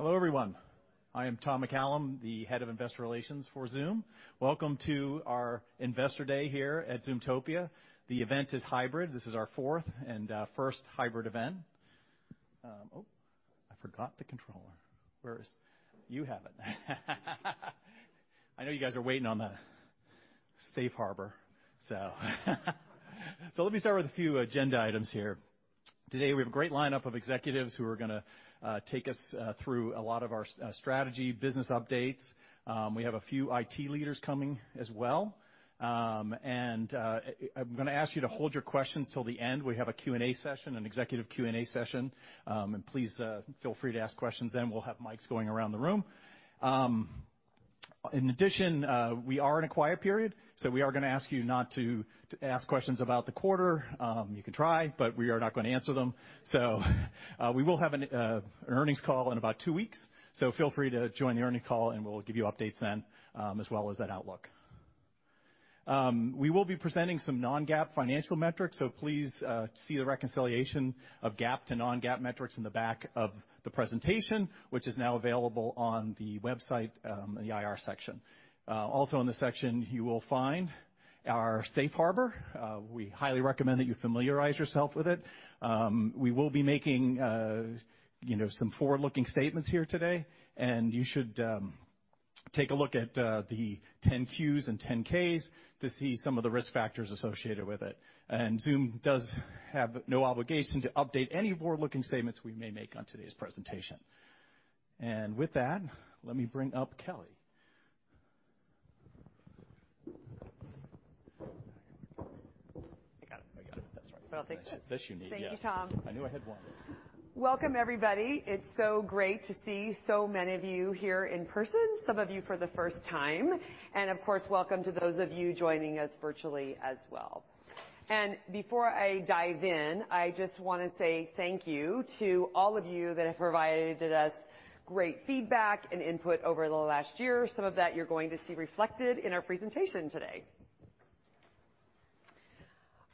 Hello, everyone. I am Tom McCallum, the Head of Investor Relations for Zoom. Welcome to our Investor Day here at Zoomtopia. The event is hybrid. This is our fourth and first hybrid event. I forgot the controller. You have it. I know you guys are waiting on the safe harbor. Let me start with a few agenda items here. Today, we have a great lineup of executives who are gonna take us through a lot of our strategy, business updates. We have a few IT leaders coming as well. I'm gonna ask you to hold your questions till the end. We have a Q&A session, an executive Q&A session. Please feel free to ask questions then. We'll have mics going around the room. In addition, we are in a quiet period, so we are gonna ask you not to ask questions about the quarter. You can try, but we are not gonna answer them. We will have an earnings call in about two weeks. Feel free to join the earnings call, and we'll give you updates then, as well as that outlook. We will be presenting some non-GAAP financial metrics, so please see the reconciliation of GAAP to non-GAAP metrics in the back of the presentation, which is now available on the website, in the IR section. Also in this section, you will find our safe harbor. We highly recommend that you familiarize yourself with it. We will be making you know some forward-looking statements here today, and you should take a look at the 10-Qs and 10-Ks to see some of the risk factors associated with it. Zoom does have no obligation to update any forward-looking statements we may make on today's presentation. With that, let me bring up Kelly. I got it. I got it. That's right. Well, thank you. That's unique, yes. Thank you, Tom. I knew I had one. Welcome, everybody. It's so great to see so many of you here in person, some of you for the first time. Of course, welcome to those of you joining us virtually as well. Before I dive in, I just wanna say thank you to all of you that have provided us great feedback and input over the last year. Some of that you're going to see reflected in our presentation today.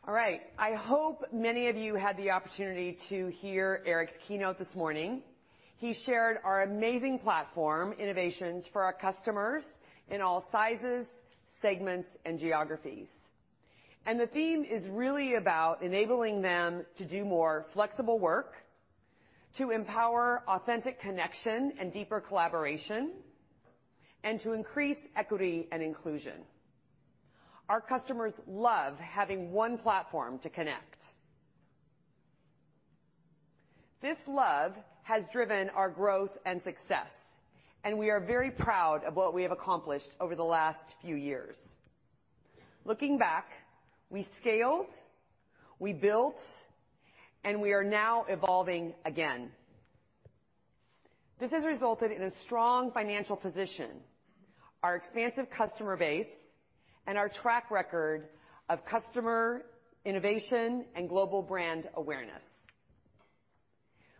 All right. I hope many of you had the opportunity to hear Eric keynote this morning. He shared our amazing platform, innovations for our customers in all sizes, segments, and geographies. The theme is really about enabling them to do more flexible work, to empower authentic connection and deeper collaboration, and to increase equity and inclusion. Our customers love having one platform to connect. This love has driven our growth and success, and we are very proud of what we have accomplished over the last few years. Looking back, we scaled, we built, and we are now evolving again. This has resulted in a strong financial position, our expansive customer base, and our track record of customer innovation and global brand awareness.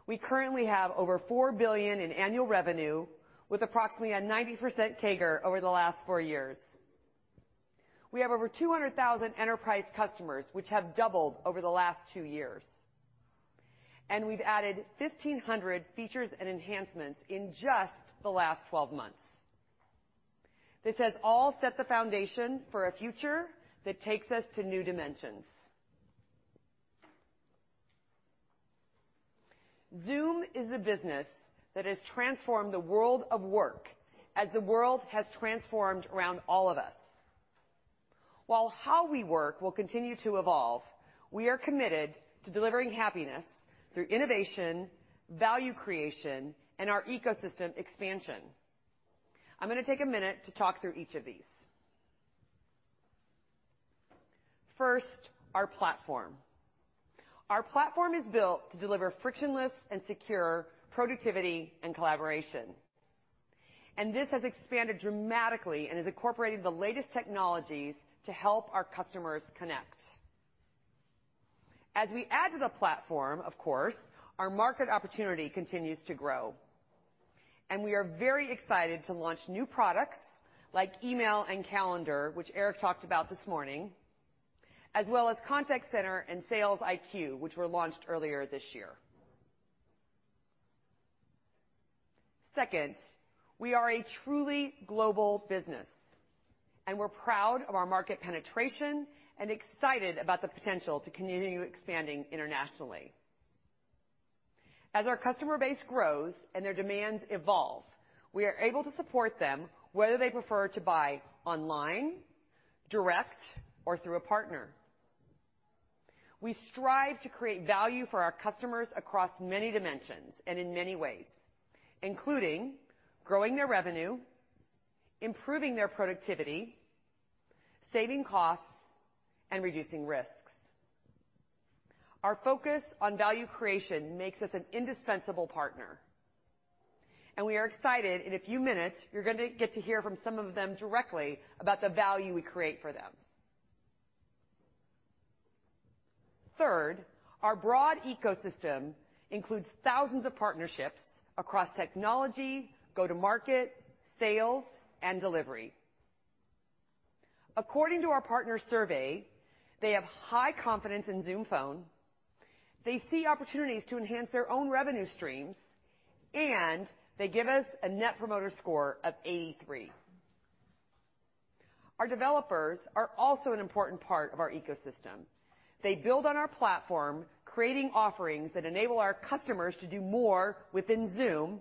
We currently have over $4 billion in annual revenue with approximately 90% CAGR over the last 4 years. We have over 200,000 enterprise customers, which have doubled over the last 2 years. We've added 1,500 features and enhancements in just the last 12 months. This has all set the foundation for a future that takes us to new dimensions. Zoom is a business that has transformed the world of work as the world has transformed around all of us. While how we work will continue to evolve, we are committed to delivering happiness through innovation, value creation, and our ecosystem expansion. I'm gonna take a minute to talk through each of these. First, our platform. Our platform is built to deliver frictionless and secure productivity and collaboration. This has expanded dramatically and has incorporated the latest technologies to help our customers connect. As we add to the platform, of course, our market opportunity continues to grow, and we are very excited to launch new products like email and calendar, which Eric talked about this morning, as well as Contact Center and Sales IQ, which were launched earlier this year. Second, we are a truly global business, and we're proud of our market penetration and excited about the potential to continue expanding internationally. As our customer base grows and their demands evolve, we are able to support them whether they prefer to buy online, direct, or through a partner. We strive to create value for our customers across many dimensions and in many ways, including growing their revenue, improving their productivity, saving costs, and reducing risks. Our focus on value creation makes us an indispensable partner, and we are excited. In a few minutes, you're gonna get to hear from some of them directly about the value we create for them. Third, our broad ecosystem includes thousands of partnerships across technology, go-to-market, sales, and delivery. According to our partner survey, they have high confidence in Zoom Phone. They see opportunities to enhance their own revenue streams, and they give us a net promoter score of 83. Our developers are also an important part of our ecosystem. They build on our platform, creating offerings that enable our customers to do more within Zoom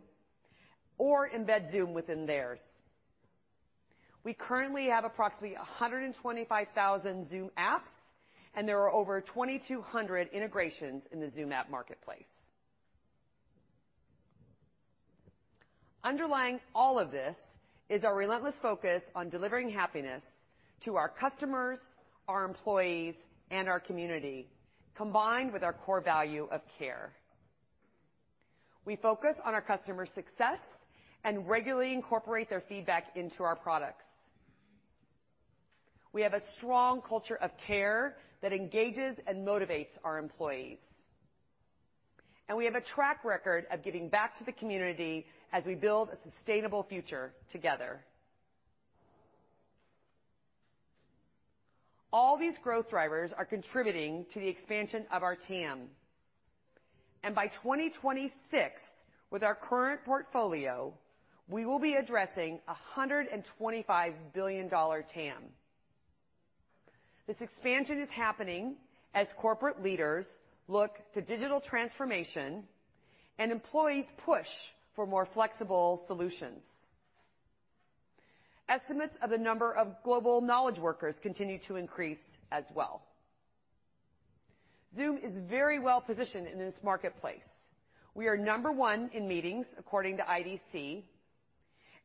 or embed Zoom within theirs. We currently have approximately 125,000 Zoom apps, and there are over 2,200 integrations in the Zoom App Marketplace. Underlying all of this is our relentless focus on delivering happiness to our customers, our employees, and our community, combined with our core value of care. We focus on our customers' success and regularly incorporate their feedback into our products. We have a strong culture of care that engages and motivates our employees. We have a track record of giving back to the community as we build a sustainable future together. All these growth drivers are contributing to the expansion of our TAM. By 2026, with our current portfolio, we will be addressing a $125 billion TAM. This expansion is happening as corporate leaders look to digital transformation and employees push for more flexible solutions. Estimates of the number of global knowledge workers continue to increase as well. Zoom is very well positioned in this marketplace. We are number one in meetings according to IDC,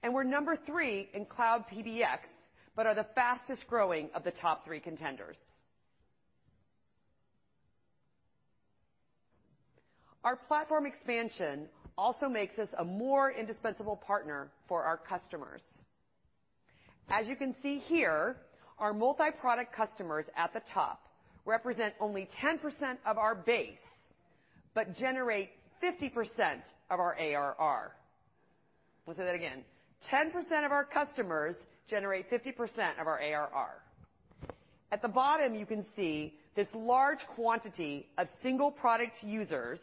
and we're number three in cloud PBX, but are the fastest-growing of the top three contenders. Our platform expansion also makes us a more indispensable partner for our customers. As you can see here, our multi-product customers at the top represent only 10% of our base, but generate 50% of our ARR. We'll say that again. 10% of our customers generate 50% of our ARR. At the bottom, you can see this large quantity of single product users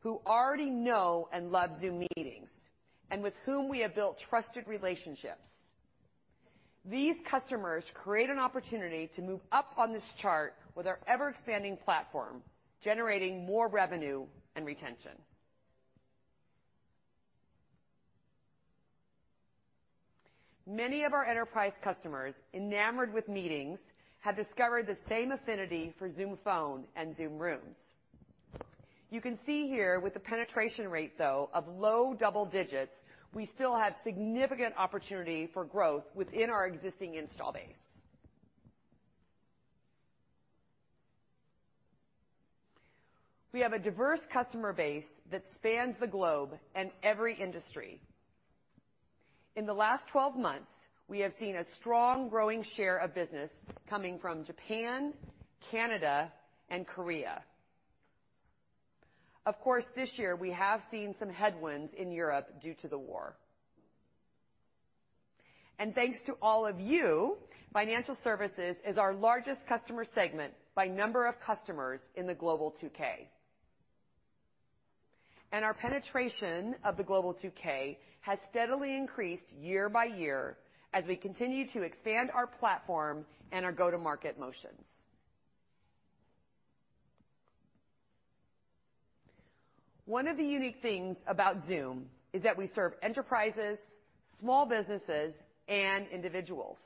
who already know and love Zoom Meetings and with whom we have built trusted relationships. These customers create an opportunity to move up on this chart with our ever-expanding platform, generating more revenue and retention. Many of our enterprise customers, enamored with Meetings, have discovered the same affinity for Zoom Phone and Zoom Rooms. You can see here with the penetration rate, though, of low double digits%, we still have significant opportunity for growth within our existing install base. We have a diverse customer base that spans the globe and every industry. In the last 12 months, we have seen a strong growing share of business coming from Japan, Canada, and Korea. Of course, this year we have seen some headwinds in Europe due to the war. Thanks to all of you, financial services is our largest customer segment by number of customers in the Global 2000. Our penetration of the Global 2000 has steadily increased year by year as we continue to expand our platform and our go-to-market motions. One of the unique things about Zoom is that we serve enterprises, small businesses, and individuals.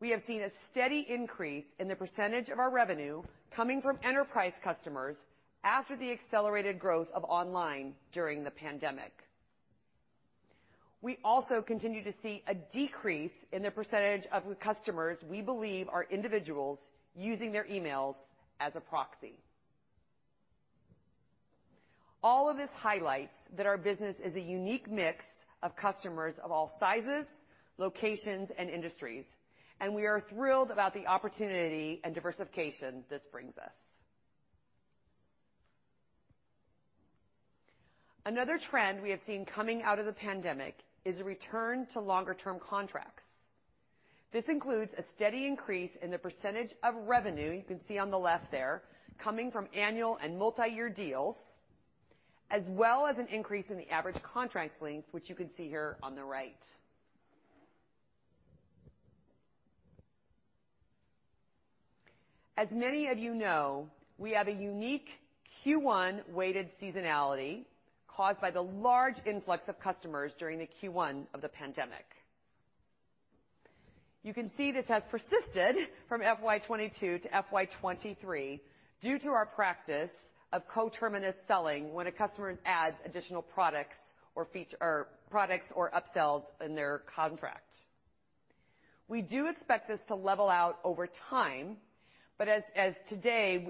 We have seen a steady increase in the percentage of our revenue coming from enterprise customers after the accelerated growth of online during the pandemic. We also continue to see a decrease in the percentage of the customers we believe are individuals using their emails as a proxy. All of this highlights that our business is a unique mix of customers of all sizes, locations, and industries, and we are thrilled about the opportunity and diversification this brings us. Another trend we have seen coming out of the pandemic is a return to longer-term contracts. This includes a steady increase in the percentage of revenue, you can see on the left there, coming from annual and multi-year deals, as well as an increase in the average contract length, which you can see here on the right. As many of you know, we have a unique Q1 weighted seasonality caused by the large influx of customers during the Q1 of the pandemic. You can see this has persisted from FY 2022 to FY 2023 due to our practice of co-terminus selling when a customer adds additional products or products or upsells in their contract. We do expect this to level out over time, but as today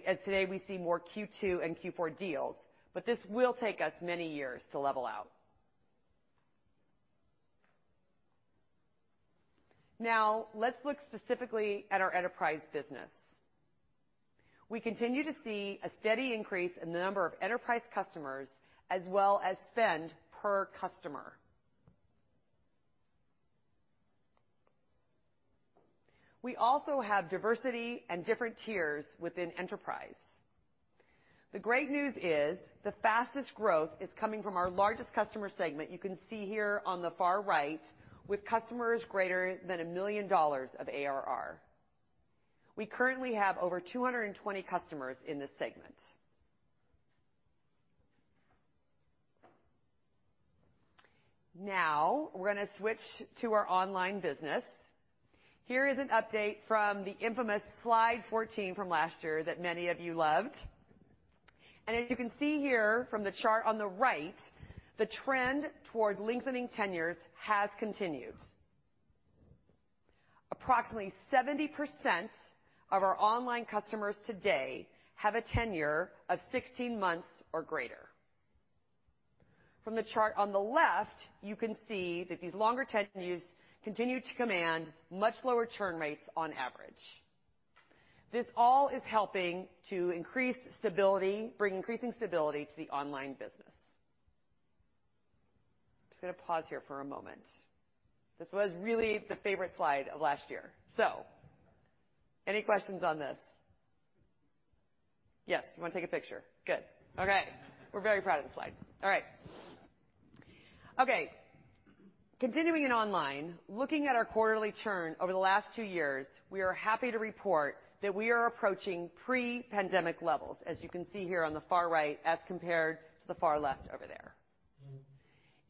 we see more Q2 and Q4 deals, but this will take us many years to level out. Now, let's look specifically at our enterprise business. We continue to see a steady increase in the number of enterprise customers as well as spend per customer. We also have diversity and different tiers within enterprise. The great news is the fastest growth is coming from our largest customer segment, you can see here on the far right, with customers greater than $1 million of ARR. We currently have over 220 customers in this segment. Now, we're gonna switch to our online business. Here is an update from the infamous slide 14 from last year that many of you loved. As you can see here from the chart on the right, the trend towards lengthening tenures has continued. Approximately 70% of our online customers today have a tenure of 16 months or greater. From the chart on the left, you can see that these longer tenures continue to command much lower churn rates on average. This all is helping to increase stability, bring increasing stability to the online business. I'm just gonna pause here for a moment. This was really the favorite slide of last year. So any questions on this? Yes. You wanna take a picture? Good. Okay, we're very proud of this slide. All right. Okay, continuing in online, looking at our quarterly churn over the last two years, we are happy to report that we are approaching pre-pandemic levels, as you can see here on the far right as compared to the far left over there.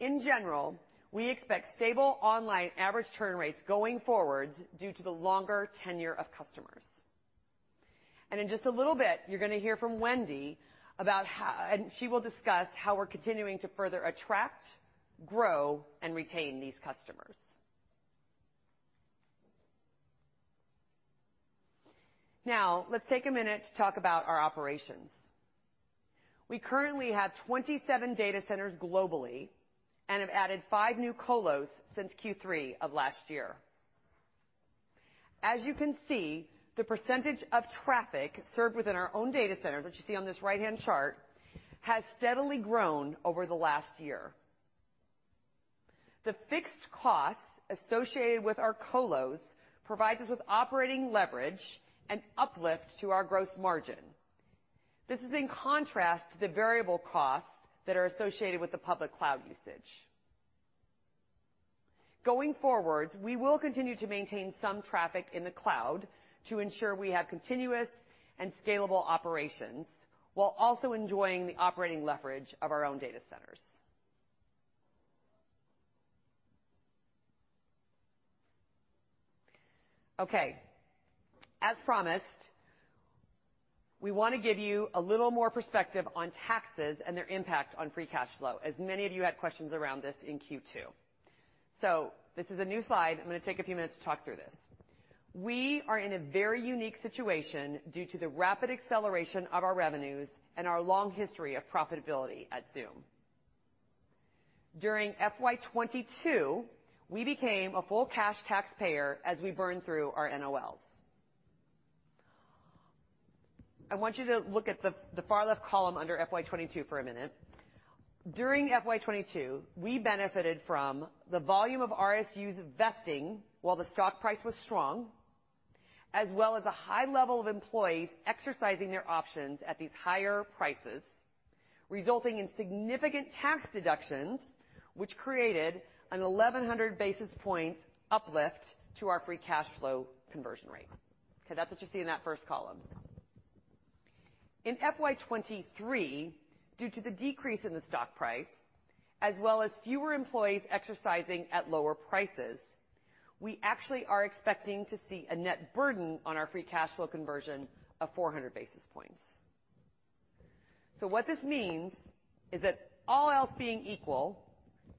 In general, we expect stable online average churn rates going forward due to the longer tenure of customers. In just a little bit, you're gonna hear from Wendy about how She will discuss how we're continuing to further attract, grow, and retain these customers. Now, let's take a minute to talk about our operations. We currently have 27 data centers globally and have added 5 new colos since Q3 of last year. As you can see, the percentage of traffic served within our own data centers, which you see on this right-hand chart, has steadily grown over the last year. The fixed costs associated with our colos provides us with operating leverage and uplift to our gross margin. This is in contrast to the variable costs that are associated with the public cloud usage. Going forward, we will continue to maintain some traffic in the cloud to ensure we have continuous and scalable operations, while also enjoying the operating leverage of our own data centers. Okay. As promised, we wanna give you a little more perspective on taxes and their impact on free cash flow, as many of you had questions around this in Q2. This is a new slide. I'm gonna take a few minutes to talk through this. We are in a very unique situation due to the rapid acceleration of our revenues and our long history of profitability at Zoom. During FY 2022, we became a full cash taxpayer as we burned through our NOLs. I want you to look at the far left column under FY 2022 for a minute. During FY 2022, we benefited from the volume of RSUs vesting while the stock price was strong, as well as a high level of employees exercising their options at these higher prices, resulting in significant tax deductions, which created a 1,100 basis points uplift to our free cash flow conversion rate. Okay. That's what you see in that first column. In FY 2023, due to the decrease in the stock price, as well as fewer employees exercising at lower prices, we actually are expecting to see a net burden on our free cash flow conversion of 400 basis points. What this means is that all else being equal,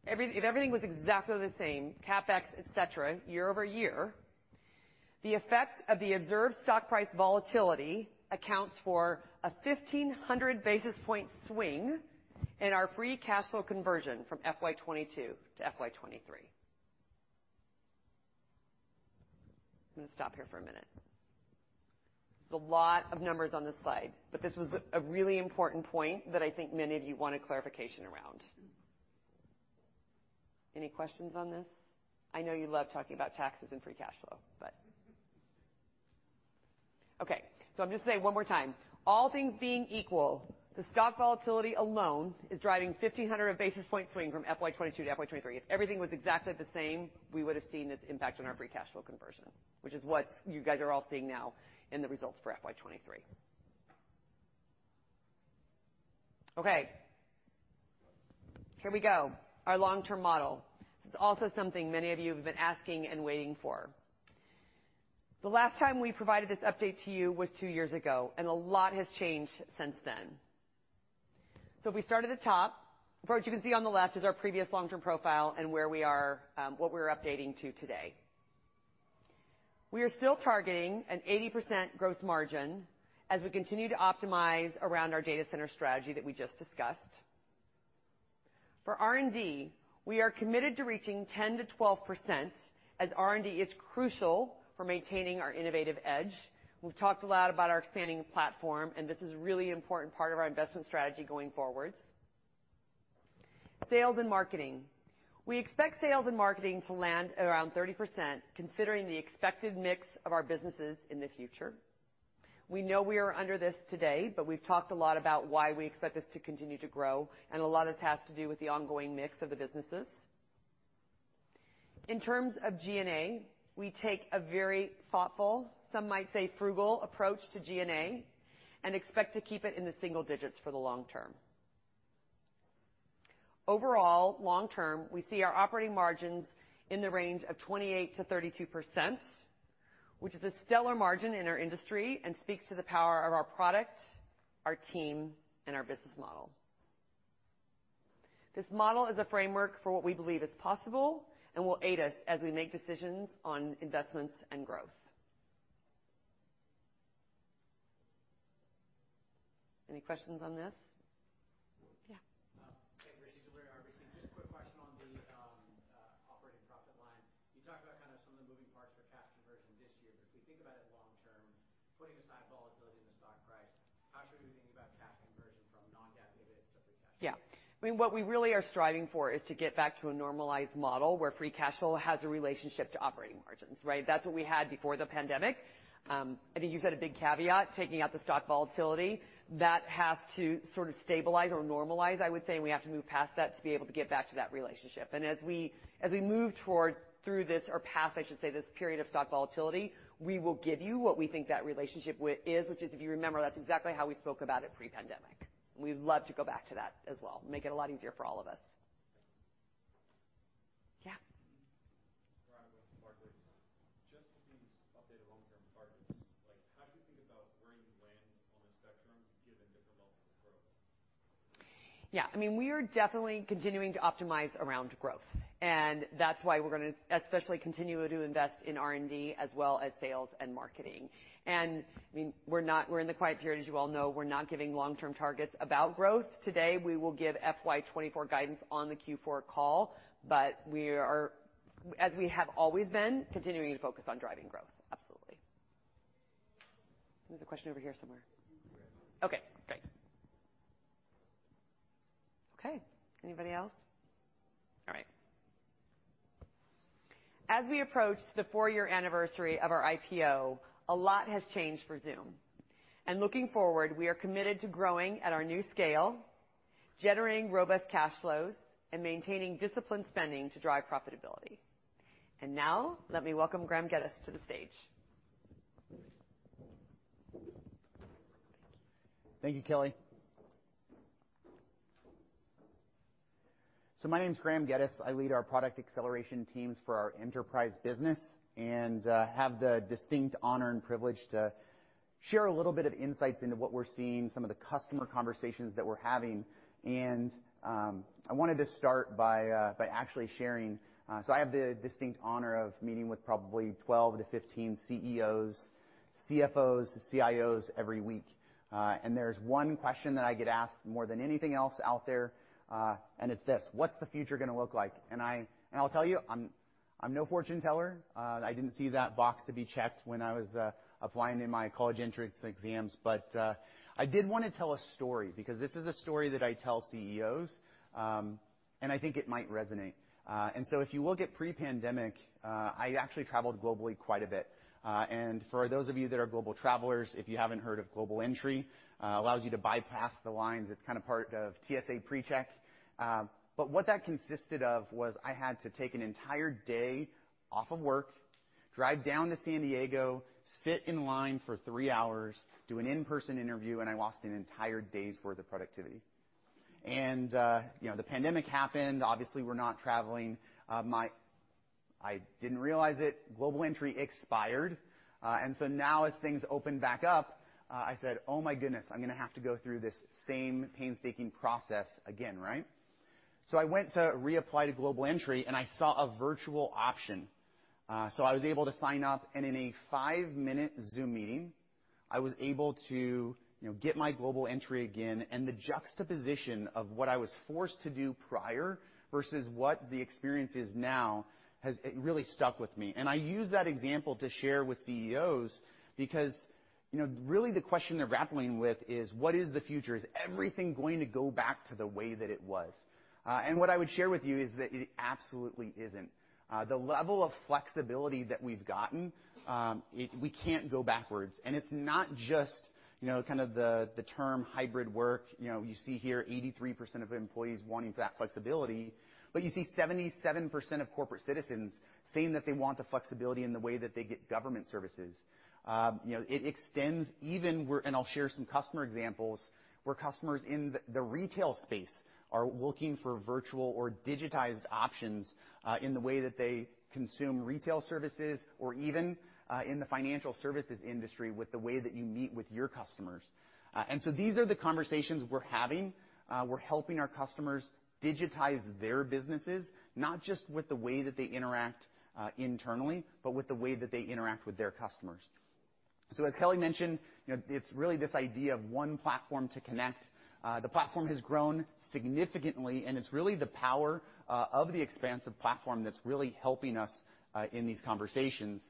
If everything was exactly the same, CapEx, et cetera, year-over-year, the effect of the observed stock price volatility accounts for a 1,500 basis point swing in our free cash flow conversion from FY 2022 to FY 2023. I'm gonna stop here for a minute. There's a lot of numbers on this slide, but this was a really important point that I think many of you wanted clarification around. Any questions on this? I know you love talking about taxes and free cash flow, but. Okay, I'm just gonna say it one more time. All things being equal, the stock volatility alone is driving 1,500 basis point swing from FY 2022 to FY 2023. If everything was exactly the same, we would have seen this impact on our free cash flow conversion, which is what you guys are all seeing now in the results for FY 2023. Okay. Here we go. Our long-term model. This is also something many of you have been asking and waiting for. The last time we provided this update to you was two years ago, and a lot has changed since then. If we start at the top, what you can see on the left is our previous long-term profile and where we are, what we're updating to today. We are still targeting an 80% gross margin as we continue to optimize around our data center strategy that we just discussed. For R&D, we are committed to reaching 10%-12% as R&D is crucial for maintaining our innovative edge. We've talked a lot about our expanding platform, and this is a really important part of our investment strategy going forward. Sales and marketing. We expect sales and marketing to land at around 30% considering the expected mix of our businesses in the future. We know we are under this today, but we've talked a lot about why we expect this to continue to grow, and a lot of this has to do with the ongoing mix of the businesses. In terms of G&A, we take a very thoughtful, some might say, frugal approach to G&A and expect to keep it in the single digits for the long term. Overall, long term, we see our operating margins in the range of 28%-32%, which is a stellar margin in our industry and speaks to the power of our product, our team, and our business model. This model is a framework for what we believe is possible and will aid us as we make decisions on investments and growth. Any questions on this? We'd love to go back to that as well, make it a lot easier for all of us. Yeah. Ryan with Barclays. Just these updated long-term targets, like, how do you think about where you land on the spectrum given different levels of growth? Yeah, I mean, we are definitely continuing to optimize around growth, and that's why we're gonna especially continue to invest in R&D as well as sales and marketing. I mean, we're in the quiet period, as you all know. We're not giving long-term targets about growth today. We will give FY 2024 guidance on the Q4 call, but we are, as we have always been, continuing to focus on driving growth. Absolutely. There's a question over here somewhere. Okay, great. Okay. Anybody else? All right. As we approach the four-year anniversary of our IPO, a lot has changed for Zoom. Looking forward, we are committed to growing at our new scale, generating robust cash flows, and maintaining disciplined spending to drive profitability. Now let me welcome Graeme Geddes to the stage. Thank you, Kelly. My name is Graeme Geddes. I lead our product acceleration teams for our enterprise business and have the distinct honor and privilege to share a little bit of insights into what we're seeing, some of the customer conversations that we're having. I wanted to start by actually sharing. I have the distinct honor of meeting with probably 12-15 CEOs, CFOs, CIOs every week. There's one question that I get asked more than anything else out there, and it's this: What's the future gonna look like? I'll tell you, I'm no fortune teller. I didn't see that box to be checked when I was applying in my college entrance exams. I did wanna tell a story because this is a story that I tell CEOs, and I think it might resonate. If you look at pre-pandemic, I actually traveled globally quite a bit. For those of you that are global travelers, if you haven't heard of Global Entry, it allows you to bypass the lines. It's kinda part of TSA PreCheck. What that consisted of was I had to take an entire day off of work, drive down to San Diego, sit in line for three hours, do an in-person interview, and I lost an entire day's worth of productivity. You know, the pandemic happened. Obviously, we're not traveling. I didn't realize it, Global Entry expired. Now as things open back up, I said, "Oh, my goodness, I'm gonna have to go through this same painstaking process again," right? I went to reapply to Global Entry, and I saw a virtual option. I was able to sign up, and in a five-minute Zoom meeting, I was able to, you know, get my Global Entry again. The juxtaposition of what I was forced to do prior versus what the experience is now has it really stuck with me. I use that example to share with CEOs because, you know, really the question they're grappling with is, what is the future? Is everything going to go back to the way that it was? What I would share with you is that it absolutely isn't. The level of flexibility that we've gotten, we can't go backwards. It's not just, you know, kind of the term hybrid work. You know, you see here 83% of employees wanting that flexibility. But you see 77% of corporate citizens saying that they want the flexibility in the way that they get government services. You know, it extends even where. I'll share some customer examples, where customers in the retail space are looking for virtual or digitized options, in the way that they consume retail services or even, in the financial services industry with the way that you meet with your customers. These are the conversations we're having. We're helping our customers digitize their businesses, not just with the way that they interact internally, but with the way that they interact with their customers. As Kelly mentioned, you know, it's really this idea of one platform to connect. The platform has grown significantly, and it's really the power of the expansive platform that's really helping us in these conversations.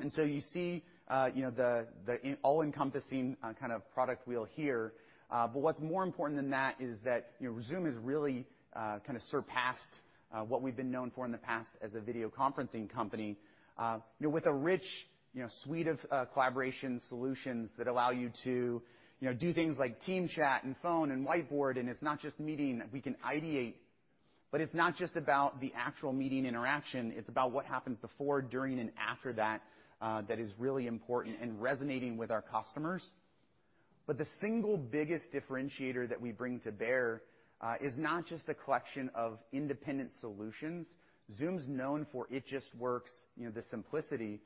You see, you know, the all-encompassing kind of product wheel here. But what's more important than that is that, you know, Zoom has really kind of surpassed what we've been known for in the past as a video conferencing company. You know, with a rich, you know, suite of collaboration solutions that allow you to, you know, do things like team chat and phone and whiteboard, and it's not just meeting. We can ideate, but it's not just about the actual meeting interaction, it's about what happens before, during, and after that is really important in resonating with our customers. The single biggest differentiator that we bring to bear is not just a collection of independent solutions. Zoom's known for it just works, you know, the simplicity.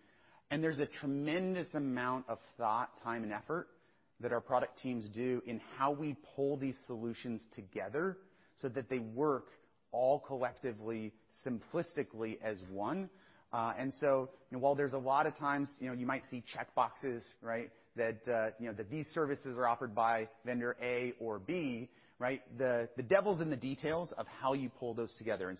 There's a tremendous amount of thought, time, and effort that our product teams do in how we pull these solutions together, so that they work all collectively, simplistically as one. You know, while there's a lot of times, you know, you might see checkboxes, right? That these services are offered by vendor A or B, right? The devil's in the details of how you pull those together.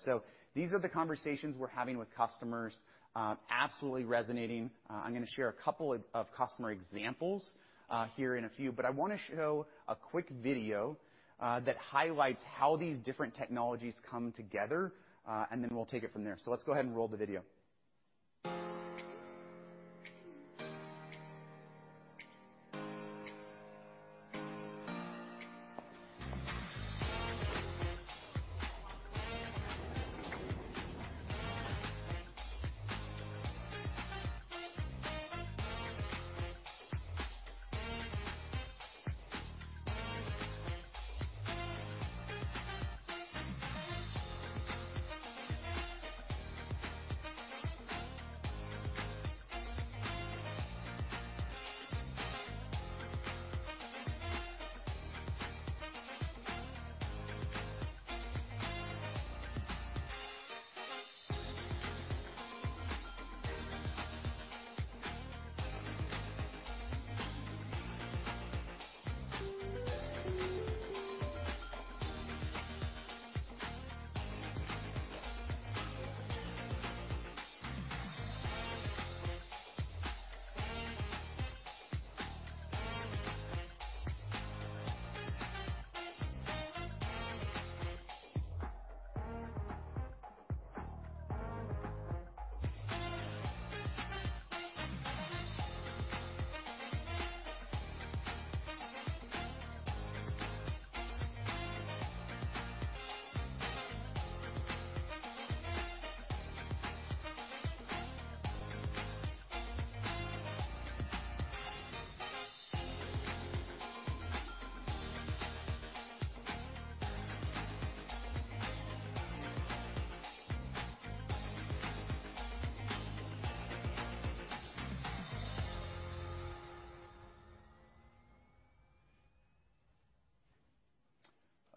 These are the conversations we're having with customers, absolutely resonating. I'm gonna share a couple of customer examples here in a few, but I wanna show a quick video that highlights how these different technologies come together, and then we'll take it from there. Let's go ahead and roll the video.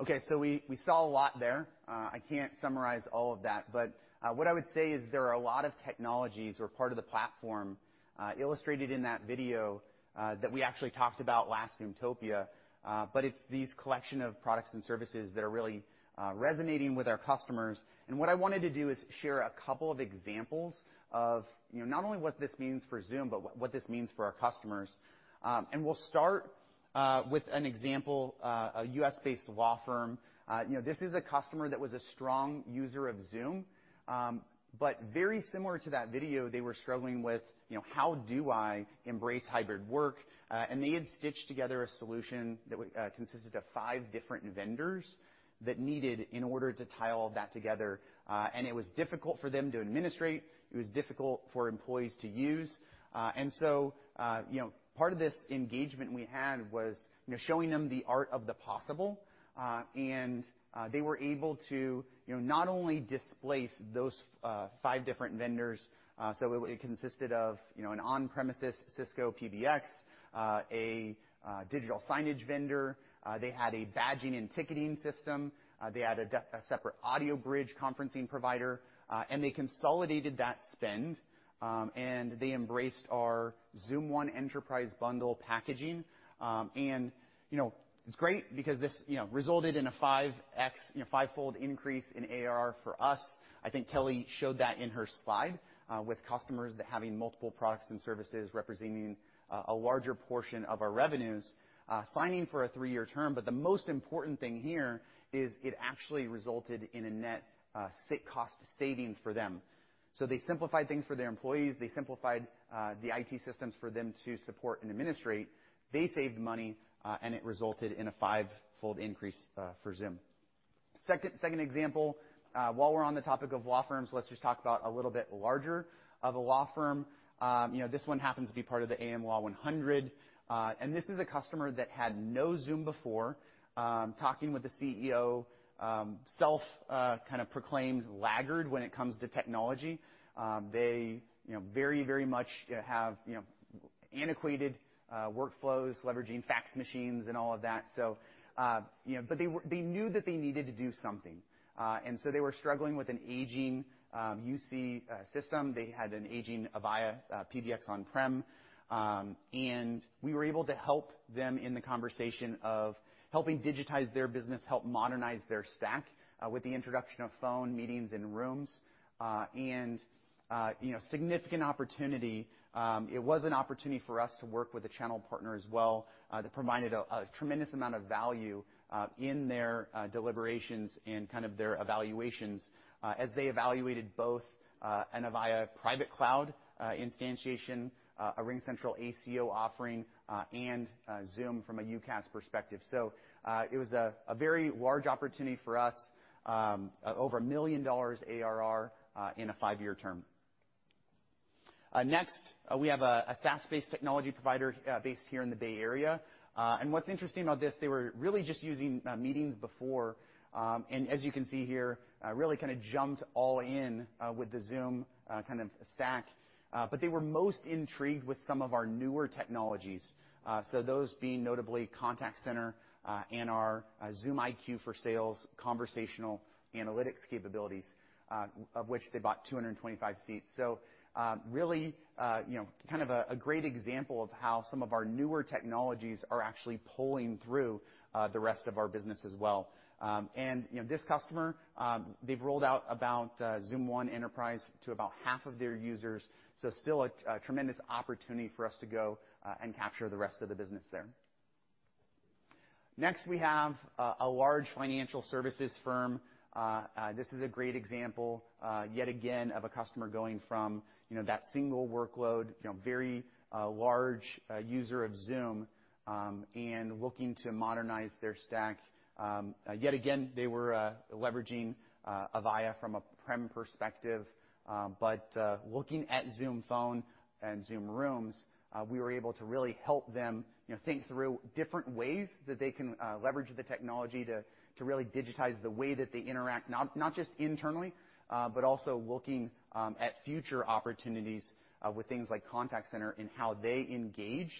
We saw a lot there. I can't summarize all of that, but what I would say is there are a lot of technologies that are part of the platform illustrated in that video that we actually talked about last Zoomtopia. It's these collection of products and services that are really resonating with our customers. What I wanted to do is share a couple of examples of, you know, not only what this means for Zoom, but what this means for our customers. We'll start with an example, a U.S.-based law firm. You know, this is a customer that was a strong user of Zoom. But very similar to that video, they were struggling with, you know, how do I embrace hybrid work? They had stitched together a solution that consisted of five different vendors that needed in order to tie all of that together. It was difficult for them to administrate. It was difficult for employees to use. You know, part of this engagement we had was, you know, showing them the art of the possible. They were able to, you know, not only displace those five different vendors, so it consisted of, you know, an on-premises Cisco PBX, a digital signage vendor. They had a badging and ticketing system. They had a separate audio bridge conferencing provider. They consolidated that spend, and they embraced our Zoom One Enterprise bundle packaging. You know, it's great because this, you know, resulted in a 5x, you know, fivefold increase in AR for us. I think Kelly showed that in her slide, with customers that having multiple products and services representing a larger portion of our revenues, signing for a 3-year term. The most important thing here is it actually resulted in a net cost savings for them. They simplified things for their employees. They simplified the IT systems for them to support and administrate. They saved money, and it resulted in a five-fold increase for Zoom. Second example, while we're on the topic of law firms, let's just talk about a little bit larger of a law firm. You know, this one happens to be part of the Am Law 100. This is a customer that had no Zoom before. Talking with the CEO, self-proclaimed laggard when it comes to technology. They, you know, very, very much have, you know, antiquated workflows, leveraging fax machines and all of that. They knew that they needed to do something. They were struggling with an aging UC system. They had an aging Avaya PBX on-prem. We were able to help them in the conversation of helping digitize their business, help modernize their stack, with the introduction of Phone, Meetings and Rooms. You know, significant opportunity, it was an opportunity for us to work with a channel partner as well, that provided a tremendous amount of value in their deliberations and kind of their evaluations, as they evaluated both an Avaya private cloud instantiation, a RingCentral ACO offering, and Zoom from a UCaaS perspective. It was a very large opportunity for us, over $1 million ARR, in a five-year term. Next, we have a SaaS-based technology provider based here in the Bay Area. What's interesting about this, they were really just using Meetings before. As you can see here, really kind of jumped all in with the Zoom kind of stack. They were most intrigued with some of our newer technologies. Those being notably Contact Center and our Zoom IQ for Sales conversational analytics capabilities, of which they bought 225 seats. Really, you know, kind of a great example of how some of our newer technologies are actually pulling through the rest of our business as well. You know, this customer, they've rolled out about Zoom One Enterprise to about half of their users, so still a tremendous opportunity for us to go and capture the rest of the business there. Next, we have a large financial services firm. This is a great example, yet again of a customer going from, you know, that single workload, you know, very large user of Zoom, and looking to modernize their stack. Yet again, they were leveraging Avaya from an on-prem perspective, but looking at Zoom Phone and Zoom Rooms, we were able to really help them, you know, think through different ways that they can leverage the technology to really digitize the way that they interact, not just internally, but also looking at future opportunities with things like Contact Center and how they engage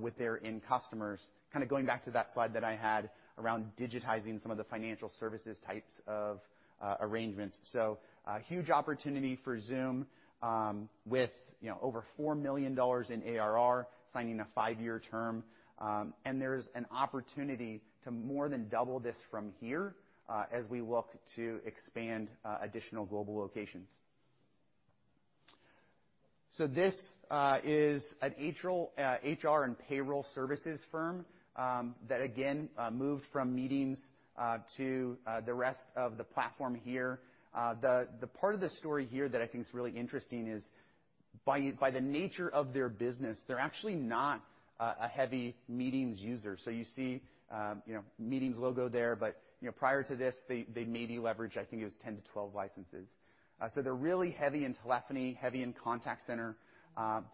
with their end customers. Kind of going back to that slide that I had around digitizing some of the financial services types of arrangements. Huge opportunity for Zoom with, you know, over $4 million in ARR signing a five-year term. There's an opportunity to more than double this from here as we look to expand additional global locations. This is an HR and payroll services firm that again moved from Meetings to the rest of the platform here. The part of the story here that I think is really interesting is by the nature of their business, they're actually not a heavy Meetings user. You see, you know, Meetings logo there, but, you know, prior to this, they maybe leveraged, I think it was 10-12 licenses. They're really heavy in telephony, heavy in Contact Center,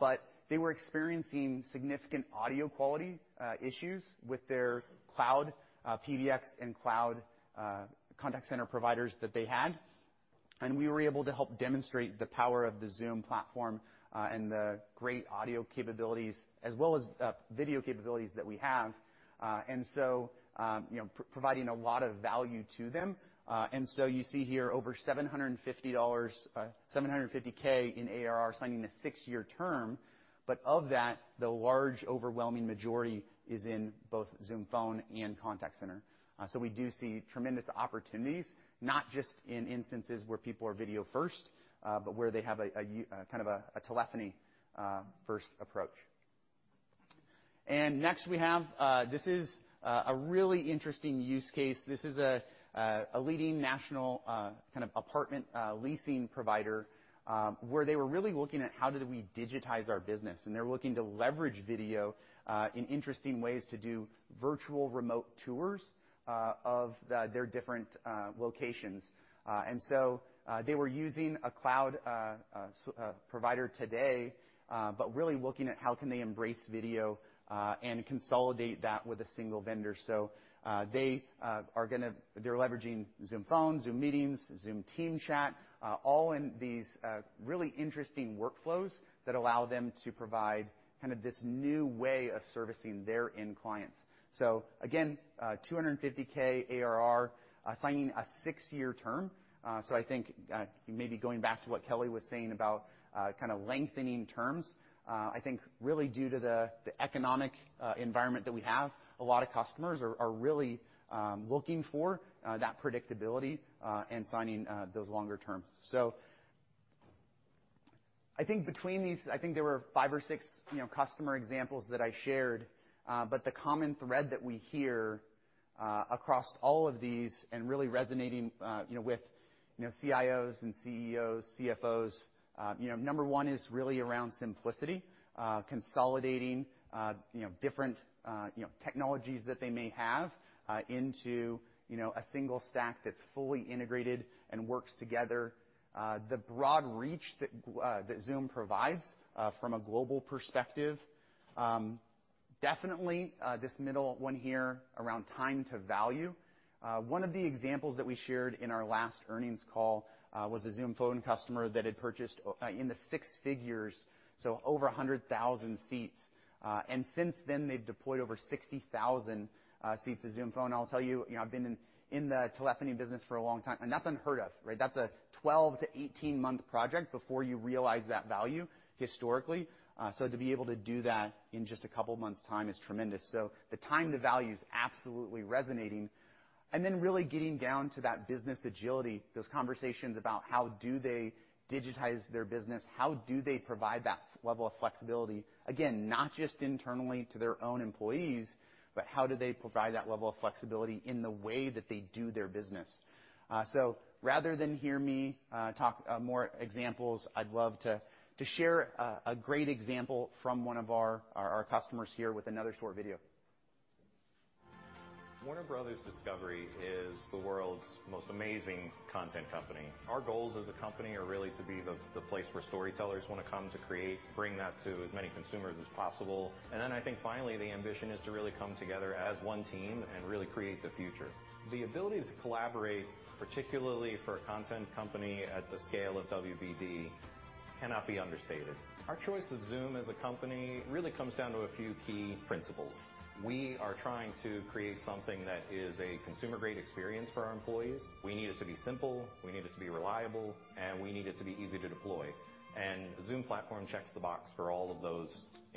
but they were experiencing significant audio quality issues with their cloud PBX and cloud Contact Center providers that they had. We were able to help demonstrate the power of the Zoom platform and the great audio capabilities as well as video capabilities that we have. You know, providing a lot of value to them. You see here over $750K in ARR signing a 6-year term. Of that, the large overwhelming majority is in both Zoom Phone and Contact Center. We do see tremendous opportunities, not just in instances where people are video first, but where they have a kind of a telephony first approach. Next we have. This is a really interesting use case. This is a leading national kind of apartment leasing provider, where they were really looking at how do we digitize our business, and they're looking to leverage video in interesting ways to do virtual remote tours of their different locations. They were using a cloud provider today, but really looking at how can they embrace video and consolidate that with a single vendor. They're leveraging Zoom Phone, Zoom Meetings, Zoom Team Chat, all in these really interesting workflows that allow them to provide kind of this new way of servicing their end clients. Again, 250K ARR, signing a 6-year term. I think maybe going back to what Kelly was saying about kind of lengthening terms, I think really due to the economic environment that we have, a lot of customers are really looking for that predictability and signing those longer terms. I think between these, I think there were five or six, you know, customer examples that I shared. The common thread that we hear across all of these and really resonating, you know, with you know, CIOs and CEOs, CFOs, you know, number one is really around simplicity. Consolidating, you know, different, you know, technologies that they may have, you know, into a single stack that's fully integrated and works together. The broad reach that Zoom provides from a global perspective. Definitely, this middle one here around time to value. One of the examples that we shared in our last earnings call was a Zoom Phone customer that had purchased in the six figures, so over 100,000 seats. Since then, they've deployed over 60,000 seats to Zoom Phone. I'll tell you know, I've been in the telephony business for a long time, and unheard of, right? That's a 12- to 18-month project before you realize that value historically. To be able to do that in just a couple of months' time is tremendous. The time to value is absolutely resonating. Then really getting down to that business agility, those conversations about how do they digitize their business? How do they provide that level of flexibility? Again, not just internally to their own employees, but how do they provide that level of flexibility in the way that they do their business? Rather than hear me talk more examples, I'd love to share a great example from one of our customers here with another short video. Warner Bros. Discovery is the world's most amazing content company. Our goals as a company are really to be the place where storytellers wanna come to create, bring that to as many consumers as possible. I think finally, the ambition is to really come together as one team and really create the future. The ability to collaborate, particularly for a content company at the scale of WBD, cannot be understated. Our choice of Zoom as a company really comes down to a few key principles. We are trying to create something that is a consumer-grade experience for our employees. We need it to be simple, we need it to be reliable, and we need it to be easy to deploy. Zoom Platform checks the box for all of those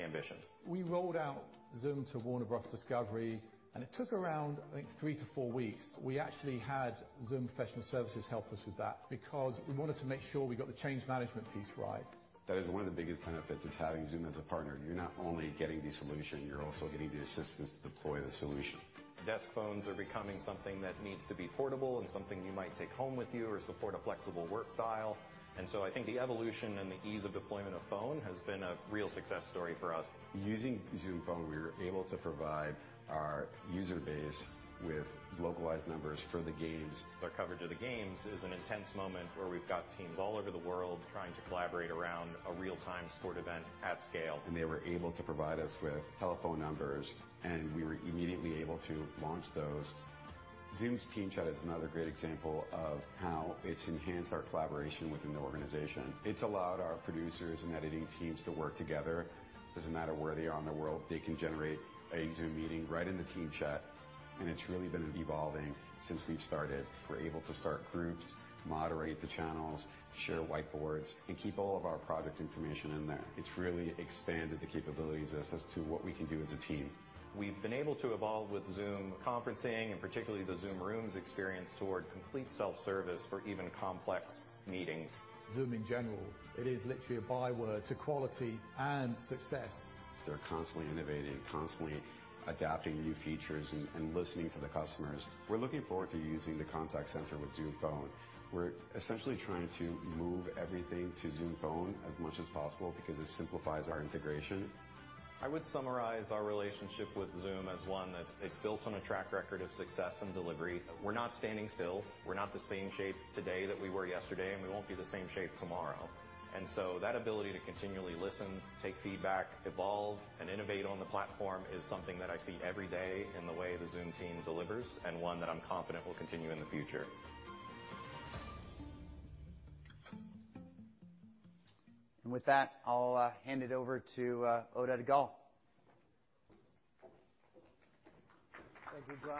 ambitions. We rolled out Zoom to Warner Bros. Discovery, and it took around, I think, 3-4 weeks. We actually had Zoom Professional Services help us with that because we wanted to make sure we got the change management piece right. That is one of the biggest benefits is having Zoom as a partner. You're not only getting the solution, you're also getting the assistance to deploy the solution. Desk phones are becoming something that needs to be portable and something you might take home with you or support a flexible work style. I think the evolution and the ease of deployment of Phone has been a real success story for us. Using Zoom Phone, we were able to provide our user base with localized numbers for the games. Our coverage of the games is an intense moment where we've got teams all over the world trying to collaborate around a real-time sport event at scale. They were able to provide us with telephone numbers, and we were immediately able to launch those. Zoom Team Chat is another great example of how it's enhanced our collaboration within the organization. It's allowed our producers and editing teams to work together. Doesn't matter where they are in the world, they can generate a Zoom meeting right in the Team Chat, and it's really been evolving since we've started. We're able to start groups, moderate the channels, share whiteboards, and keep all of our product information in there. It's really expanded the capabilities as to what we can do as a team. We've been able to evolve with Zoom conferencing and particularly the Zoom Rooms experience toward complete self-service for even complex meetings. Zoom in general, it is literally a byword to quality and success. They're constantly innovating, constantly adapting new features and listening to the customers. We're looking forward to using the contact center with Zoom Phone. We're essentially trying to move everything to Zoom Phone as much as possible because it simplifies our integration. I would summarize our relationship with Zoom as one that's, it's built on a track record of success and delivery. We're not standing still. We're not the same shape today that we were yesterday, and we won't be the same shape tomorrow. That ability to continually listen, take feedback, evolve and innovate on the platform is something that I see every day in the way the Zoom team delivers, and one that I'm confident will continue in the future. With that, I'll hand it over to Oded Gal. Thank you, Rob.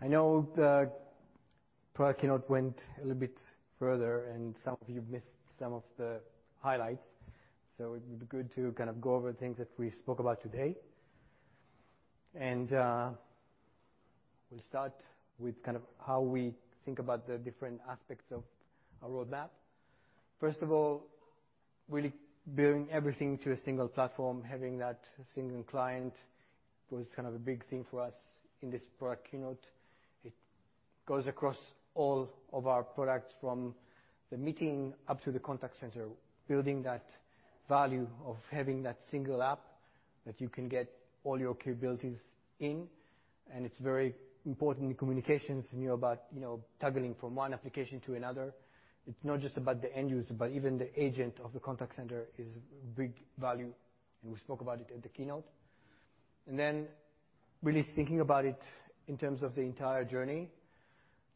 I know the product keynote went a little bit further, and some of you missed some of the highlights, so it'd be good to kind of go over things that we spoke about today. We'll start with kind of how we think about the different aspects of our roadmap. First of all, really building everything to a single platform, having that single client was kind of a big thing for us in this product keynote. It goes across all of our products from the meeting up to the contact center, building that value of having that single app that you can get all your capabilities in. It's very important in communications and you're about, you know, toggling from one application to another. It's not just about the end user, but even the agent of the contact center is big value, and we spoke about it at the keynote. Really thinking about it in terms of the entire journey,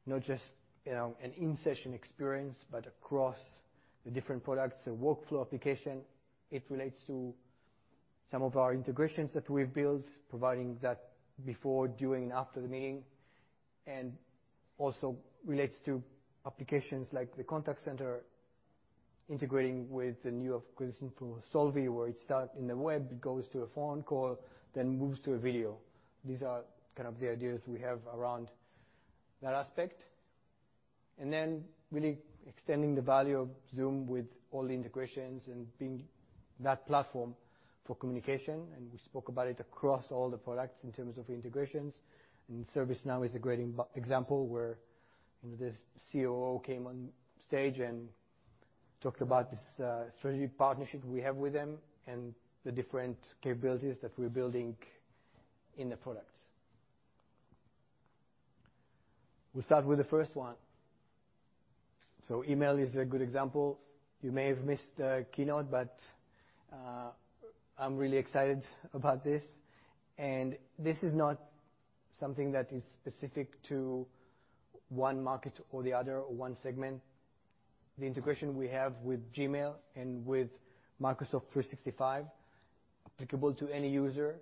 not just, you know, an in-session experience, but across the different products, the workflow application. It relates to some of our integrations that we've built, providing that before, during, and after the meeting, and also relates to applications like the contact center, integrating with the new acquisition from Solvvy, where it starts in the web, it goes to a phone call, then moves to a video. These are kind of the ideas we have around that aspect. Then really extending the value of Zoom with all the integrations and being that platform for communication, and we spoke about it across all the products in terms of integrations, and ServiceNow is a great example where, you know, the COO came on stage and talked about this, strategic partnership we have with them and the different capabilities that we're building in the product. We start with the first one. Email is a good example. You may have missed the keynote, but, I'm really excited about this. This is not something that is specific to one market or the other, or one segment. The integration we have with Gmail and with Microsoft 365, applicable to any user.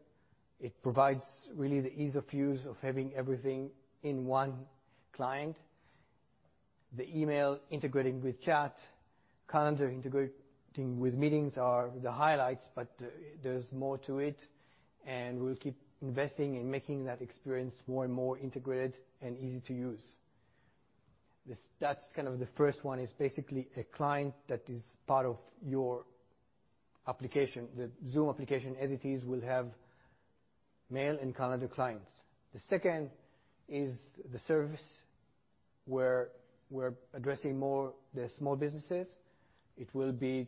It provides really the ease of use of having everything in one client. The email integrating with chat, calendar integrating with meetings are the highlights, but there's more to it, and we'll keep investing in making that experience more and more integrated and easy to use. That's kind of the first one is basically a client that is part of your application. The Zoom application, as it is, will have mail and calendar clients. The second is the service, where we're addressing more the small businesses. It will be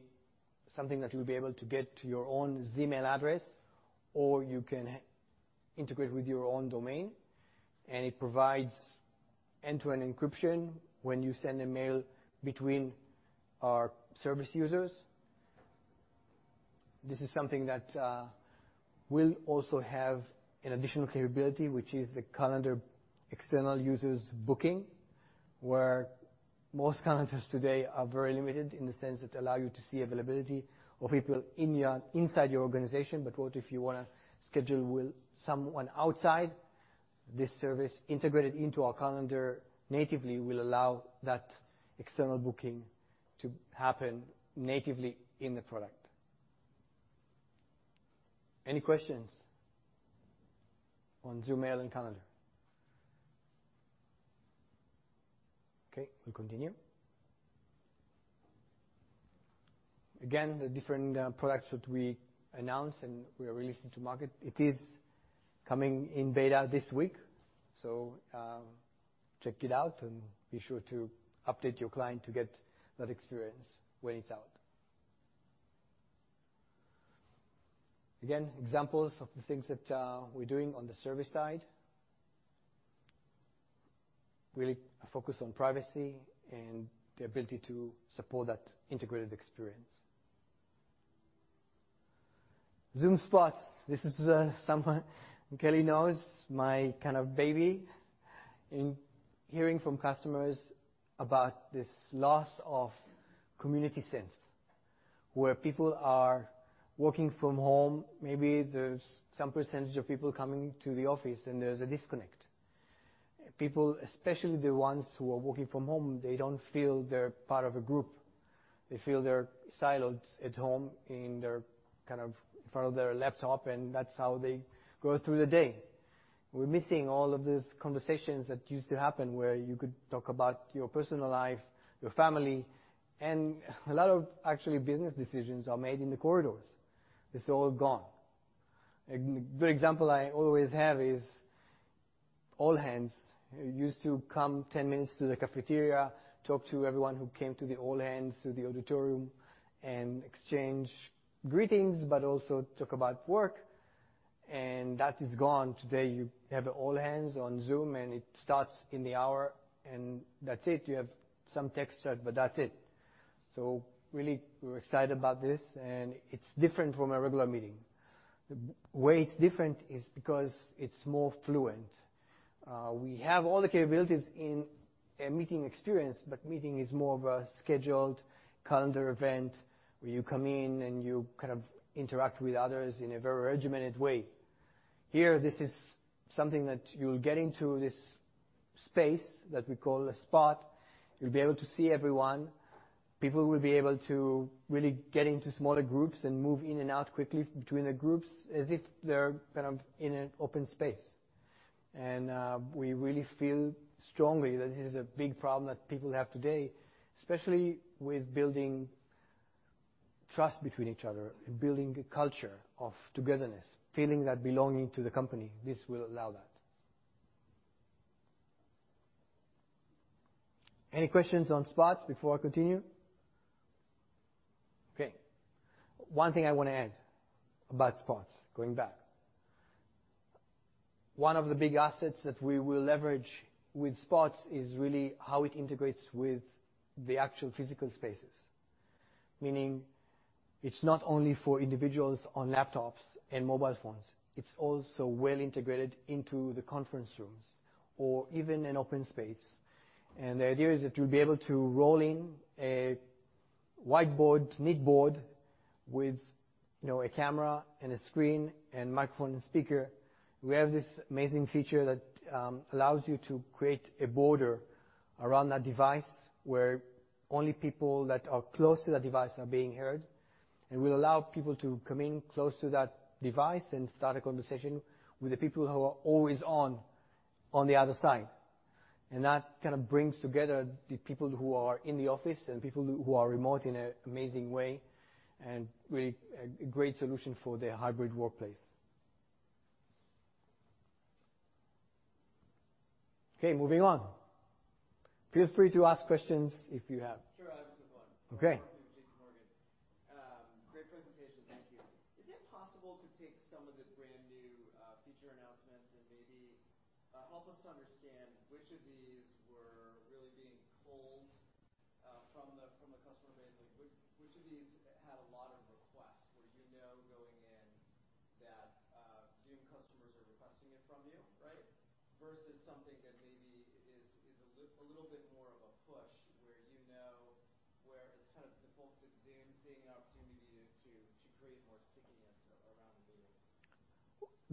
something that you'll be able to get your own ZMail address, or you can integrate with your own domain, and it provides end-to-end encryption when you send a mail between our service users. This is something that will also have an additional capability, which is the calendar external users booking, where most calendars today are very limited in the sense that allow you to see availability of people inside your organization. What if you wanna schedule with someone outside? This service integrated into our calendar natively will allow that external booking to happen natively in the product. Any questions on Zoom Mail and Calendar? Okay, we continue. Again, the different products that we announced, and we are releasing to market, it is coming in beta this week, so check it out and be sure to update your client to get that experience when it's out. Again, examples of the things that we're doing on the service side. Really a focus on privacy and the ability to support that integrated experience. Zoom Spots. This is someone Kelly knows, my kind of baby. In hearing from customers about this loss of community sense, where people are working from home, maybe there's some percentage of people coming to the office, and there's a disconnect. People, especially the ones who are working from home, they don't feel they're part of a group. They feel they're siloed at home in their, kind of in front of their laptop, and that's how they go through the day. We're missing all of these conversations that used to happen where you could talk about your personal life, your family, and a lot of actually business decisions are made in the corridors. It's all gone. The example I always have is All Hands. You used to come ten minutes to the cafeteria, talk to everyone who came to the All Hands, to the auditorium and exchange greetings, but also talk about work, and that is gone. Today, you have All Hands on Zoom, and it starts in an hour, and that's it. You have some text chat, but that's it. Really, we're excited about this, and it's different from a regular meeting. The way it's different is because it's more fluent. We have all the capabilities in a meeting experience, but meeting is more of a scheduled calendar event where you come in and you kind of interact with others in a very regimented way. Here, this is something that you'll get into this space that we call a spot. You'll be able to see everyone. People will be able to really get into smaller groups and move in and out quickly between the groups as if they're kind of in an open space. We really feel strongly that this is a big problem that people have today, especially with building trust between each other and building a culture of togetherness, feeling that belonging to the company. This will allow that. Any questions on Spots before I continue? Okay. One thing I wanna add about Spots, going back. One of the big assets that we will leverage with Spots is really how it integrates with the actual physical spaces. Meaning, it's not only for individuals on laptops and mobile phones, it's also well integrated into the conference rooms or even an open space. The idea is that you'll be able to roll in a whiteboard, Neat Board with, you know, a camera and a screen and microphone and speaker. We have this amazing feature that allows you to create a border around that device where only people that are close to the device are being heard and will allow people to come in close to that device and start a conversation with the people who are always on the other side. That kind of brings together the people who are in the office and people who are remote in an amazing way, and really a great solution for their hybrid workplace. Okay, moving on. Feel free to ask questions if you have. Sure. I just have one. Okay. Great presentation.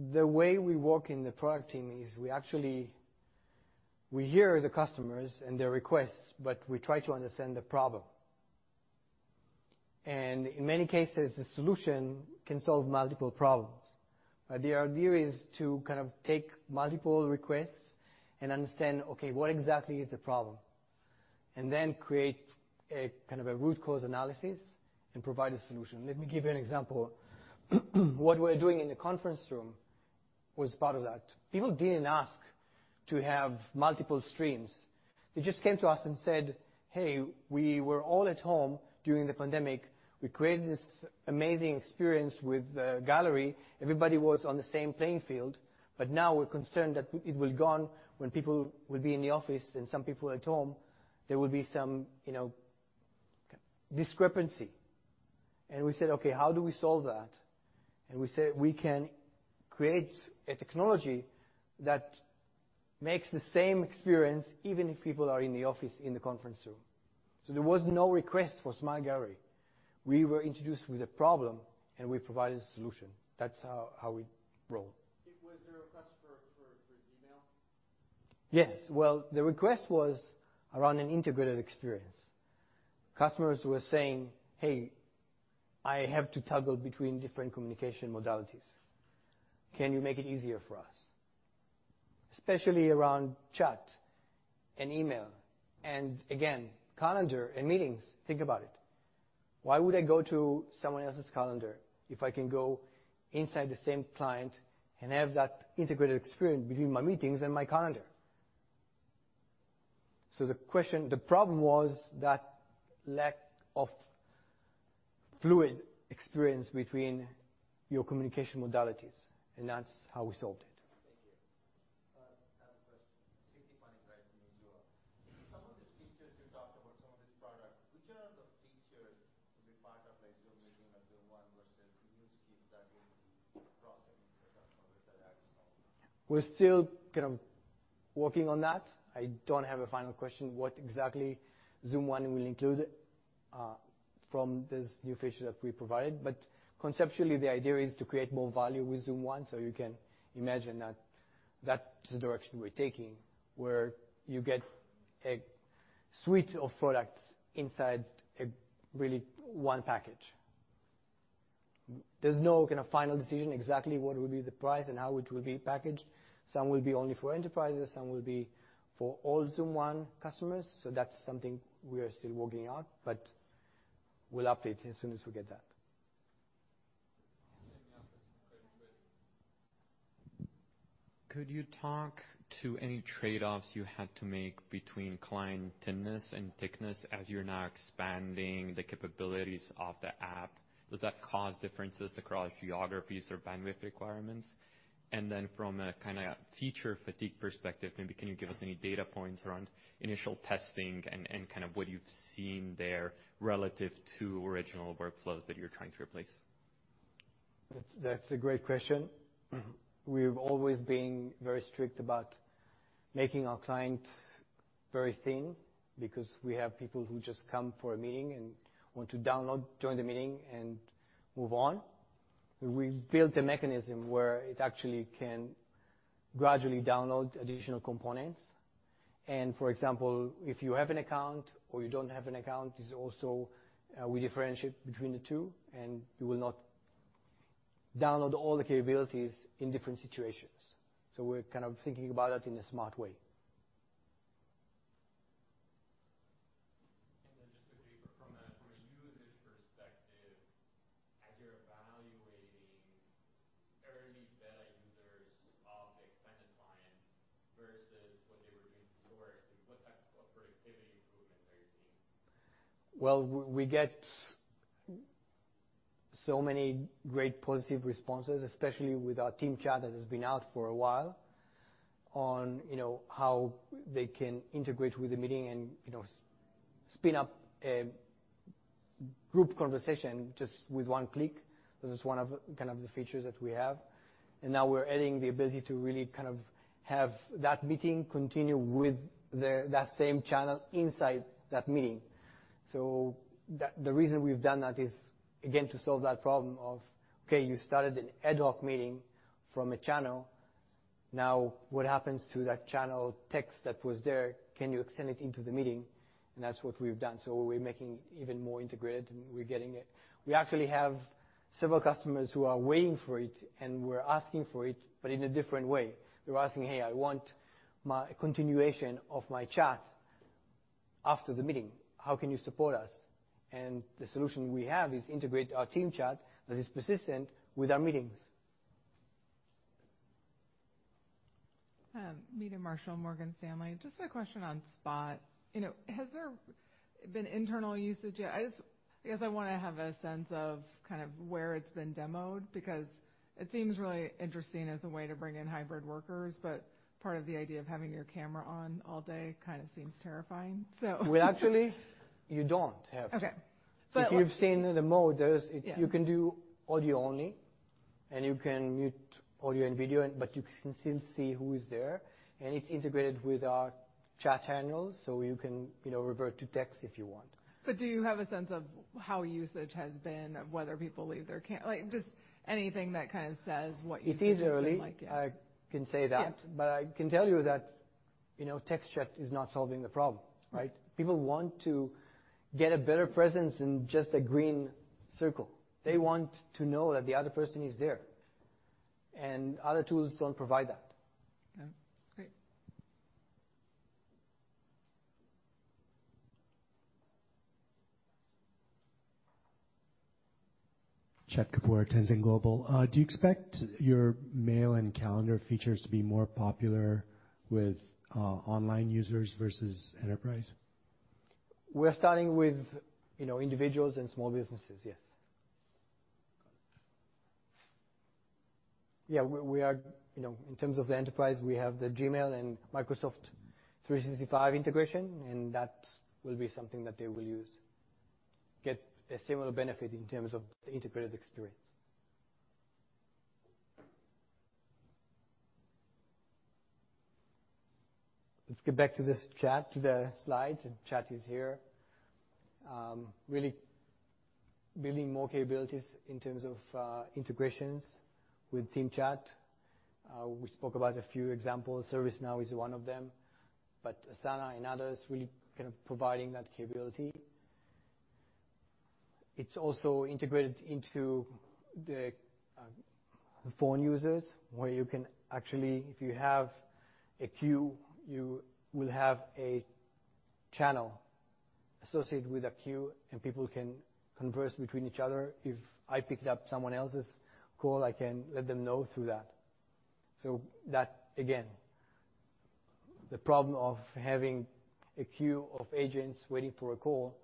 Thank you. Is it possible to take some of the brand new feature announcements and maybe help us understand which of these were really being pulled from the customer base? Like which of these had a lot of requests where you know going in that Zoom customers are requesting it from you, right? Versus something that maybe is a little bit more of a push where you know where it's kind of the folks at Zoom seeing an opportunity to create more stickiness around meetings. The way we work in the product team is we actually hear the customers and their requests, but we try to understand the problem. In many cases, the solution can solve multiple problems. The idea is to kind of take multiple requests and understand, okay, what exactly is the problem? Then create a kind of root cause analysis and provide a solution. Let me give you an example. What we're doing in the conference room was part of that. People didn't ask to have multiple streams. They just came to us and said, "Hey, we were all at home during the pandemic. We created this amazing experience with gallery. Everybody was on the same playing field, but now we're concerned that it will be gone when people will be in the office and some people at home, there will be some, you know, discrepancy." We said, "Okay, how do we solve that?" We said, "We can create a technology that makes the same experience, even if people are in the office in the conference room." There was no request for Smart Gallery. We were introduced with a problem, and we provided a solution. That's how we roll. Was there a request for ZMail? Yes. Well, the request was around an integrated experience. Customers were saying, "Hey, I have to toggle between different communication modalities. Can you make it easier for us?" Especially around chat and email, and again, calendar and meetings. Think about it. Why would I go to someone else's calendar if I can go inside the same client and have that integrated experience between my meetings and my calendar? The problem was that lack of fluid experience between your communication modalities, and that's how we solved it. Thank you. I have a question. Some of these features you talked about, some of these products, which are the features will be part of the Zoom Meetings and Zoom One versus the new suites that will be crossing into customers that ask for them? We're still kind of working on that. I don't have a final answer, what exactly Zoom One will include, from this new feature that we provided. Conceptually, the idea is to create more value with Zoom One, so you can imagine that that's the direction we're taking, where you get a suite of products inside a really one package. There's no kind of final decision exactly what will be the price and how it will be packaged. Some will be only for enterprises, some will be for all Zoom One customers, so that's something we are still working on, but we'll update as soon as we get that. Could you talk to any trade-offs you had to make between client thinness and thickness as you're now expanding the capabilities of the app? Does that cause differences across geographies or bandwidth requirements? From a kinda feature fatigue perspective, maybe can you give us any data points around initial testing and kind of what you've seen there relative to original workflows that you're trying to replace? That's a great question. We've always been very strict about making our clients very thin because we have people who just come for a meeting and want to download, join the meeting, and move on. We've built a mechanism where it actually can gradually download additional components. For example, if you have an account or you don't have an account, we differentiate between the two, and you will not download all the capabilities in different situations. We're kind of thinking about it in a smart way. Just quickly, from a user's perspective, as you're evaluating early beta users of the extended client versus what they were doing historically, what type of productivity improvements are you seeing? Well, we get so many great positive responses, especially with our team chat that has been out for a while, on, you know, how they can integrate with the meeting and, you know, spin up a group conversation just with one click. This is one of, kind of the features that we have. Now we're adding the ability to really kind of have that meeting continue with the, that same channel inside that meeting. The reason we've done that is, again, to solve that problem of, okay, you started an ad hoc meeting from a channel. Now, what happens to that channel text that was there, can you extend it into the meeting? That's what we've done. We're making it even more integrated, and we're getting it. We actually have several customers who are waiting for it, and we're asking for it, but in a different way. They're asking, "Hey, I want my continuation of my chat after the meeting, how can you support us?" The solution we have is integrate our team chat that is persistent with our meetings. Meta Marshall, Morgan Stanley. Just a question on Spots. You know, has there been internal usage yet? Because I wanna have a sense of kind of where it's been demoed, because it seems really interesting as a way to bring in hybrid workers, but part of the idea of having your camera on all day kinda seems terrifying. Well, actually, you don't have to. Okay. If you've seen the mode, there is. Yeah. You can do audio only, and you can mute audio and video, but you can still see who is there. It's integrated with our chat channels, so you can, you know, revert to text if you want. Do you have a sense of how usage has been. Like, just anything that kinda says what usage has been like. Yeah. It's early. I can say that. Yeah. I can tell you that, you know, text chat is not solving the problem, right? People want to get a better presence than just a green circle. They want to know that the other person is there, and other tools don't provide that. Okay. Great. Chet Kapoor, Tenzing Global Investors. Do you expect your mail and calendar features to be more popular with online users versus enterprise? We're starting with, you know, individuals and small businesses, yes. Got it. Yeah. We are, you know, in terms of the enterprise, we have the Gmail and Microsoft 365 integration, and that will be something that they will use. Get a similar benefit in terms of the integrated experience. Let's get back to this chat, to the slides. The chat is here. Really building more capabilities in terms of integrations with Team Chat. We spoke about a few examples. ServiceNow is one of them. Asana and others really kind of providing that capability. It's also integrated into the phone users, where you can actually, if you have a queue, you will have a channel associated with a queue, and people can converse between each other. If I picked up someone else's call, I can let them know through that. That, again, the problem of having a queue of agents waiting for a call,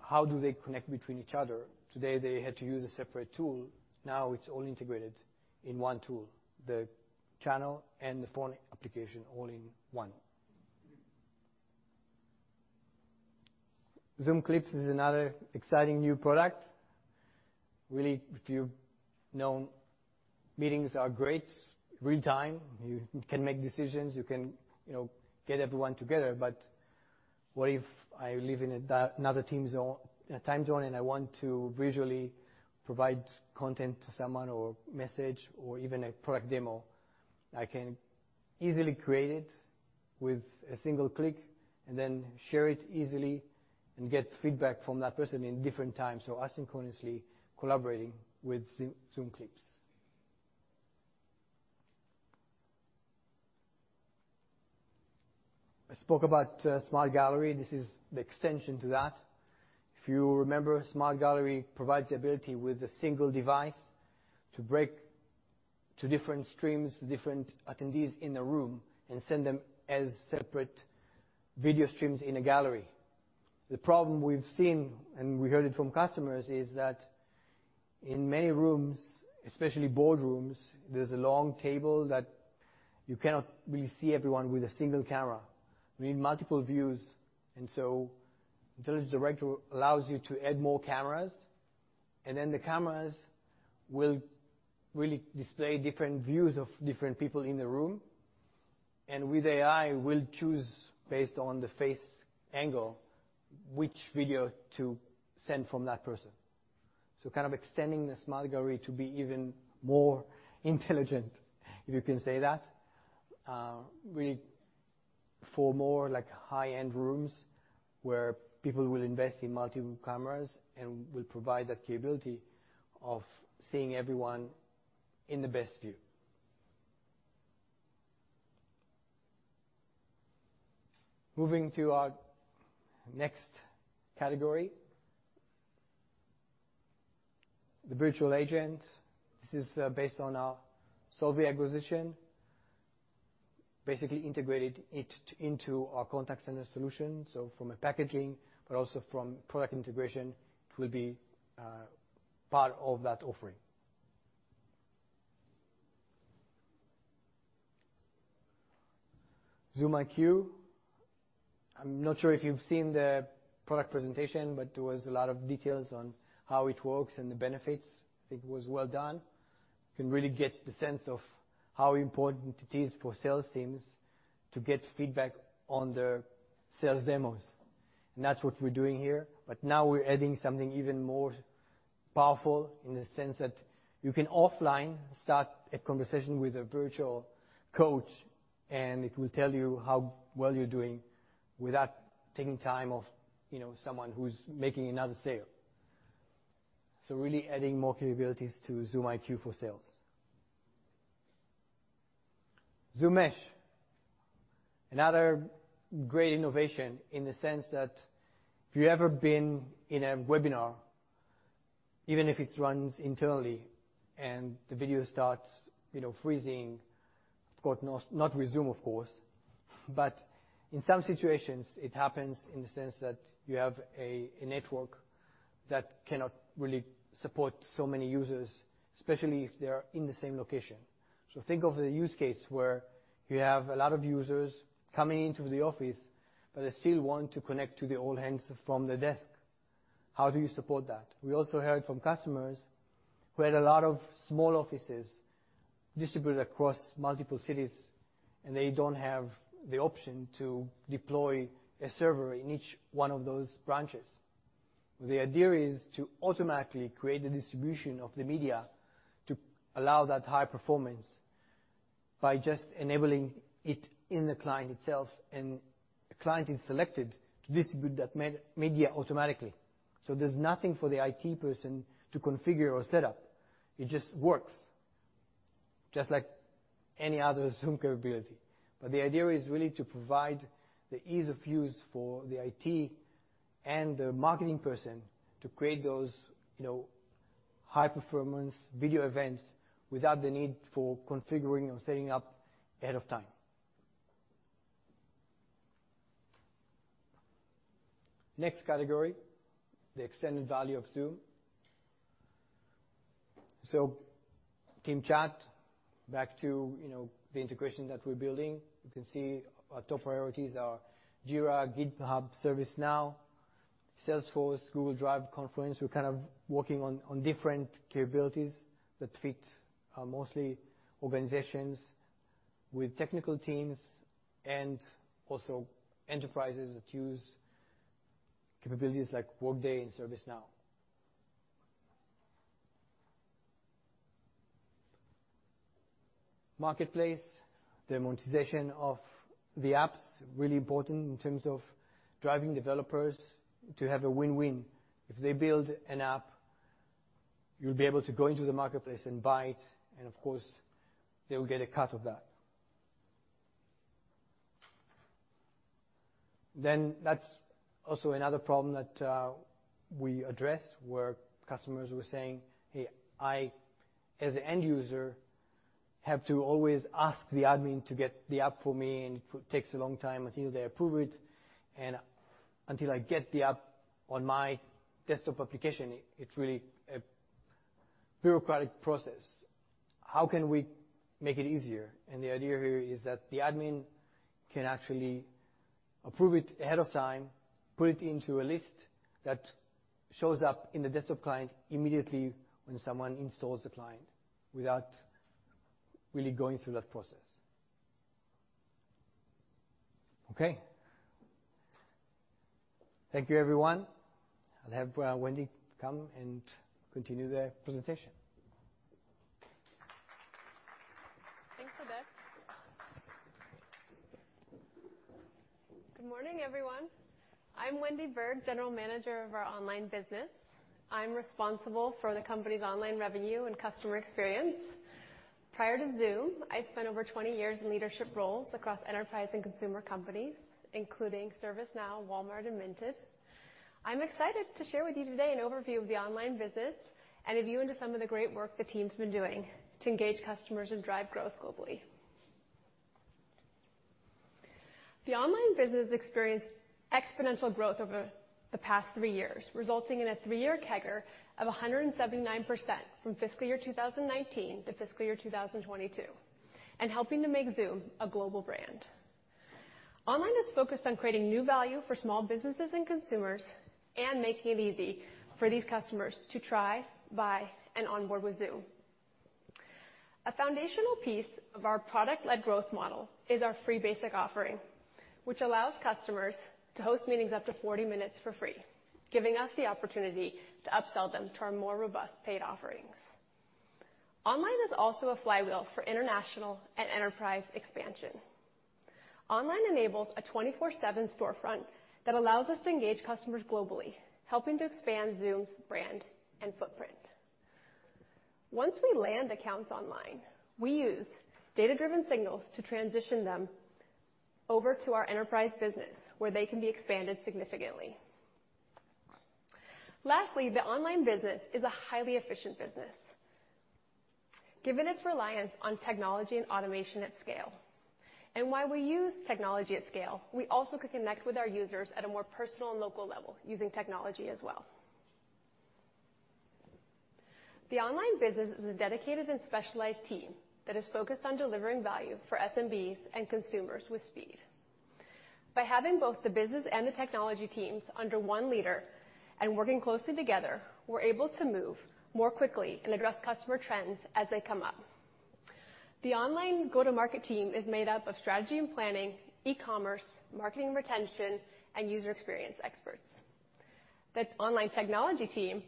how do they connect between each other? Today, they had to use a separate tool. Now it's all integrated in one tool, the channel and the phone application all in one. Zoom Clips is another exciting new product. Really, if you know, meetings are great, real-time, you can make decisions, you can, you know, get everyone together. But what if I live in another time zone, and I want to visually provide content to someone or message or even a product demo? I can easily create it with a single click and then share it easily and get feedback from that person in different times. Asynchronously collaborating with Zoom Clips. I spoke about Smart Gallery. This is the extension to that. If you remember, Smart Gallery provides the ability with a single device to break to different streams, different attendees in a room and send them as separate video streams in a gallery. The problem we've seen, and we heard it from customers, is that in many rooms, especially boardrooms, there's a long table that you cannot really see everyone with a single camera. You need multiple views, and so Intelligent Director allows you to add more cameras, and then the cameras will really display different views of different people in the room. With AI, will choose based on the face angle which video to send from that person. Kind of extending the Smart Gallery to be even more intelligent, if you can say that, really for more like high-end rooms where people will invest in multiple cameras and will provide that capability of seeing everyone in the best view. Moving to our next category, the Virtual Agent. This is based on our Solvvy acquisition. Basically integrated it into our contact center solution. From a packaging but also from product integration, it will be part of that offering. Zoom IQ. I'm not sure if you've seen the product presentation, but there was a lot of details on how it works and the benefits. I think it was well done. You can really get the sense of how important it is for sales teams to get feedback on their sales demos. That's what we're doing here. Now we're adding something even more powerful in the sense that you can offline start a conversation with a virtual coach, and it will tell you how well you're doing without taking time off, you know, someone who's making another sale. Really adding more capabilities to Zoom IQ for Sales. Zoom Mesh. Another great innovation in the sense that if you've ever been in a webinar, even if it's runs internally and the video starts, you know, freezing. Of course, not with Zoom, of course, but in some situations, it happens in the sense that you have a network that cannot really support so many users, especially if they are in the same location. Think of the use case where you have a lot of users coming into the office, but they still want to connect to the old Hangouts from the desk. How do you support that? We also heard from customers who had a lot of small offices distributed across multiple cities, and they don't have the option to deploy a server in each one of those branches. The idea is to automatically create the distribution of the media to allow that high performance by just enabling it in the client itself, and the client is selected to distribute that media automatically. There's nothing for the IT person to configure or set up. It just works, just like any other Zoom capability. The idea is really to provide the ease of use for the IT and the marketing person to create those, you know, high-performance video events without the need for configuring or setting up ahead of time. Next category, the extended value of Zoom. Team Chat, back to, you know, the integration that we're building. You can see our top priorities are Jira, GitHub, ServiceNow, Salesforce, Google Drive, Confluence. We're kind of working on different capabilities that fit mostly organizations with technical teams and also enterprises that use capabilities like Workday and ServiceNow. Marketplace, the monetization of the apps, really important in terms of driving developers to have a win-win. If they build an app, you'll be able to go into the marketplace and buy it, and of course, they will get a cut of that. Then that's also another problem that we addressed, where customers were saying, "Hey, I as an end user have to always ask the admin to get the app for me, and it takes a long time until they approve it. Until I get the app on my desktop application, it's really a bureaucratic process. How can we make it easier?" The idea here is that the admin can actually approve it ahead of time, put it into a list that shows up in the desktop client immediately when someone installs the client without really going through that process. Okay. Thank you, everyone. I'll have Wendy come and continue the presentation. Thanks, Oded. Good morning, everyone. I'm Wendy Bergh, General Manager of our online business. I'm responsible for the company's online revenue and customer experience. Prior to Zoom, I spent over 20 years in leadership roles across enterprise and consumer companies, including ServiceNow, Walmart, and Minted. I'm excited to share with you today an overview of the online business and a view into some of the great work the team's been doing to engage customers and drive growth globally. The online business experienced exponential growth over the past three years, resulting in a three-year CAGR of 179% from fiscal year 2019 to fiscal year 2022, and helping to make Zoom a global brand. Online is focused on creating new value for small businesses and consumers and making it easy for these customers to try, buy, and onboard with Zoom. A foundational piece of our product-led growth model is our free basic offering, which allows customers to host meetings up to 40 minutes for free, giving us the opportunity to upsell them to our more robust paid offerings. Online is also a flywheel for international and enterprise expansion. Online enables a 24/7 storefront that allows us to engage customers globally, helping to expand Zoom's brand and footprint. Once we land accounts online, we use data-driven signals to transition them over to our enterprise business, where they can be expanded significantly. Lastly, the online business is a highly efficient business. Given its reliance on technology and automation at scale, and while we use technology at scale, we also can connect with our users at a more personal and local level using technology as well. The online business is a dedicated and specialized team that is focused on delivering value for SMBs and consumers with speed. By having both the business and the technology teams under one leader and working closely together, we're able to move more quickly and address customer trends as they come up. The online go-to-market team is made up of strategy and planning, e-commerce, marketing retention, and user experience experts. The online technology team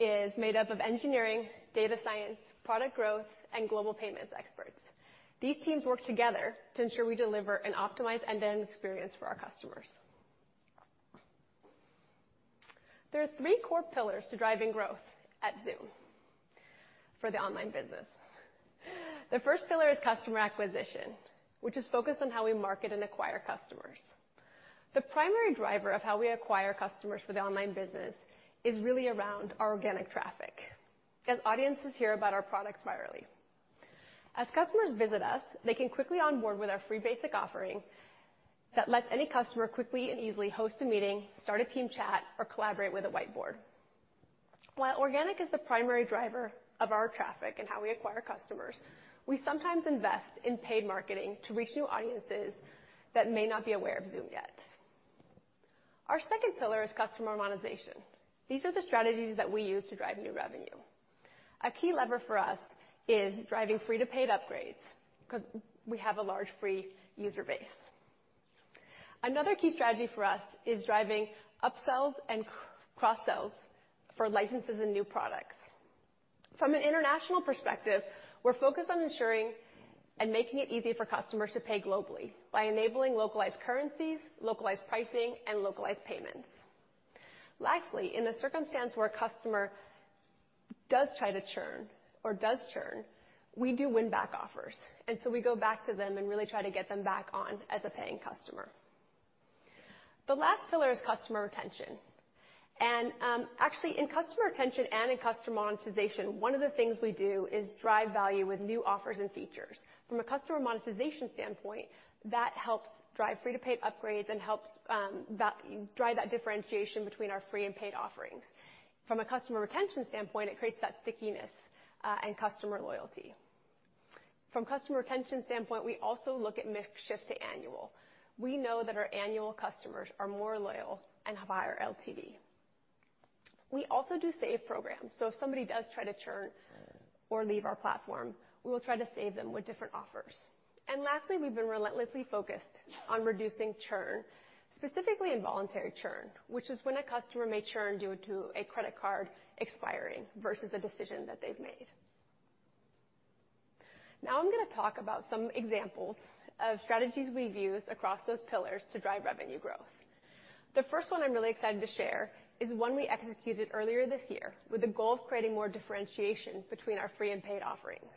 is made up of engineering, data science, product growth, and global payments experts. These teams work together to ensure we deliver an optimized end-to-end experience for our customers. There are three core pillars to driving growth at Zoom for the online business. The first pillar is customer acquisition, which is focused on how we market and acquire customers. The primary driver of how we acquire customers for the online business is really around our organic traffic, as audiences hear about our products virally. As customers visit us, they can quickly onboard with our free basic offering that lets any customer quickly and easily host a meeting, start a team chat, or collaborate with a whiteboard. While organic is the primary driver of our traffic and how we acquire customers, we sometimes invest in paid marketing to reach new audiences that may not be aware of Zoom yet. Our second pillar is customer monetization. These are the strategies that we use to drive new revenue. A key lever for us is driving free to paid upgrades, because we have a large free user base. Another key strategy for us is driving upsells and cross-sells for licenses and new products. From an international perspective, we're focused on ensuring and making it easy for customers to pay globally by enabling localized currencies, localized pricing, and localized payments. Lastly, in the circumstance where a customer does try to churn or does churn, we do win-back offers, and so we go back to them and really try to get them back on as a paying customer. The last pillar is customer retention. Actually, in customer retention and in customer monetization, one of the things we do is drive value with new offers and features. From a customer monetization standpoint, that helps drive free-to-paid upgrades and helps drive that differentiation between our free and paid offerings. From a customer retention standpoint, it creates that stickiness and customer loyalty. From customer retention standpoint, we also look at mix shift to annual. We know that our annual customers are more loyal and have higher LTV. We also do save programs, so if somebody does try to churn or leave our platform, we will try to save them with different offers. Lastly, we've been relentlessly focused on reducing churn, specifically involuntary churn, which is when a customer may churn due to a credit card expiring versus a decision that they've made. Now I'm gonna talk about some examples of strategies we've used across those pillars to drive revenue growth. The first one I'm really excited to share is one we executed earlier this year with the goal of creating more differentiation between our free and paid offerings.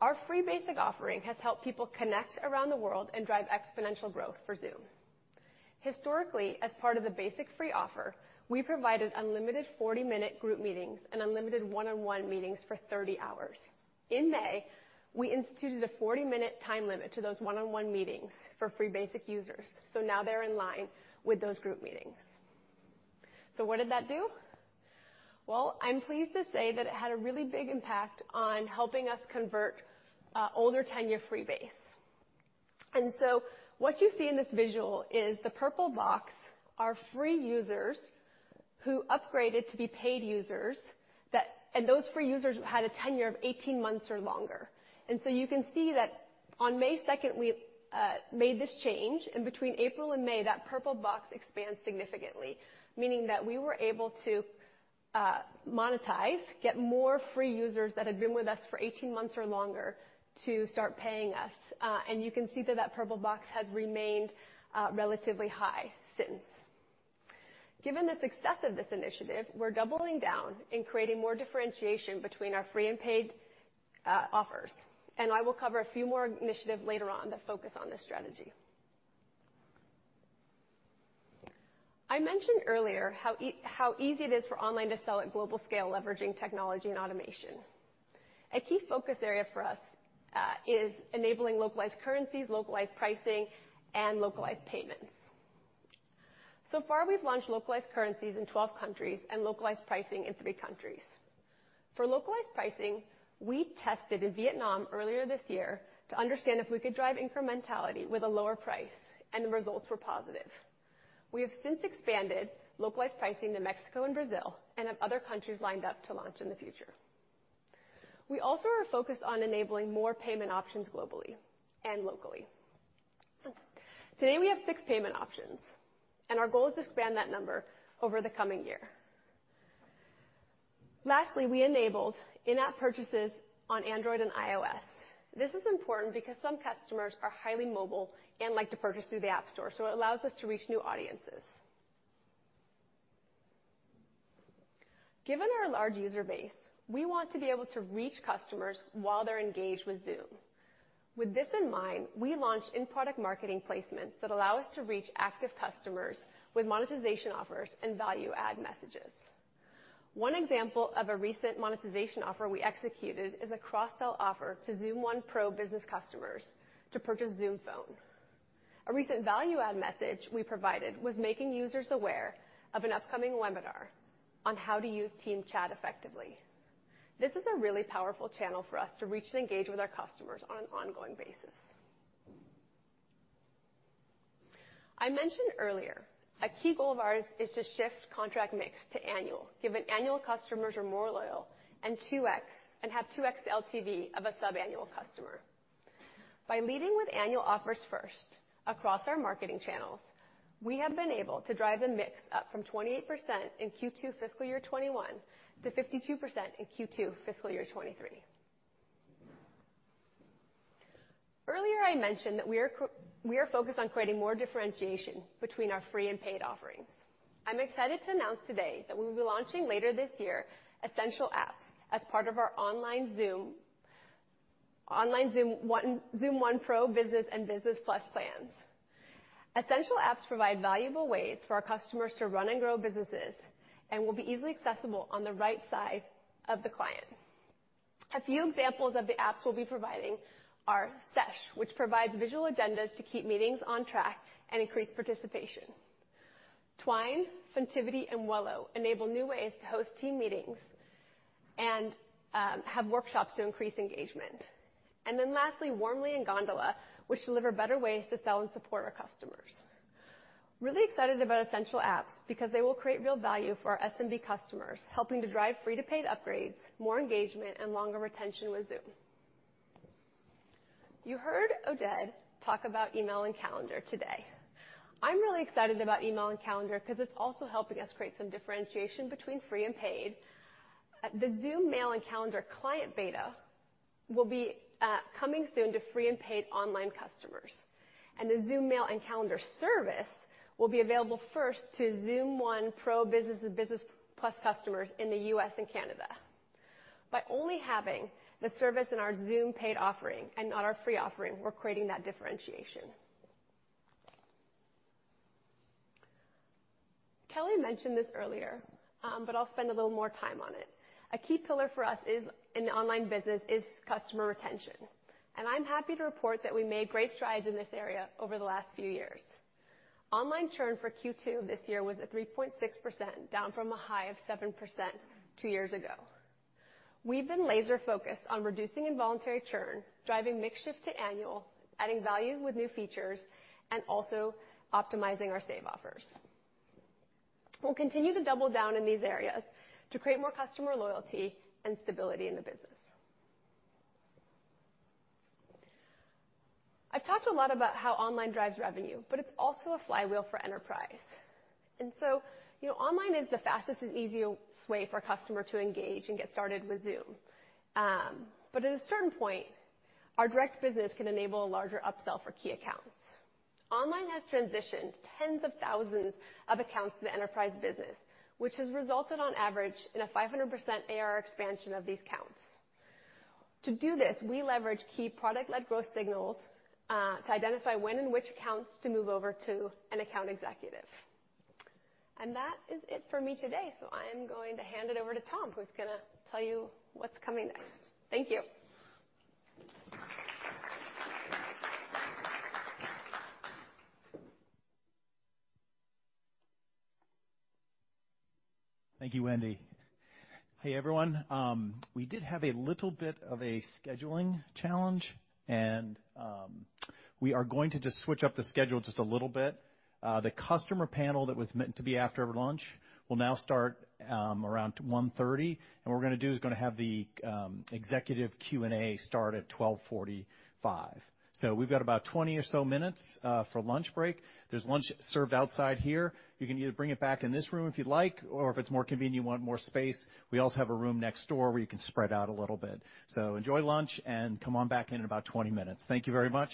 Our free basic offering has helped people connect around the world and drive exponential growth for Zoom. Historically, as part of the basic free offer, we provided unlimited 40-minute group meetings and unlimited one-on-one meetings for 30 hours. In May, we instituted a 40-minute time limit to those one-on-one meetings for free basic users, so now they're in line with those group meetings. What did that do? Well, I'm pleased to say that it had a really big impact on helping us convert older tenure free base. What you see in this visual is the purple box are free users who upgraded to be paid users, and those free users had a tenure of 18 months or longer. You can see that on May 2 we made this change, and between April and May, that purple box expanded significantly, meaning that we were able to monetize, get more free users that had been with us for 18 months or longer to start paying us, and you can see that purple box has remained relatively high since. Given the success of this initiative, we're doubling down and creating more differentiation between our free and paid offers, and I will cover a few more initiatives later on that focus on this strategy. I mentioned earlier how easy it is for online to sell at global scale leveraging technology and automation. A key focus area for us is enabling localized currencies, localized pricing, and localized payments. So far we've launched localized currencies in 12 countries and localized pricing in 3 countries. For localized pricing, we tested in Vietnam earlier this year to understand if we could drive incrementality with a lower price, and the results were positive. We have since expanded localized pricing to Mexico and Brazil and have other countries lined up to launch in the future. We also are focused on enabling more payment options globally and locally. Today, we have six payment options, and our goal is to expand that number over the coming year. Lastly, we enabled in-app purchases on Android and iOS. This is important because some customers are highly mobile and like to purchase through the App Store, so it allows us to reach new audiences. Given our large user base, we want to be able to reach customers while they're engaged with Zoom. With this in mind, we launched in-product marketing placements that allow us to reach active customers with monetization offers and value add messages. One example of a recent monetization offer we executed is a cross-sell offer to Zoom One Pro business customers to purchase Zoom Phone. A recent value add message we provided was making users aware of an upcoming webinar on how to use team chat effectively. This is a really powerful channel for us to reach and engage with our customers on an ongoing basis. I mentioned earlier, a key goal of ours is to shift contract mix to annual, given annual customers are more loyal and 2x and have 2x LTV of a sub-annual customer. By leading with annual offers first across our marketing channels, we have been able to drive the mix up from 28% in Q2 fiscal year 2021 to 52% in Q2 fiscal year 2023. Earlier, I mentioned that we are focused on creating more differentiation between our free and paid offerings. I'm excited to announce today that we'll be launching later this year Essential Apps as part of our Zoom One, Zoom One Pro, Business and Business Plus plans. Essential Apps provide valuable ways for our customers to run and grow businesses and will be easily accessible on the right side of the client. A few examples of the apps we'll be providing are Sesh, which provides visual agendas to keep meetings on track and increase participation. Twine, Funtivity, and Welo enable new ways to host team meetings and have workshops to increase engagement. Warmly and Gondola, which deliver better ways to sell and support our customers. Really excited about Essential Apps because they will create real value for our SMB customers, helping to drive free-to-paid upgrades, more engagement, and longer retention with Zoom. You heard Oded talk about email and calendar today. I'm really excited about email and calendar 'cause it's also helping us create some differentiation between free and paid. The Zoom Mail and Calendar client beta will be coming soon to free and paid online customers, and the Zoom Mail and Calendar service will be available first to Zoom One Pro business and Business Plus customers in the U.S. and Canada. By only having the service in our Zoom paid offering and not our free offering, we're creating that differentiation. Kelly mentioned this earlier, but I'll spend a little more time on it. A key pillar for us, in the online business, is customer retention, and I'm happy to report that we made great strides in this area over the last few years. Online churn for Q2 this year was at 3.6%, down from a high of 7% two years ago. We've been laser focused on reducing involuntary churn, driving mix shift to annual, adding value with new features, and also optimizing our save offers. We'll continue to double down in these areas to create more customer loyalty and stability in the business. I've talked a lot about how online drives revenue, but it's also a flywheel for enterprise. You know, online is the fastest and easiest way for a customer to engage and get started with Zoom. At a certain point, our direct business can enable a larger upsell for key accounts. Online has transitioned tens of thousands of accounts to the enterprise business, which has resulted on average in a 500% AR expansion of these accounts. To do this, we leverage key product-led growth signals to identify when and which accounts to move over to an account executive. That is it for me today. I'm going to hand it over to Tom, who's gonna tell you what's coming next. Thank you. Thank you, Wendy. Hey, everyone. We did have a little bit of a scheduling challenge, and we are going to just switch up the schedule just a little bit. The customer panel that was meant to be after lunch will now start around 1:30 P.M., and what we're gonna do is gonna have the executive Q&A start at 12:45 P.M. We've got about 20 or so minutes for lunch break. There's lunch served outside here. You can either bring it back in this room if you'd like, or if it's more convenient, you want more space, we also have a room next door where you can spread out a little bit. Enjoy lunch and come on back in about 20 minutes. Thank you very much.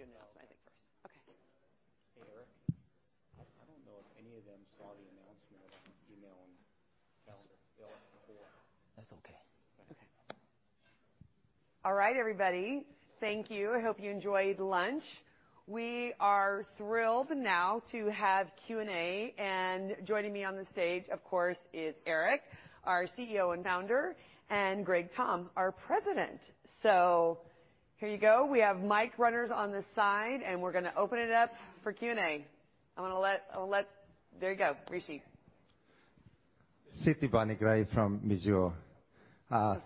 He's gonna do an announcement, I think first. Okay. Hey, Eric. I don't know if any of them saw the announcement, email and calendar before. That's okay. Okay. All right, everybody. Thank you. I hope you enjoyed lunch. We are thrilled now to have Q&A, and joining me on the stage, of course, is Eric, our CEO and founder, and Greg Tomb, our president. Here you go. We have mic runners on the side, and we're gonna open it up for Q&A. I'm gonna let. There you go, Rishi. Siti Panigrahi from Mizuho. Oh,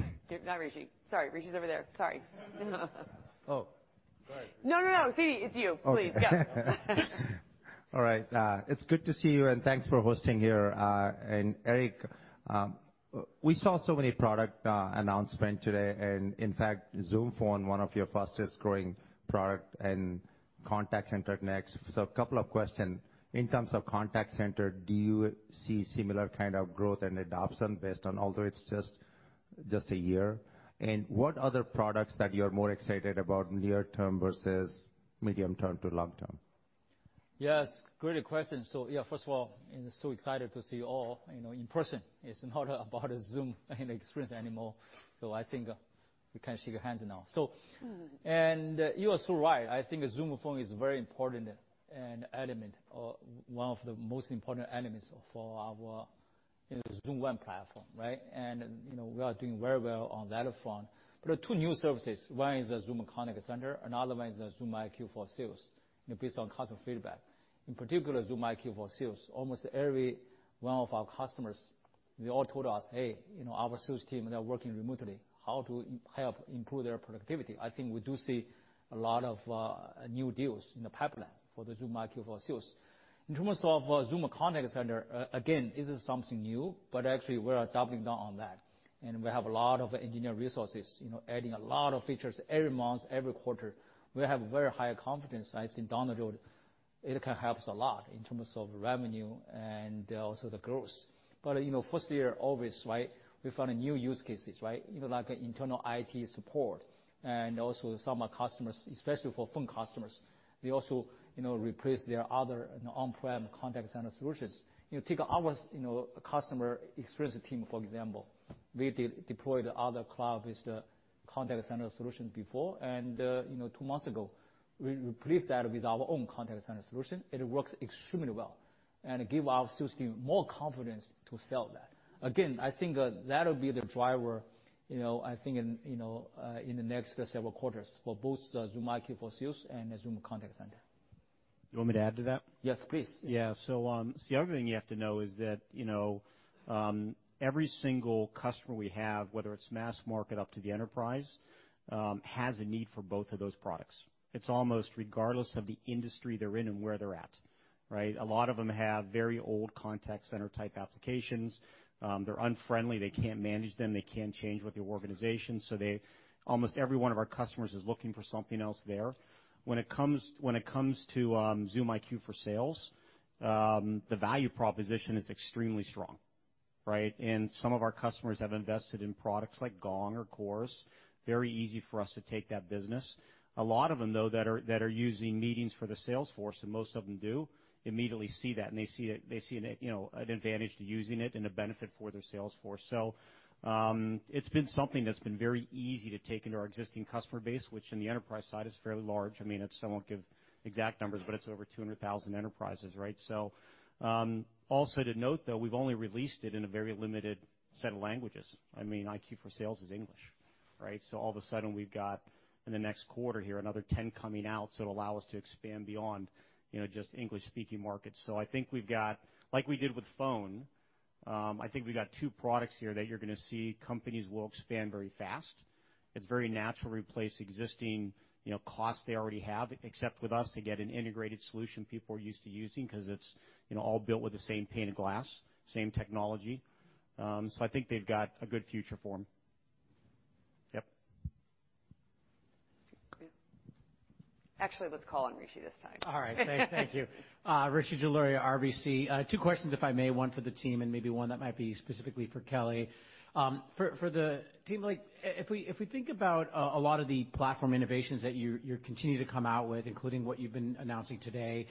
sorry. Not Rishi. Sorry, Rishi's over there. Sorry. Oh, go ahead. No, no, Siti, it's you. Please go. All right. It's good to see you, and thanks for hosting here. Eric, we saw so many product announcements today, and in fact, Zoom Phone, one of your fastest-growing products, and Contact Center next. A couple of questions. In terms of Contact Center, do you see similar kind of growth and adoption based on although it's just a year? What other products that you're more excited about near term versus medium term to long term? Yes, great question. Yeah, first of all, so excited to see you all, you know, in person. It's not about Zoom and experience anymore. I think we can shake your hands now. Mm. You are so right. I think Zoom Phone is very important an element, or one of the most important elements for our Zoom One platform, right? You know, we are doing very well on that front. There are two new services. One is the Zoom Contact Center, another one is the Zoom IQ for Sales, you know, based on customer feedback. In particular, Zoom IQ for Sales, almost every one of our customers, they all told us, "Hey, you know, our sales team, they're working remotely. How to help improve their productivity?" I think we do see a lot of new deals in the pipeline for the Zoom IQ for Sales. In terms of Zoom Contact Center, again, this is something new, but actually we are doubling down on that. We have a lot of engineer resources, you know, adding a lot of features every month, every quarter. We have very high confidence as in down the road, it can help us a lot in terms of revenue and also the growth. But, you know, first year always, right? We found new use cases, right, you know, like internal IT support, and also some customers, especially for phone customers. They also, you know, replace their other on-prem contact center solutions. You know, take our, you know, customer experience team, for example. We deployed other cloud-based contact center solution before, and, you know, two months ago, we replaced that with our own contact center solution. It works extremely well and give our sales team more confidence to sell that. Again, I think that'll be the driver, you know, I think, you know, in the next several quarters for both Zoom IQ for Sales and Zoom Contact Center. You want me to add to that? Yes, please. Yeah. The other thing you have to know is that, you know, every single customer we have, whether it's mass market up to the enterprise, has a need for both of those products. It's almost regardless of the industry they're in and where they're at, right? A lot of them have very old contact center type applications. They're unfriendly. They can't manage them. They can't change with the organization. Almost every one of our customers is looking for something else there. When it comes to Zoom IQ for Sales, the value proposition is extremely strong, right? Some of our customers have invested in products like Gong or Chorus. Very easy for us to take that business. A lot of them, though, that are using meetings for the sales force, and most of them do, immediately see that, and they see an, you know, an advantage to using it and a benefit for their sales force. It's been something that's been very easy to take into our existing customer base, which in the enterprise side is fairly large. I mean, it's, I won't give exact numbers, but it's over 200,000 enterprises, right? Also to note, though, we've only released it in a very limited set of languages. I mean, IQ for Sales is English, right? All of a sudden, we've got in the next quarter here, another 10 coming out, so it'll allow us to expand beyond, you know, just English-speaking markets. I think we've got, like we did with Phone, two products here that you're gonna see companies will expand very fast. It's very natural to replace existing, you know, costs they already have, except with us, they get an integrated solution people are used to using 'cause it's, you know, all built with the same pane of glass, same technology. I think they've got a good future for 'em. Yep. Actually, let's call on Rishi this time. All right. Thank you. Rishi Jaluria, RBC. Two questions, if I may. One for the team and maybe one that might be specifically for Kelly. For the team, like if we think about a lot of the platform innovations that you're continuing to come out with, including what you've been announcing today,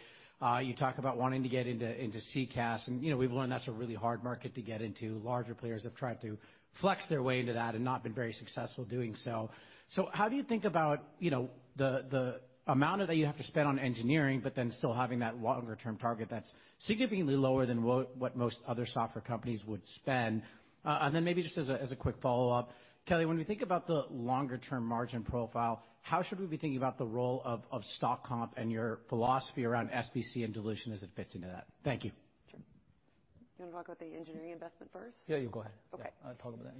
you talk about wanting to get into CCaaS, and you know, we've learned that's a really hard market to get into. Larger players have tried to flex their way into that and not been very successful doing so. So how do you think about, you know, the amount that you have to spend on engineering, but then still having that longer term target that's significantly lower than what most other software companies would spend? Maybe just as a quick follow-up, Kelly, when we think about the longer term margin profile, how should we be thinking about the role of stock comp and your philosophy around SBC and dilution as it fits into that? Thank you. You wanna talk about the engineering investment first? Yeah, you go ahead. Okay. I'll talk about that,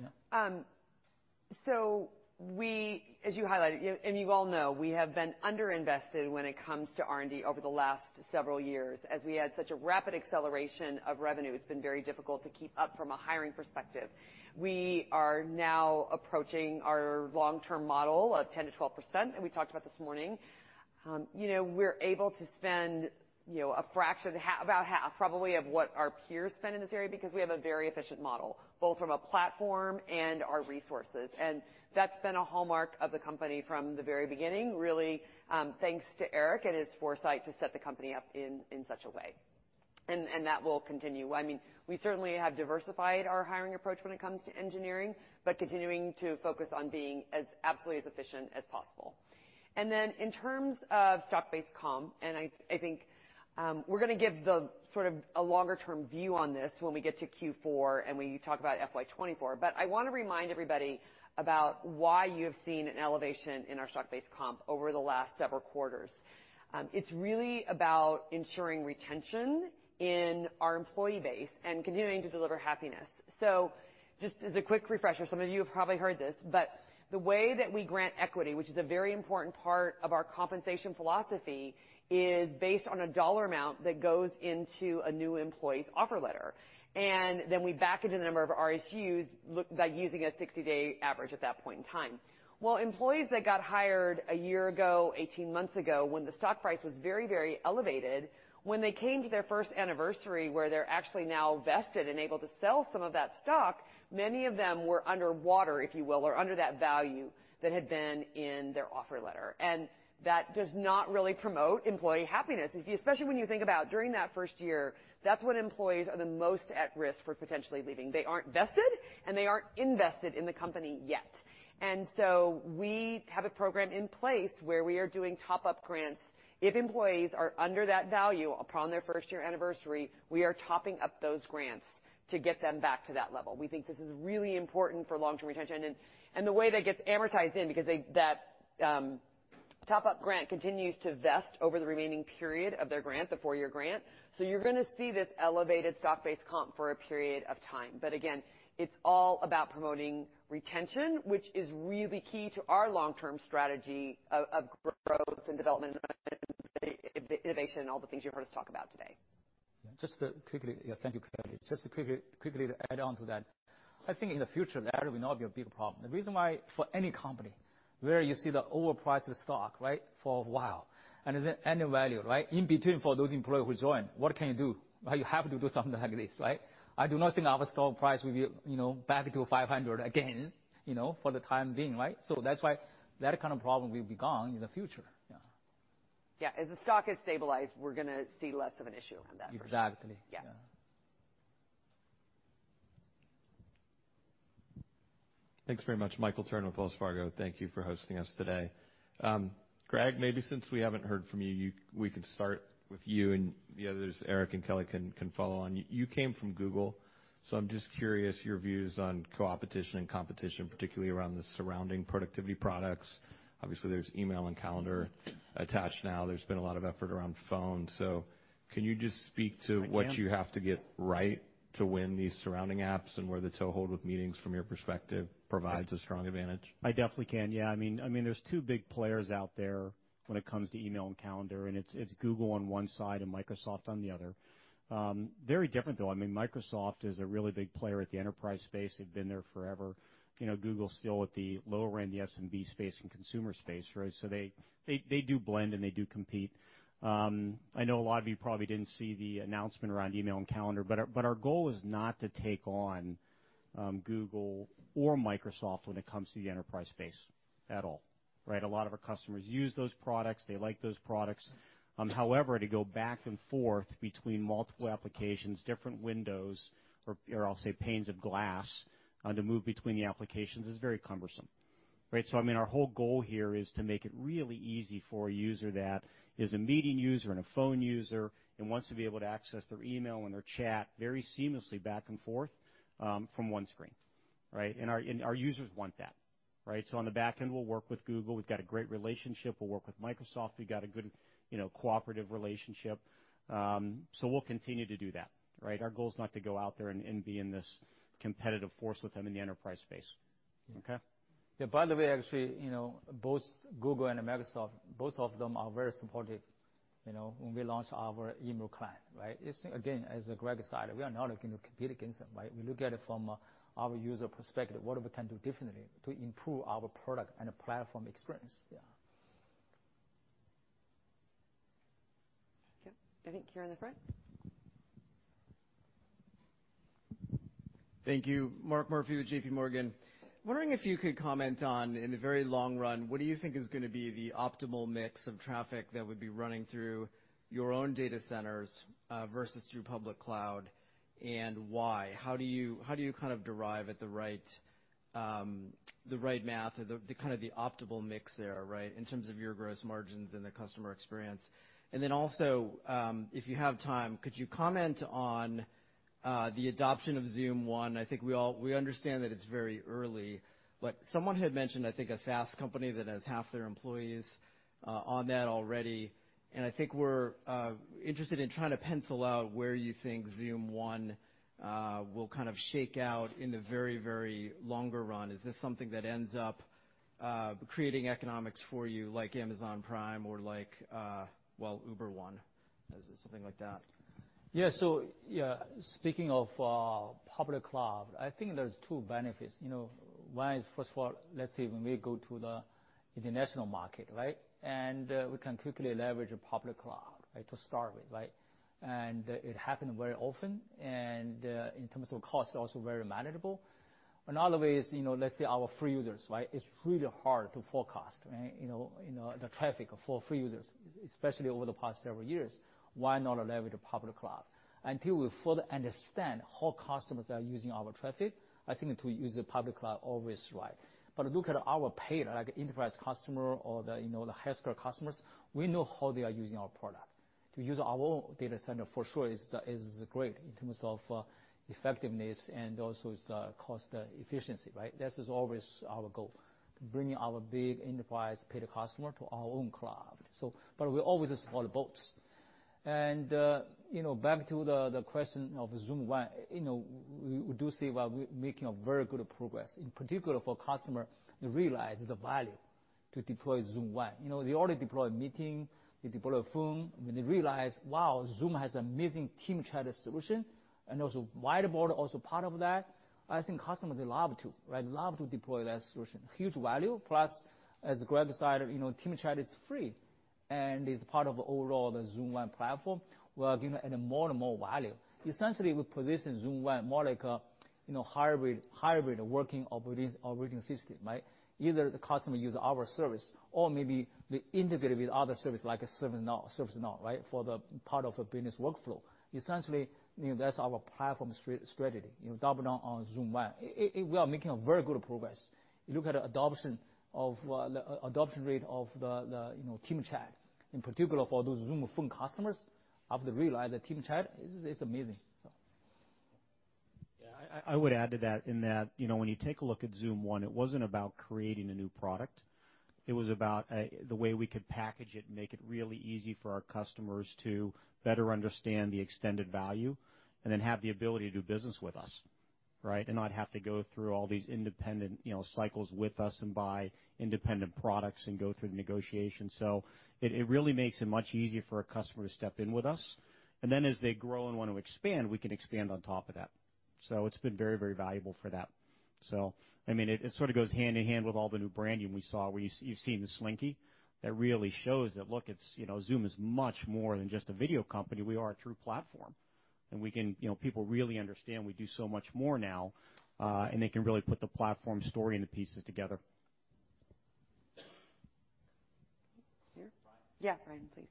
yeah. As you highlighted, and you all know, we have been under-invested when it comes to R&D over the last several years. As we had such a rapid acceleration of revenue, it's been very difficult to keep up from a hiring perspective. We are now approaching our long-term model of 10%-12%, and we talked about this morning. You know, we're able to spend, you know, a fraction, half, about half probably of what our peers spend in this area because we have a very efficient model, both from a platform and our resources. That's been a hallmark of the company from the very beginning, really, thanks to Eric and his foresight to set the company up in such a way. That will continue. I mean, we certainly have diversified our hiring approach when it comes to engineering, but continuing to focus on being as absolutely as efficient as possible. In terms of stock-based comp, I think we're gonna give the sort of a longer term view on this when we get to Q4 and we talk about FY 2024. I wanna remind everybody about why you've seen an elevation in our stock-based comp over the last several quarters. It's really about ensuring retention in our employee base and continuing to deliver happiness. Just as a quick refresher, some of you have probably heard this, but the way that we grant equity, which is a very important part of our compensation philosophy, is based on a dollar amount that goes into a new employee's offer letter. Then we back into the number of RSUs by using a 60-day average at that point in time. While employees that got hired a year ago, 18 months ago, when the stock price was very, very elevated, when they came to their first anniversary where they're actually now vested and able to sell some of that stock, many of them were underwater, if you will, or under that value that had been in their offer letter. That does not really promote employee happiness, especially when you think about during that first year, that's when employees are the most at risk for potentially leaving. They aren't vested and they aren't invested in the company yet. We have a program in place where we are doing top-up grants. If employees are under that value upon their first-year anniversary, we are topping up those grants to get them back to that level. We think this is really important for long-term retention and the way that gets amortized in because that top-up grant continues to vest over the remaining period of their grant, the four-year grant. You're gonna see this elevated stock-based comp for a period of time. Again, it's all about promoting retention, which is really key to our long-term strategy of growth and development, innovation, all the things you heard us talk about today. Just quickly. Yeah, thank you, Kelly. Just quickly to add on to that. I think in the future, that will not be a big problem. The reason why for any company where you see the overpriced stock, right, for a while and there's any value, right, in between for those employees who join, what can you do? You have to do something like this, right? I do not think our stock price will be, you know, back to 500 again, you know, for the time being, right? That's why that kind of problem will be gone in the future. Yeah. Yeah. As the stock has stabilized, we're gonna see less of an issue on that. Exactly. Yeah. Yeah. Thanks very much. Michael Turrin with Wells Fargo. Thank you for hosting us today. Greg, maybe since we haven't heard from you, we can start with you and the others, Eric and Kelly can follow on. You came from Google, so I'm just curious your views on co-opetition and competition, particularly around the surrounding productivity products. Obviously, there's email and calendar attached now. There's been a lot of effort around phone. Can you just speak to- I can. What you have to get right to win these surrounding apps and where the toe hold with meetings from your perspective provides a strong advantage? I definitely can. Yeah, I mean there's two big players out there when it comes to email and calendar, and it's Google on one side and Microsoft on the other. Very different, though. I mean, Microsoft is a really big player in the enterprise space. They've been there forever. You know, Google is still at the lower end, the SMB space and consumer space, right? So they do blend and they do compete. I know a lot of you probably didn't see the announcement around email and calendar, but our goal is not to take on Google or Microsoft when it comes to the enterprise space at all, right? A lot of our customers use those products. They like those products. However, to go back and forth between multiple applications, different windows or I'll say panes of glass, to move between the applications is very cumbersome, right? I mean, our whole goal here is to make it really easy for a user that is a meeting user and a phone user and wants to be able to access their email and their chat very seamlessly back and forth, from one screen, right? Our users want that, right? On the back end, we'll work with Google. We've got a great relationship. We'll work with Microsoft. We've got a good, you know, cooperative relationship. We'll continue to do that, right? Our goal is not to go out there and be in this competitive force with them in the enterprise space. Okay. Yeah, by the way, actually, you know, both Google and Microsoft, both of them are very supportive, you know, when we launched our email client, right? It's again, as Greg said, we are not looking to compete against them, right? We look at it from our user perspective, what we can do differently to improve our product and platform experience. Yeah. Okay. I think you're in the front. Thank you. Mark Murphy with JP Morgan. Wondering if you could comment on in the very long run, what do you think is gonna be the optimal mix of traffic that would be running through your own data centers versus through public cloud and why? How do you kind of arrive at the right math or the kind of optimal mix there, right, in terms of your gross margins and the customer experience? If you have time, could you comment on the adoption of Zoom One? I think we understand that it's very early, but someone had mentioned, I think, a SaaS company that has half their employees on that already. I think we're interested in trying to pencil out where you think Zoom One will kind of shake out in the very long run. Is this something that ends up Creating economics for you like Amazon Prime or like, well, Uber One. Is it something like that? Yeah, speaking of public cloud, I think there's two benefits. You know, one is, first of all, let's say when we go to the international market, right? We can quickly leverage a public cloud, right, to start with, right? It happened very often, and in terms of cost, also very manageable. Another way is, you know, let's say our free users, right? It's really hard to forecast, right, you know, the traffic for free users, especially over the past several years. Why not allow it a public cloud? Until we fully understand how customers are using our traffic, I think to use the public cloud always right. But look at our paid, like enterprise customer or the, you know, the high score customers, we know how they are using our product. To use our own data center for sure is great in terms of effectiveness and also it's cost efficiency, right? This is always our goal, bringing our big enterprise paid customer to our own cloud. But we always support both. You know, back to the question of Zoom One, you know, we do see where we're making a very good progress, in particular for customer to realize the value to deploy Zoom One. You know, they already deployed Meeting, they deployed Phone, and they realize, wow, Zoom has amazing Team Chat solution and also Whiteboard also part of that. I think customers love to, right, love to deploy that solution. Huge value. Plus, as Greg said, you know, Team Chat is free, and it's part of overall the Zoom One platform. We are giving it more and more value. Essentially, we position Zoom One more like a hybrid working operating system, right? Either the customer use our service or maybe they integrate with other service like a ServiceNow, right, for the part of a business workflow. Essentially, that's our platform strategy, double down on Zoom One. We are making a very good progress. You look at the adoption rate of the Team Chat, in particular for those Zoom Phone customers, after they realize that Team Chat is amazing. Yeah. I would add to that, in that, you know, when you take a look at Zoom One, it wasn't about creating a new product. It was about the way we could package it and make it really easy for our customers to better understand the extended value and then have the ability to do business with us, right? Not have to go through all these independent, you know, cycles with us and buy independent products and go through the negotiation. It really makes it much easier for a customer to step in with us. Then as they grow and want to expand, we can expand on top of that. It's been very, very valuable for that. I mean, it sort of goes hand in hand with all the new branding we saw, where you've seen the slinky that really shows that, look, it's, you know, Zoom is much more than just a video company. We are a true platform. We can, you know, people really understand we do so much more now, and they can really put the platform story and the pieces together. Here. Ryan. Yeah. Ryan, please.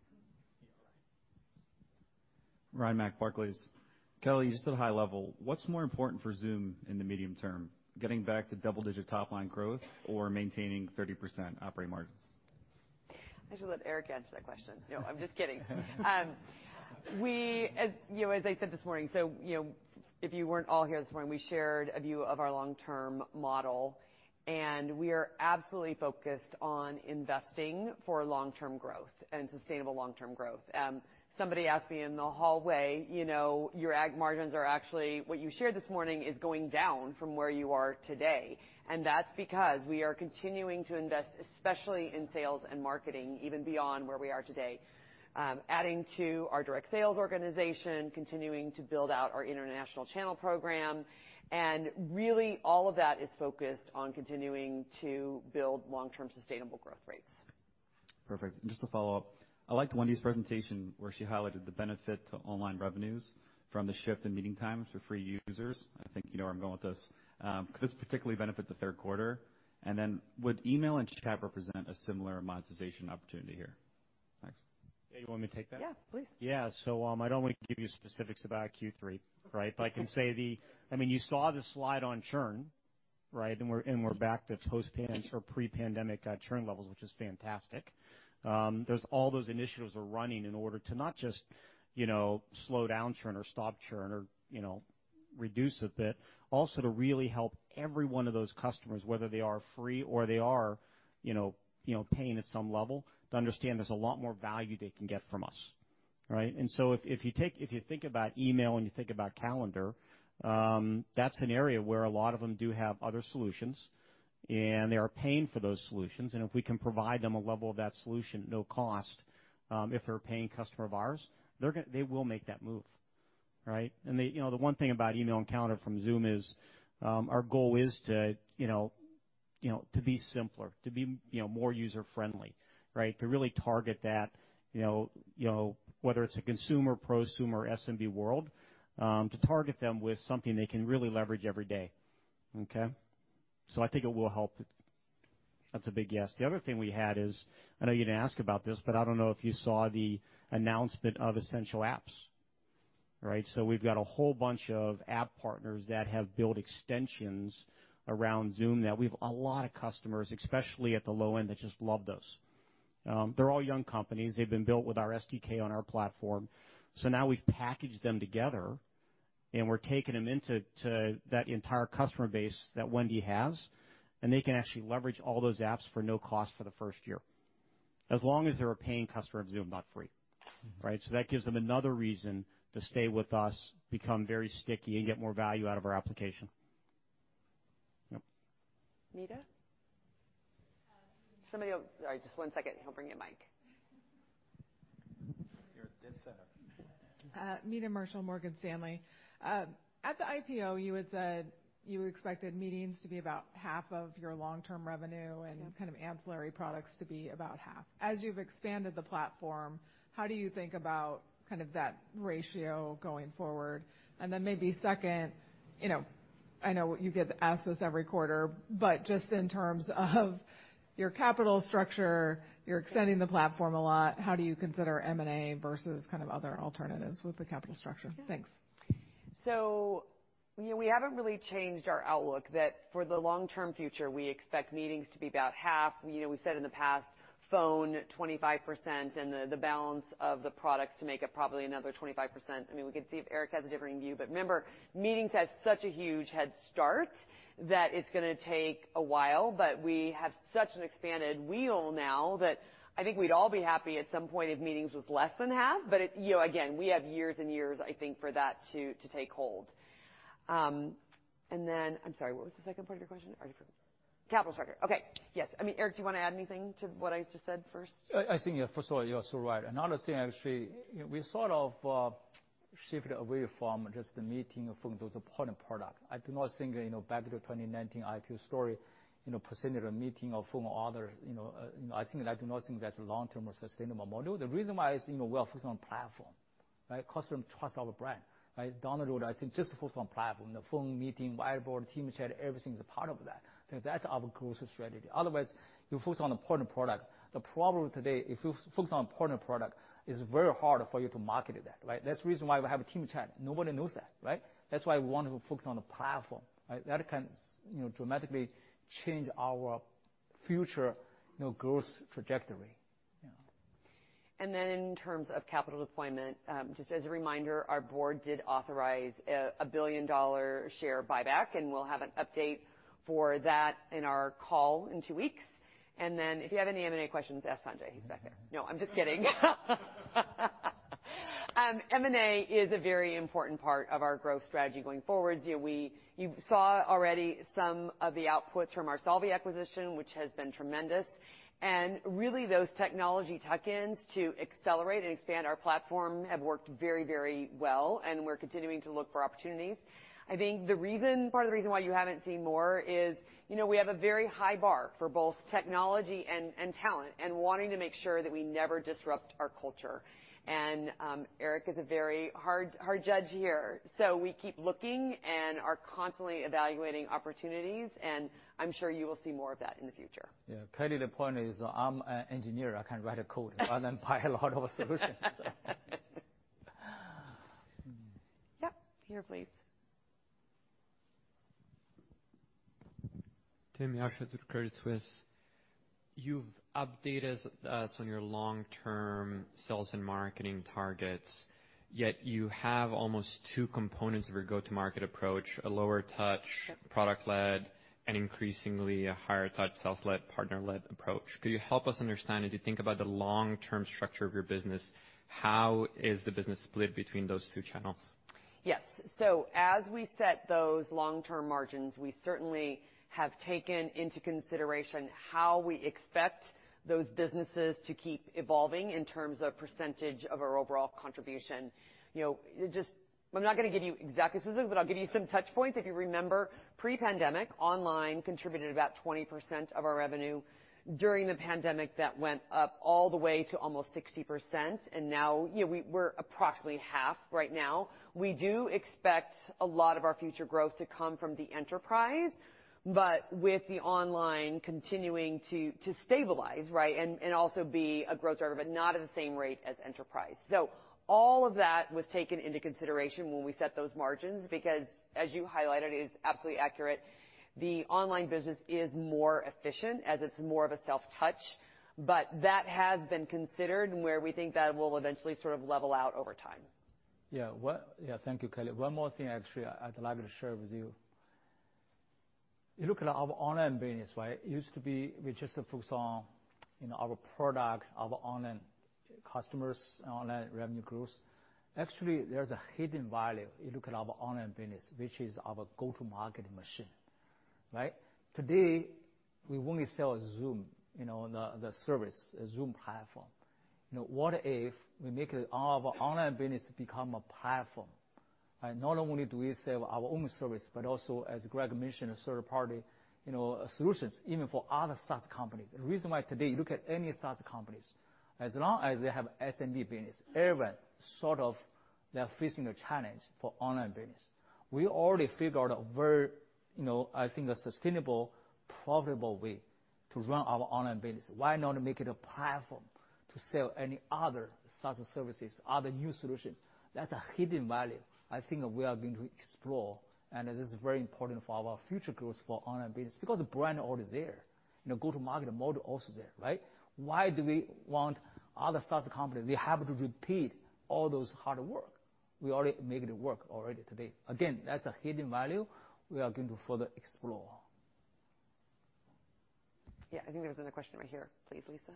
Yeah. All right. Ryan MacWilliams, Barclays. Kelly, just at a high level, what's more important for Zoom in the medium term, getting back to double-digit top-line growth or maintaining 30% operating margins? I should let Eric answer that question. No, I'm just kidding. We—as, you know, as I said this morning, you know, if you weren't all here this morning, we shared a view of our long-term model, and we are absolutely focused on investing for long-term growth and sustainable long-term growth. Somebody asked me in the hallway, you know, your AG margins are actually, what you shared this morning is going down from where you are today, and that's because we are continuing to invest, especially in sales and marketing, even beyond where we are today, adding to our direct sales organization, continuing to build out our international channel program. Really all of that is focused on continuing to build long-term sustainable growth rates. Perfect. Just to follow up, I liked Wendy's presentation, where she highlighted the benefit to online revenues from the shift in meeting times for free users. I think you know where I'm going with this. Could this particularly benefit the third quarter? Would email and chat represent a similar monetization opportunity here? Thanks. Hey, you want me to take that? Yeah. Please. Yeah. I don't want to give you specifics about Q3, right? But I can say, I mean, you saw the slide on churn, right? And we're back to pre-pandemic churn levels, which is fantastic. There's all those initiatives we're running in order to not just, you know, slow down churn or stop churn or, you know, reduce a bit, also to really help every one of those customers, whether they are free or they are, you know, paying at some level, to understand there's a lot more value they can get from us, right? If you think about email and you think about calendar, that's an area where a lot of them do have other solutions, and they are paying for those solutions. If we can provide them a level of that solution at no cost, if they're a paying customer of ours, they will make that move, right? They, you know, the one thing about email and calendar from Zoom is, our goal is to, you know, to be simpler, to be, you know, more user-friendly, right? To really target that, you know, whether it's a consumer, prosumer, SMB world, to target them with something they can really leverage every day. Okay? I think it will help. That's a big yes. The other thing we had is, I know you didn't ask about this, but I don't know if you saw the announcement of Essential Apps, right? We've got a whole bunch of app partners that have built extensions around Zoom that we have a lot of customers, especially at the low end, that just love those. They're all young companies. They've been built with our SDK on our platform. Now we've packaged them together, and we're taking them into that entire customer base that Wendy has, and they can actually leverage all those apps for no cost for the first year. As long as they're a paying customer of Zoom, not free, right? That gives them another reason to stay with us, become very sticky, and get more value out of our application. Yep. Meta Marshall? Somebody else. Sorry, just one second. He'll bring you a mic. You're dead center. Meta Marshall, Morgan Stanley. At the IPO, you had said you expected meetings to be about half of your long-term revenue. Yeah. kind of ancillary products to be about half. As you've expanded the platform, how do you think about kind of that ratio going forward? Then maybe second, you know, I know you get asked this every quarter, but just in terms of your capital structure, you're extending the platform a lot. How do you consider M&A versus kind of other alternatives with the capital structure? Yeah. Thanks. You know, we haven't really changed our outlook that for the long-term future, we expect meetings to be about half. You know, we said in the past, phone 25% and the balance of the products to make up probably another 25%. I mean, we can see if Eric has a differing view, but remember, meetings has such a huge head start that it's gonna take a while, but we have such an expanded wheelhouse now that I think we'd all be happy at some point if meetings was less than half. But it you know, again, we have years and years, I think, for that to take hold. I'm sorry, what was the second part of your question? I forgot. Capital structure. Okay. Yes. I mean, Eric, do you wanna add anything to what I just said first? I think, yeah, first of all, you're so right. Another thing, actually, we sort of shifted away from just the Meetings to those individual products. I do not think, you know, back to the 2019 IPO story, you know, percentage of Meetings or Phone or other, you know, I think that, I do not think that's a long-term or sustainable model. The reason why is, you know, we are focused on platform, right? Customers trust our brand, right? Down the road, I think just focus on platform, the Phone, Meetings, Whiteboard, Team Chat, everything is a part of that. That's our growth strategy. Otherwise, you focus on individual product. The problem today, if you focus on individual product, it's very hard for you to market that, right? That's the reason why we have a Team Chat. Nobody knows that, right? That's why we want to focus on the platform, right? That can, you know, dramatically change our future, you know, growth trajectory. Yeah. In terms of capital deployment, just as a reminder, our board did authorize a billion-dollar share buyback, and we'll have an update for that in our call in two weeks. If you have any M&A questions, ask Sanjay. He's back there. No, I'm just kidding. M&A is a very important part of our growth strategy going forward. You know, we... You saw already some of the outputs from our Solvvy acquisition, which has been tremendous. Really, those technology tuck-ins to accelerate and expand our platform have worked very, very well, and we're continuing to look for opportunities. I think the reason, part of the reason why you haven't seen more is, you know, we have a very high bar for both technology and talent, and wanting to make sure that we never disrupt our culture. Eric is a very hard judge here. We keep looking and are constantly evaluating opportunities, and I'm sure you will see more of that in the future. Yeah. Kelly, the point is, I'm an engineer. I can write a code rather than buy a lot of solutions. Yep. Here, please. Tim Arshad with Credit Suisse. You've updated us on your long-term sales and marketing targets, yet you have two components of your go-to-market approach, a lower-touch product-led, and increasingly a higher-touch sales-led, partner-led approach. Could you help us understand, as you think about the long-term structure of your business, how is the business split between those two channels? Yes. As we set those long-term margins, we certainly have taken into consideration how we expect those businesses to keep evolving in terms of percentage of our overall contribution. You know, just, I'm not gonna give you exact decisions, but I'll give you some touch points. If you remember, pre-pandemic, online contributed about 20% of our revenue. During the pandemic, that went up all the way to almost 60%. Now, you know, we're approximately 50% right now. We do expect a lot of our future growth to come from the enterprise, but with the online continuing to stabilize, right, and also be a growth driver, but not at the same rate as enterprise. All of that was taken into consideration when we set those margins because, as you highlighted, it is absolutely accurate. The online business is more efficient as it's more of a self-serve, but that has been considered and where we think that will eventually sort of level out over time. Yeah. Thank you, Kelly. One more thing, actually, I'd like to share with you. You look at our online business, right? It used to be we just focus on, you know, our product, our online customers, online revenue growth. Actually, there's a hidden value. You look at our online business, which is our go-to-market machine, right? Today, we only sell Zoom, you know, the service, Zoom platform. You know, what if we make our online business become a platform, right? Not only do we sell our own service, but also, as Greg mentioned, a third party, you know, solutions, even for other SaaS companies. The reason why today, you look at any SaaS companies, as long as they have SMB business, everyone sort of, they're facing a challenge for online business. We already figured out a very, you know, I think a sustainable, profitable way to run our online business. Why not make it a platform to sell any other SaaS services, other new solutions? That's a hidden value I think we are going to explore, and this is very important for our future growth for online business because the brand is already there. You know, go-to-market model also there, right? Why do we want other SaaS companies? They have to repeat all those hard work. We already make it work already today. Again, that's a hidden value we are going to further explore. Yeah, I think there's another question right here, please, Lisa.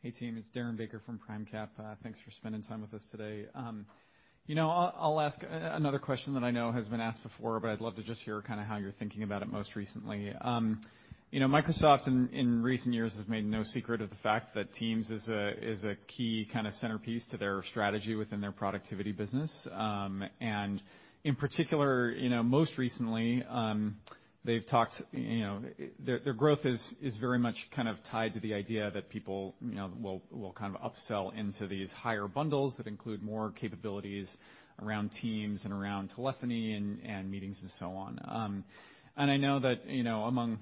Hey, team, it's Darren Baker from PRIMECAP. Thanks for spending time with us today. You know, I'll ask another question that I know has been asked before, but I'd love to just hear kind of how you're thinking about it most recently. You know, Microsoft in recent years has made no secret of the fact that Teams is a key kind of centerpiece to their strategy within their productivity business. And in particular, you know, most recently, they've talked. Their growth is very much kind of tied to the idea that people, you know, will kind of upsell into these higher bundles that include more capabilities around Teams and around telephony and meetings and so on. I know that, you know, among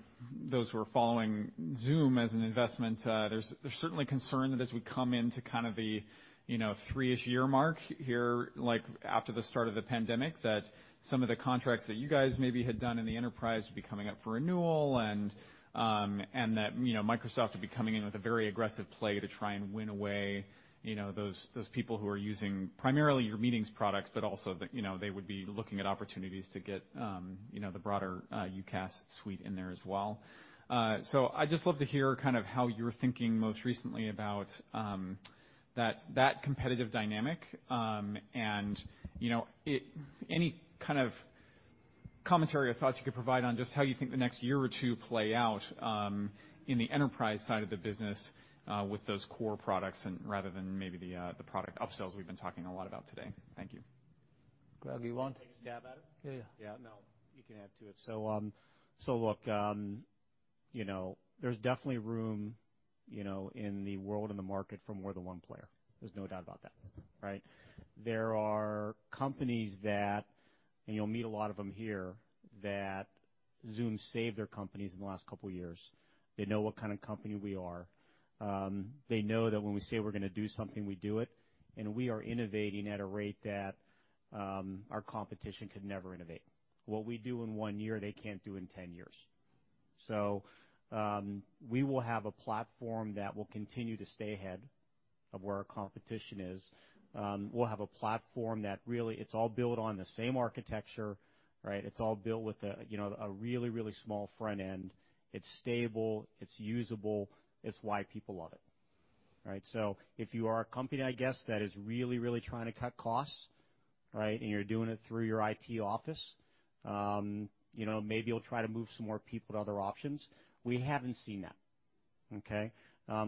those who are following Zoom as an investment, there's certainly concern that as we come into kind of the, you know, three-ish year mark here, like after the start of the pandemic, that some of the contracts that you guys maybe had done in the enterprise would be coming up for renewal and that, you know, Microsoft would be coming in with a very aggressive play to try and win away, you know, those people who are using primarily your meetings products, but also that, you know, they would be looking at opportunities to get, you know, the broader, UCaaS suite in there as well. I'd just love to hear kind of how you're thinking most recently about, that competitive dynamic. You know, any kind of commentary or thoughts you could provide on just how you think the next year or two play out in the enterprise side of the business with those core products and rather than maybe the product upsells we've been talking a lot about today. Thank you. Greg, you want I can take a stab at it. Yeah, yeah. Yeah, no, you can add to it. Look, you know, there's definitely room, you know, in the world and the market for more than one player. There's no doubt about that, right? There are companies that, and you'll meet a lot of them here, that Zoom saved their companies in the last couple of years. They know what kind of company we are. They know that when we say we're gonna do something, we do it, and we are innovating at a rate that our competition could never innovate. What we do in one year, they can't do in 10 years. We will have a platform that will continue to stay ahead of where our competition is. We'll have a platform that really, it's all built on the same architecture, right? It's all built with a, you know, a really, really small front end. It's stable, it's usable. It's why people love it, right? If you are a company, I guess, that is really, really trying to cut costs, right, and you're doing it through your IT office, you know, maybe you'll try to move some more people to other options. We haven't seen that. Okay?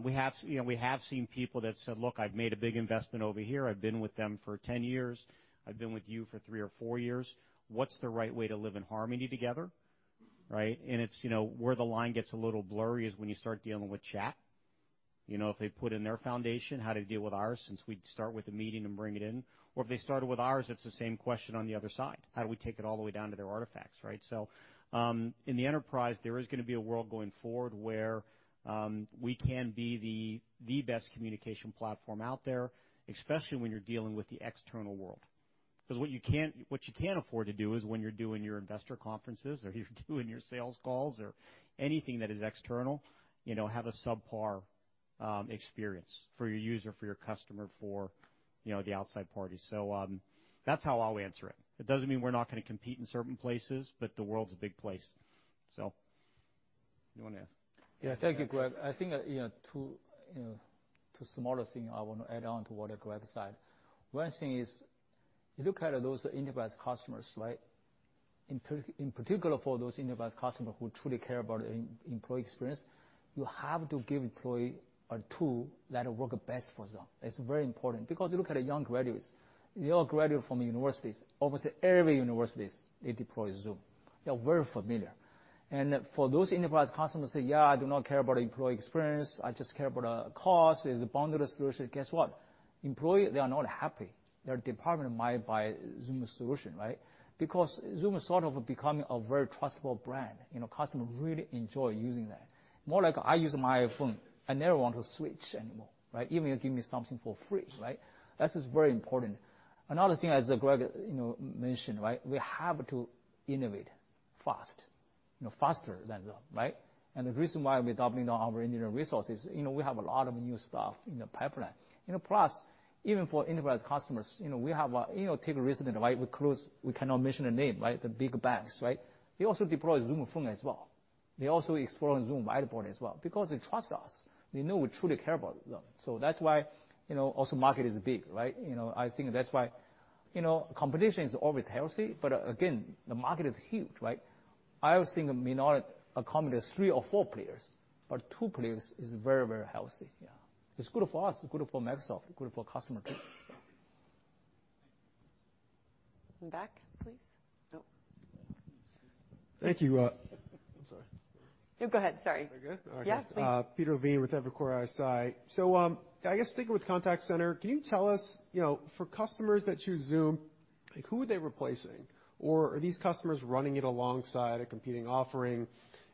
We have, you know, seen people that said, "Look, I've made a big investment over here. I've been with them for 10 years. I've been with you for 3 or 4 years. What's the right way to live in harmony together?" Right? It's, you know, where the line gets a little blurry is when you start dealing with chat, you know, if they put in their foundation how to deal with ours, since we'd start with a meeting and bring it in, or if they started with ours, it's the same question on the other side. How do we take it all the way down to their artifacts, right? In the enterprise, there is gonna be a world going forward where, we can be the best communication platform out there, especially when you're dealing with the external world. 'Cause what you can't afford to do is when you're doing your investor conferences or you're doing your sales calls or anything that is external, you know, have a subpar experience for your user, for your customer, for, you know, the outside party. That's how I'll answer it. It doesn't mean we're not gonna compete in certain places, but the world's a big place. You wanna add? Yeah. Thank you, Greg. I think, you know, 2 smaller thing I wanna add on to what Greg said. One thing is you look at those enterprise customers, right? In particular for those enterprise customers who truly care about employee experience, you have to give employee a tool that will work best for Zoom. It's very important because you look at the young graduates from universities, almost every university, they deploy Zoom. They're very familiar. For those enterprise customers say, "Yeah, I do not care about employee experience. I just care about cost. There's an abundant solution." Guess what? Employee, they are not happy. Their department might buy Zoom solution, right? Because Zoom is sort of becoming a very trustful brand. You know, customer really enjoy using that. More like I use my iPhone, I never want to switch anymore, right? Even you give me something for free, right? That is very important. Another thing, as Greg, you know, mentioned, right? We have to innovate fast, you know, faster than them, right? The reason why we're doubling our engineering resources, you know, we have a lot of new stuff in the pipeline. You know, plus even for enterprise customers, you know, we have a, you know, took recently, right? We closed, we cannot mention a name, right? The big banks, right? They also deploy Zoom Phone as well. They also explore Zoom Whiteboard as well because they trust us. They know we truly care about them. That's why, you know, also market is big, right? You know, I think that's why, you know, competition is always healthy. Again, the market is huge, right? I always think a market accommodates three or four players, but two players is very, very healthy. Yeah. It's good for us, good for Microsoft, good for customers too. Back, please. Nope. Thank you. I'm sorry. No, go ahead. Sorry. Are we good? Yeah, please. Peter Levine with Evercore ISI. I guess sticking with contact center, can you tell us, you know, for customers that choose Zoom, like, who are they replacing? Or are these customers running it alongside a competing offering?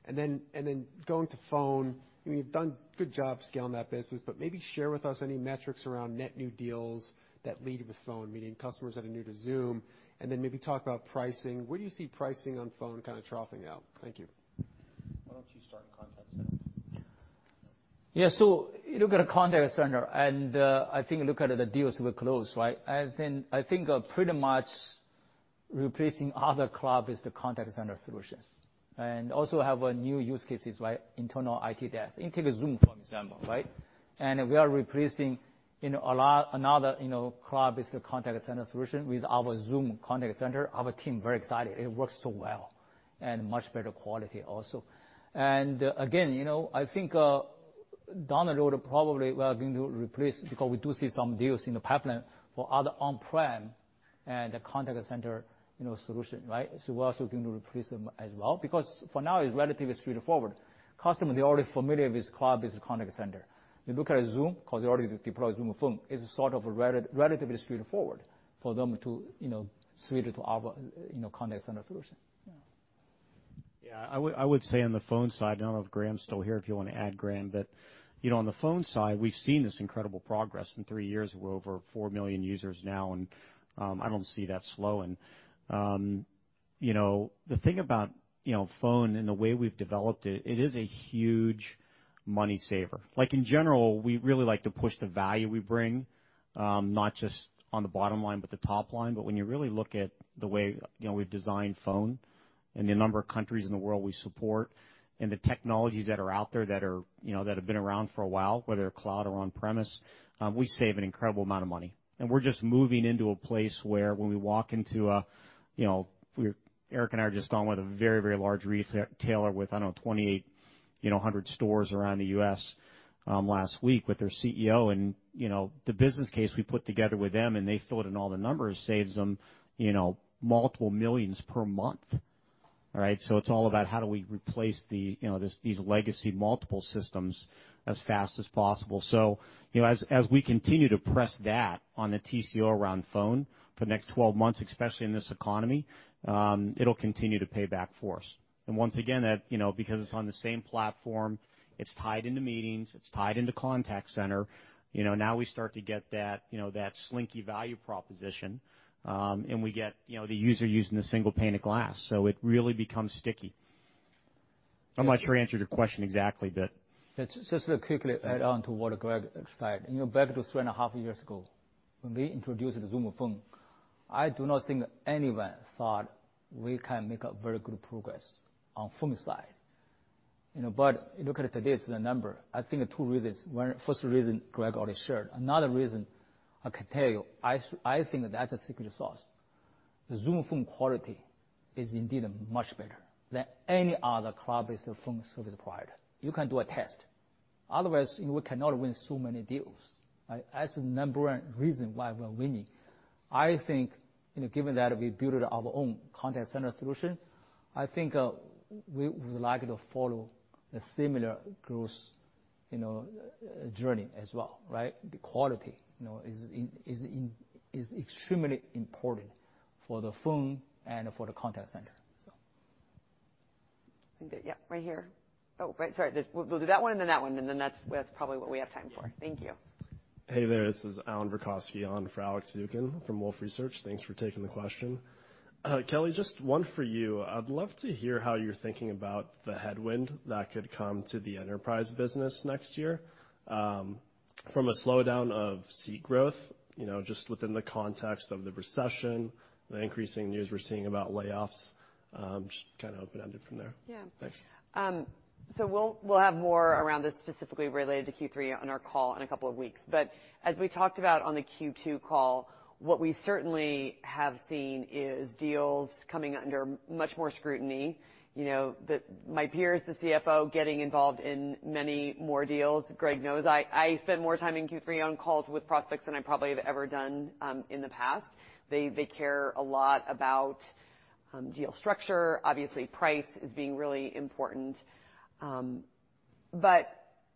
And then going to Phone, you've done a good job scaling that business, but maybe share with us any metrics around net new deals that lead with Phone, meaning customers that are new to Zoom, and then maybe talk about pricing. Where do you see pricing on Phone kind of troughing out? Thank you. Why don't you start in contact center. Yeah. You look at a contact center, and I think look at the deals we closed, right? I think pretty much replacing other cloud-based contact center solutions, and also have new use cases, right? Internal IT desk, integrate Zoom, for example, right? We are replacing, you know, a lot, another, you know, cloud-based contact center solution with our Zoom Contact Center. Our team very excited. It works so well and much better quality also. Again, you know, I think down the road, probably we are going to replace because we do see some deals in the pipeline for other on-prem and contact center, you know, solution, right? We're also going to replace them as well. Because for now, it's relatively straightforward. Customer, they're already familiar with cloud-based contact center. They look at Zoom 'cause they already deployed Zoom Phone. It's sort of relatively straightforward for them to, you know, switch to our, you know, contact center solution. Yeah. Yeah. I would say on the phone side, I don't know if Graham's still here, if you wanna add Graham. You know, on the phone side, we've seen this incredible progress. In 3 years, we're over 4 million users now, and I don't see that slowing. You know, the thing about Phone and the way we've developed it is a huge money saver. Like, in general, we really like to push the value we bring, not just on the bottom line, but the top line. But when you really look at the way, you know, we've designed Phone and the number of countries in the world we support and the technologies that are out there that are, you know, that have been around for a while, whether cloud or on-premise, we save an incredible amount of money. We're just moving into a place where when we walk into a, you know, Eric and I are just on with a very, very large retailer with, I don't know, 2,800 stores around the U.S. last week with their CEO. You know, the business case we put together with them, and they filled in all the numbers, saves them, you know, $ multiple millions per month, right? It's all about how do we replace the, you know, these legacy multiple systems as fast as possible. You know, as we continue to press that on the TCO around Phone for the next 12 months, especially in this economy, it'll continue to pay back for us. Once again, that, you know, because it's on the same platform, it's tied into Meetings, it's tied into Contact Center, you know, now we start to get that, you know, that slinky value proposition, and we get, you know, the user using the single pane of glass, so it really becomes sticky. I'm not sure I answered your question exactly, but Just to quickly add on to what Greg said. You know, back to 3.5 years ago when we introduced Zoom Phone, I do not think anyone thought we can make a very good progress on Phone side. You know, but you look at today's, the number, I think two reasons. One, first reason, Greg already shared. Another reason I can tell you, I think that's a secret sauce. The Zoom Phone quality is indeed much better than any other cloud-based phone service provider. You can do a test. Otherwise, we cannot win so many deals, right? That's the number one reason why we're winning. I think, you know, given that we built our own contact center solution, I think, we would like to follow a similar growth, you know, journey as well, right? The quality, you know, is extremely important for the Phone and for the Contact Center, so. Okay. Yeah, right here. Oh, right. Sorry. We'll do that one and then that one, and then that's probably what we have time for. Thank you. Hey there. This is Alan Rokosky on for Alex Zukin from Wolfe Research. Thanks for taking the question. Kelly, just one for you. I'd love to hear how you're thinking about the headwind that could come to the enterprise business next year, from a slowdown of seat growth, you know, just within the context of the recession, the increasing news we're seeing about layoffs. Just kind of open-ended from there. Yeah. Thanks. We'll have more around this specifically related to Q3 on our call in a couple of weeks. As we talked about on the Q2 call, what we certainly have seen is deals coming under much more scrutiny. You know, my peers, the CFO, getting involved in many more deals. Greg knows I spend more time in Q3 on calls with prospects than I probably have ever done in the past. They care a lot about deal structure. Obviously, price is being really important.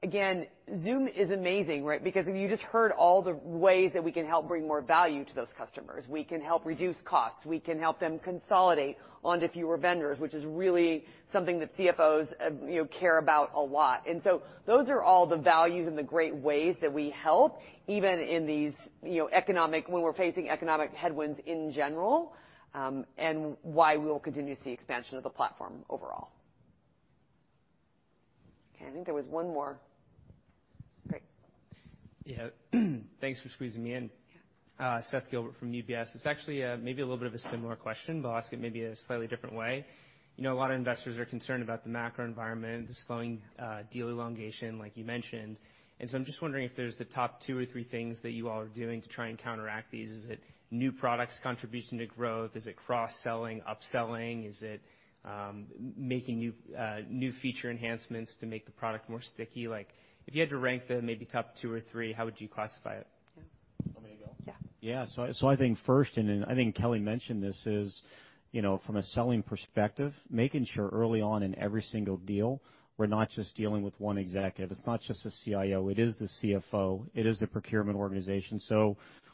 Again, Zoom is amazing, right? Because if you just heard all the ways that we can help bring more value to those customers, we can help reduce costs, we can help them consolidate onto fewer vendors, which is really something that CFOs, you know, care about a lot. Those are all the values and the great ways that we help even in these, you know, economic, when we're facing economic headwinds in general, and why we will continue to see expansion of the platform overall. Okay. I think there was one more. Great. Yeah. Thanks for squeezing me in. Yeah. Seth Gilbert from UBS. It's actually maybe a little bit of a similar question, but I'll ask it maybe a slightly different way. You know, a lot of investors are concerned about the macro environment, the slowing deal elongation, like you mentioned. I'm just wondering if there's the top two or three things that you all are doing to try and counteract these. Is it new products contribution to growth? Is it cross-selling, upselling? Is it making new feature enhancements to make the product more sticky? Like, if you had to rank the maybe top two or three, how would you classify it? Yeah. Want me to go? Yeah. I think first, and then I think Kelly mentioned this is, you know, from a selling perspective, making sure early on in every single deal, we're not just dealing with one executive. It's not just the CIO, it is the CFO, it is the procurement organization.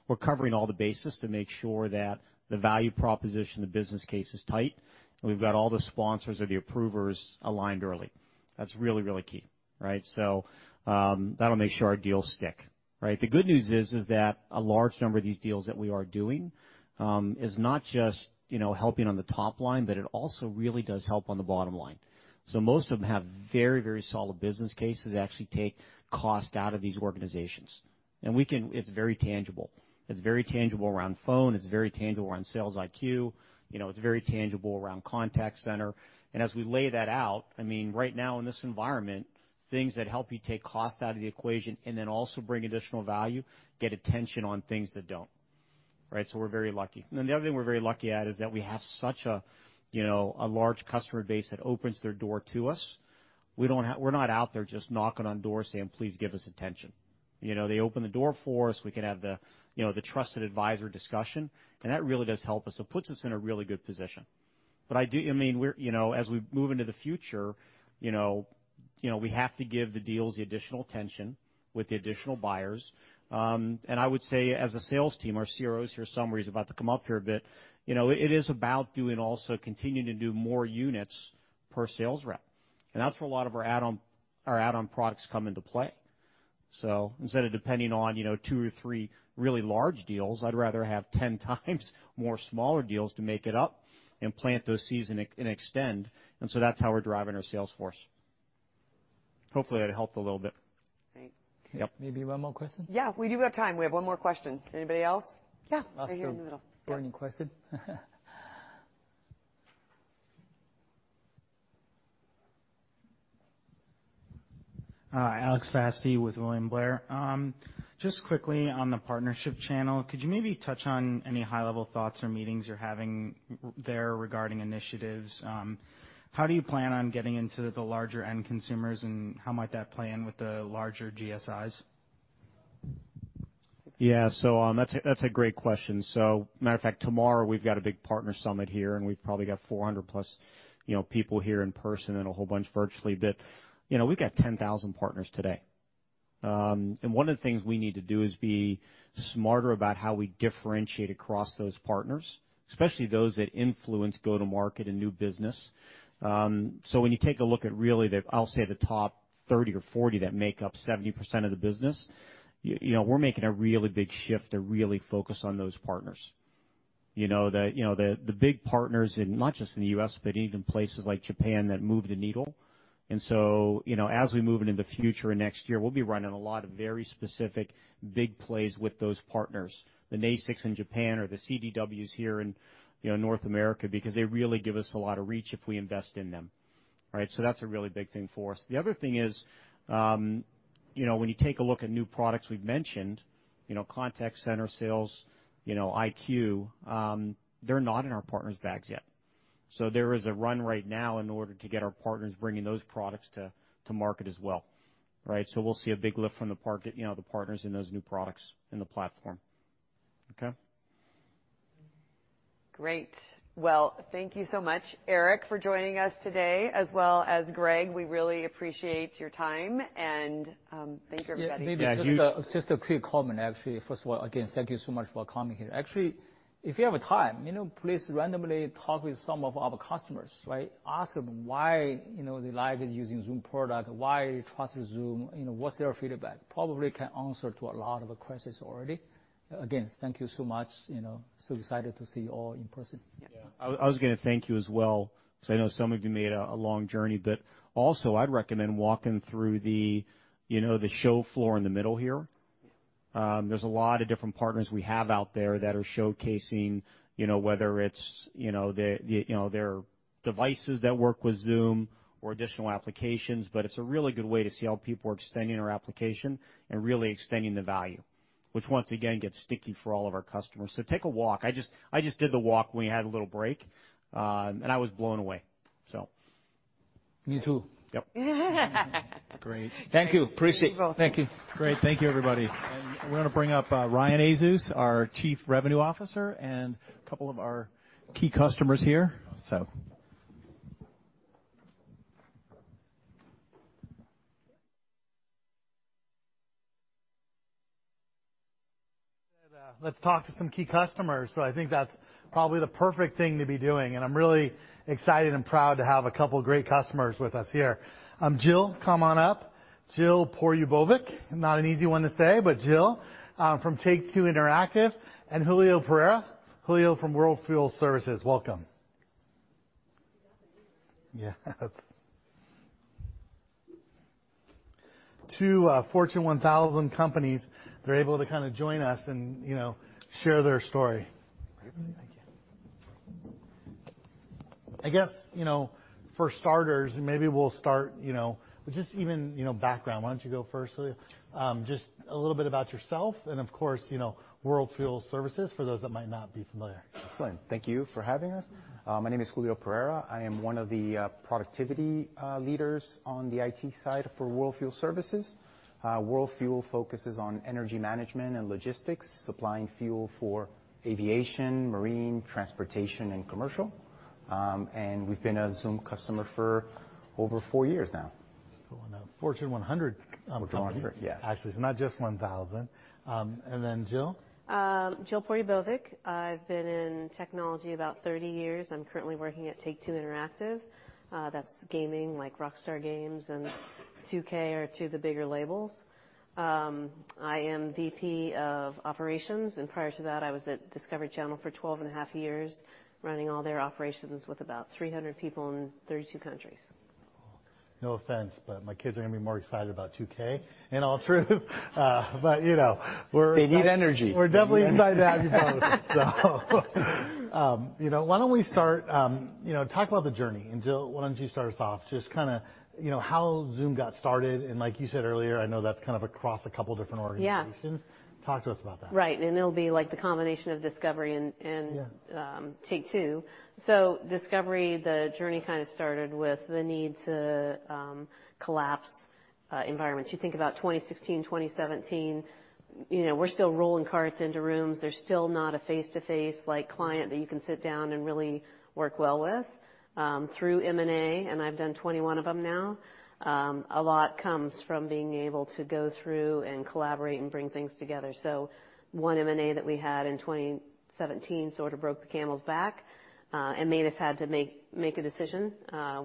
We're covering all the bases to make sure that the value proposition, the business case is tight, and we've got all the sponsors or the approvers aligned early. That's really, really key, right? That'll make sure our deals stick, right? The good news is that a large number of these deals that we are doing is not just, you know, helping on the top line, but it also really does help on the bottom line. Most of them have very, very solid business cases that actually take cost out of these organizations. We can, it's very tangible. It's very tangible around phone, it's very tangible around sales IQ, you know, it's very tangible around contact center. As we lay that out, I mean, right now in this environment, things that help you take cost out of the equation and then also bring additional value, get attention on things that don't, right? We're very lucky. The other thing we're very lucky at is that we have such a, you know, a large customer base that opens their door to us. We're not out there just knocking on doors saying, "Please give us attention." You know, they open the door for us, we can have the, you know, the trusted advisor discussion, and that really does help us. Puts us in a really good position. I mean, we're, you know, as we move into the future, you know, you know, we have to give the deals the additional attention with the additional buyers. I would say, as a sales team, our CROs here, summary's about to come up here a bit. You know, it is about doing also continuing to do more units per sales rep. That's where a lot of our add-on products come into play. Instead of depending on, you know, 2 or 3 really large deals, I'd rather have 10 times more smaller deals to make it up and plant those seeds and extend. That's how we're driving our sales force. Hopefully, that helped a little bit. Great. Yep. Maybe one more question? Yeah, we do have time. We have one more question. Anybody else? Yeah. Right here in the middle. Ask a burning question. Hi, Alex Zukin with William Blair. Just quickly on the partnership channel, could you maybe touch on any high-level thoughts or meetings you're having regarding initiatives? How do you plan on getting into the larger enterprise customers, and how might that play in with the larger GSIs? Yeah. That's a great question. Matter of fact, tomorrow we've got a big partner summit here, and we've probably got 400+, you know, people here in person and a whole bunch virtually. But, you know, we've got 10,000 partners today. And one of the things we need to do is be smarter about how we differentiate across those partners, especially those that influence go-to-market and new business. When you take a look at really the, I'll say, the top 30 or 40 that make up 70% of the business, you know, we're making a really big shift to really focus on those partners. You know, the big partners in not just in the U.S., but even places like Japan that move the needle. You know, as we move into the future next year, we'll be running a lot of very specific big plays with those partners, the NESIC in Japan or the CDWs here in, you know, North America, because they really give us a lot of reach if we invest in them, right? That's a really big thing for us. The other thing is, you know, when you take a look at new products we've mentioned, you know, contact center sales, you know, IQ, they're not in our partners' bags yet. There is a run right now in order to get our partners bringing those products to market as well, right? We'll see a big lift from you know, the partners in those new products in the platform. Okay? Great. Well, thank you so much, Eric, for joining us today, as well as Greg. We really appreciate your time, and thank you, everybody. Yeah. Maybe just a quick comment, actually. First of all, again, thank you so much for coming here. Actually, if you have time, you know, please randomly talk with some of our customers, right? Ask them why, you know, they like using Zoom product, why they trust Zoom, you know, what's their feedback. Probably can answer to a lot of the questions already. Again, thank you so much. You know, so excited to see you all in person. Yeah. I was gonna thank you as well, 'cause I know some of you made a long journey. Also, I'd recommend walking through the, you know, the show floor in the middle here. There's a lot of different partners we have out there that are showcasing, you know, whether it's, you know, the, you know, their devices that work with Zoom or additional applications. It's a really good way to see how people are extending our application and really extending the value, which once again gets sticky for all of our customers. Take a walk. I just did the walk when we had a little break, and I was blown away. Me too. Yep. Great. Thank you. Appreciate it. Thank you both. Thank you. Great. Thank you, everybody. We're gonna bring up Ryan Azus, our Chief Revenue Officer, and a couple of our key customers here. He said, let's talk to some key customers. I think that's probably the perfect thing to be doing, and I'm really excited and proud to have a couple great customers with us here. Jill, come on up. Jill Popelka, not an easy one to say, but Jill, from Take-Two Interactive, and Julio Pereira. Julio from World Fuel Services, welcome. Yeah. 2 Fortune 1000 companies, they're able to kinda join us and, you know, share their story. Great. Thank you. I guess, you know, for starters, and maybe we'll start, you know, just even, you know, background. Why don't you go first, Julio? Just a little bit about yourself and of course, you know, World Fuel Services for those that might not be familiar. Excellent. Thank you for having us. My name is Julio Pereira. I am one of the productivity leaders on the IT side for World Fuel Services. World Fuel focuses on energy management and logistics, supplying fuel for aviation, marine, transportation, and commercial. We've been a Zoom customer for over four years now. Going on Fortune 100, company. We're going for it, yeah. Actually, it's not just 1,000. Jill. Jill Popelka. I've been in technology about 30 years. I'm currently working at Take-Two Interactive. That's gaming, like Rockstar Games and 2K are two of the bigger labels. I am VP of operations, and prior to that, I was at Discovery Channel for 12 and a half years, running all their operations with about 300 people in 32 countries. No offense, but my kids are gonna be more excited about 2K, in all truth. You know, we're They need energy. We're definitely excited to have you both. You know, why don't we start, you know, talk about the journey. Jill, why don't you start us off? Just kinda, you know, how Zoom got started, and like you said earlier, I know that's kind of across a couple different organizations. Yeah. Talk to us about that. Right. It'll be like the combination of Discovery. Yeah Take-Two. Discovery, the journey kind of started with the need to collapse environments. You think about 2016, 2017, you know, we're still rolling carts into rooms. There's still not a face-to-face, like, client that you can sit down and really work well with. Through M&A, and I've done 21 of them now, a lot comes from being able to go through and collaborate and bring things together. One M&A that we had in 2017 sort of broke the camel's back, and made us have to make a decision. I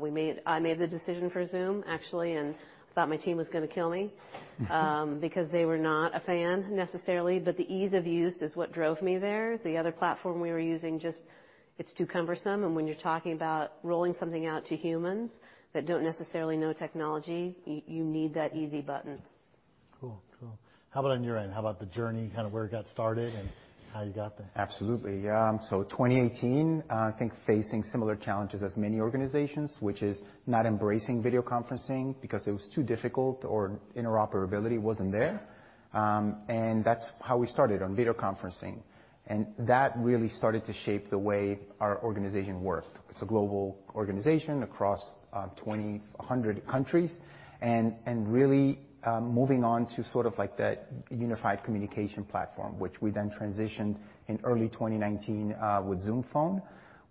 made the decision for Zoom, actually, and thought my team was gonna kill me. Because they were not a fan necessarily, the ease of use is what drove me there. The other platform we were using just, it's too cumbersome, and when you're talking about rolling something out to humans that don't necessarily know technology, you need that easy button. Cool. How about on your end? How about the journey, kind of where it got started and how you got there? Absolutely. Yeah. 2018, I think facing similar challenges as many organizations, which is not embracing video conferencing because it was too difficult or interoperability wasn't there. That's how we started on video conferencing. That really started to shape the way our organization worked. It's a global organization across 200 countries and really moving on to sort of like the unified communication platform, which we then transitioned in early 2019 with Zoom Phone,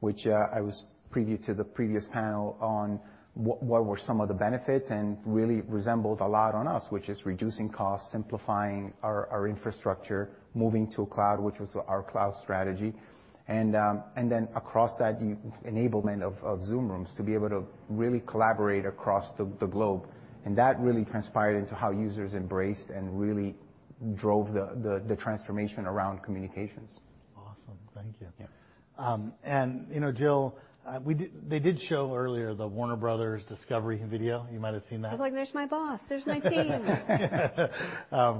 which I was privy to the previous panel on what were some of the benefits, and really resonated a lot with us, which is reducing costs, simplifying our infrastructure, moving to the cloud, which was our cloud strategy. Then across that enablement of Zoom Rooms to be able to really collaborate across the globe. That really transpired into how users embraced and really drove the transformation around communications. Awesome. Thank you. Yeah. You know, Jill, they did show earlier the Warner Bros. Discovery video. You might have seen that. I was like, "There's my boss. There's my team.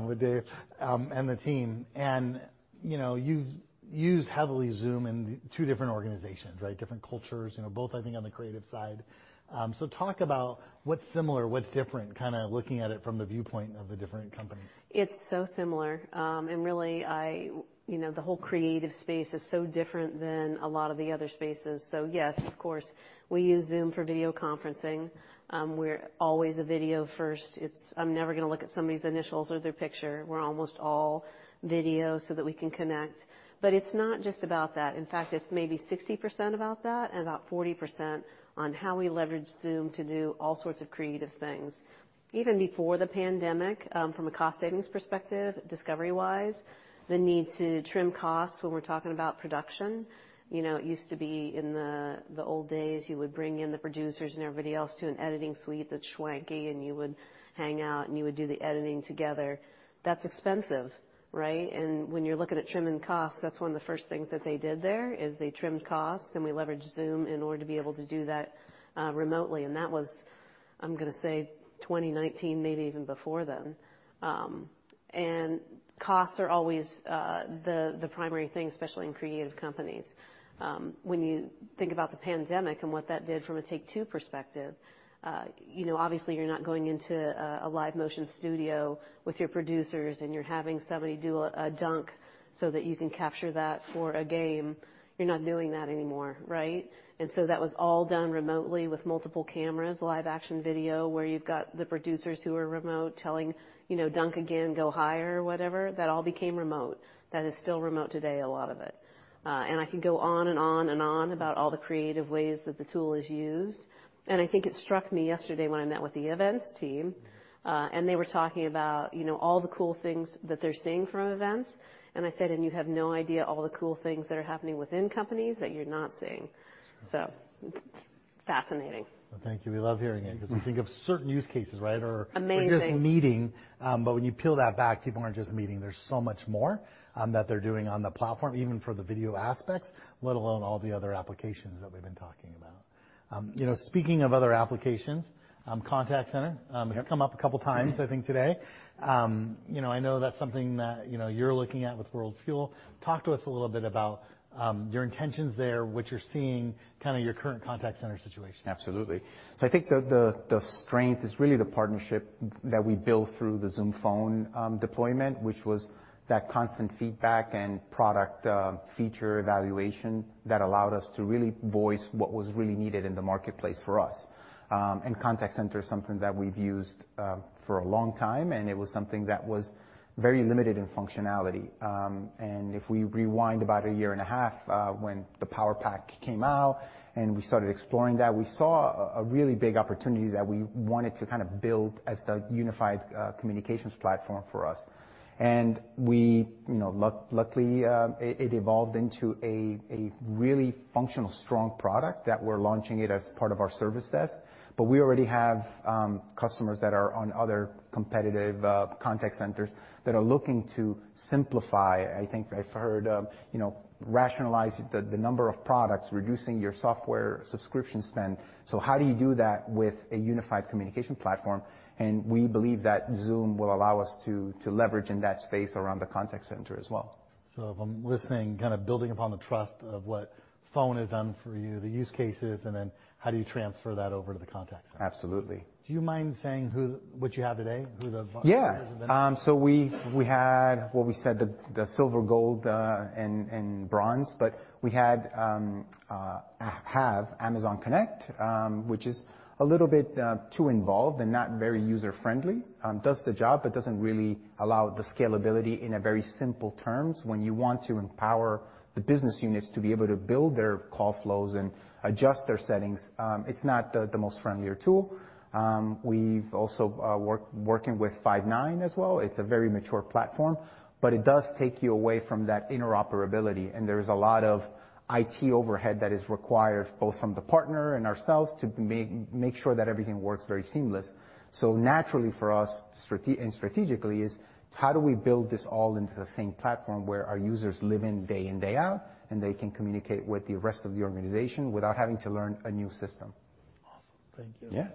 With Dave and the team. You know, you use heavily Zoom in two different organizations, right? Different cultures, you know, both, I think, on the creative side. Talk about what's similar, what's different, kinda looking at it from the viewpoint of the different companies. It's so similar. Really, you know, the whole creative space is so different than a lot of the other spaces. Yes, of course, we use Zoom for video conferencing. We're always a video first. It's—I'm never gonna look at somebody's initials or their picture. We're almost all video so that we can connect. It's not just about that. In fact, it's maybe 60% about that and about 40% on how we leverage Zoom to do all sorts of creative things. Even before the pandemic, from a cost savings perspective, Discovery-wise, the need to trim costs when we're talking about production, you know, it used to be in the old days, you would bring in the producers and everybody else to an editing suite that's swanky, and you would hang out, and you would do the editing together. That's expensive, right? When you're looking at trimming costs, that's one of the first things that they did there, is they trimmed costs, and we leveraged Zoom in order to be able to do that, remotely. That was, I'm gonna say, 2019, maybe even before then. Costs are always the primary thing, especially in creative companies. When you think about the pandemic and what that did from a Take-Two perspective, you know, obviously you're not going into a live motion studio with your producers and you're having somebody do a dunk so that you can capture that for a game. You're not doing that anymore, right? That was all done remotely with multiple cameras, live action video, where you've got the producers who are remote telling, you know, "Dunk again, go higher," whatever. That all became remote. That is still remote today, a lot of it. I can go on and on and on about all the creative ways that the tool is used. I think it struck me yesterday when I met with the events team, and they were talking about, you know, all the cool things that they're seeing from events. I said, "And you have no idea all the cool things that are happening within companies that you're not seeing." It's fascinating. Well, thank you. We love hearing it because we think of certain use cases, right? Amazing just meeting, when you peel that back, people aren't just meeting. There's so much more that they're doing on the platform, even for the video aspects, let alone all the other applications that we've been talking about. You know, speaking of other applications, contact center have come up a couple times I think today. You know, I know that's something that, you know, you're looking at with World Fuel. Talk to us a little bit about your intentions there, what you're seeing, kinda your current contact center situation. Absolutely. I think the strength is really the partnership that we built through the Zoom Phone deployment, which was that constant feedback and product feature evaluation that allowed us to really voice what was really needed in the marketplace for us. Contact Center is something that we've used for a long time, and it was something that was very limited in functionality. If we rewind about a year and a half, when the Power Pack came out and we started exploring that, we saw a really big opportunity that we wanted to kind of build as the unified communications platform for us. We, you know, luckily, it evolved into a really functional, strong product that we're launching it as part of our service desk. We already have customers that are on other competitive contact centers that are looking to simplify. I think I've heard rationalize the number of products, reducing your software subscription spend. How do you do that with a unified communication platform? We believe that Zoom will allow us to leverage in that space around the contact center as well. If I'm listening, kind of building upon the trust of what Phone has done for you, the use cases, and then how do you transfer that over to the Contact Center? Absolutely. Do you mind saying who, what you have today? Yeah. Vendors have been? We had what we said, the silver, gold, and bronze, but we have Amazon Connect, which is a little bit too involved and not very user-friendly. Does the job, but doesn't really allow the scalability in a very simple terms. When you want to empower the business units to be able to build their call flows and adjust their settings, it's not the most friendlier tool. We've also working with Five9 as well. It's a very mature platform, but it does take you away from that interoperability, and there is a lot of IT overhead that is required both from the partner and ourselves to make sure that everything works very seamless. Naturally for us strategically is how do we build this all into the same platform where our users live in day in, day out, and they can communicate with the rest of the organization without having to learn a new system. Awesome. Thank you. Yeah.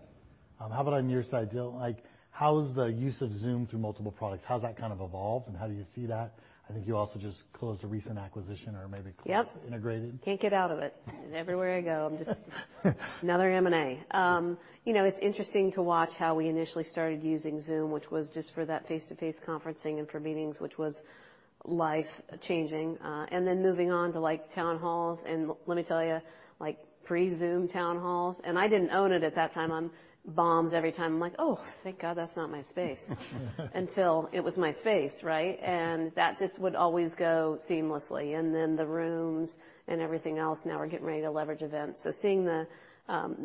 How about on your side, Jill? Like, how's the use of Zoom through multiple products, how's that kind of evolved, and how do you see that? I think you also just closed a recent acquisition or maybe. Yep. -integrated. Can't get out of it. Everywhere I go, I'm just another M&A. You know, it's interesting to watch how we initially started using Zoom, which was just for that face-to-face conferencing and for meetings, which was life-changing. Moving on to like town halls, and let me tell you, like pre-Zoom town halls, and I didn't own it at that time. It bombs every time. I'm like, "Oh, thank God that's not my space." Until it was my space, right? That just would always go seamlessly. The rooms and everything else, now we're getting ready to leverage events. Seeing the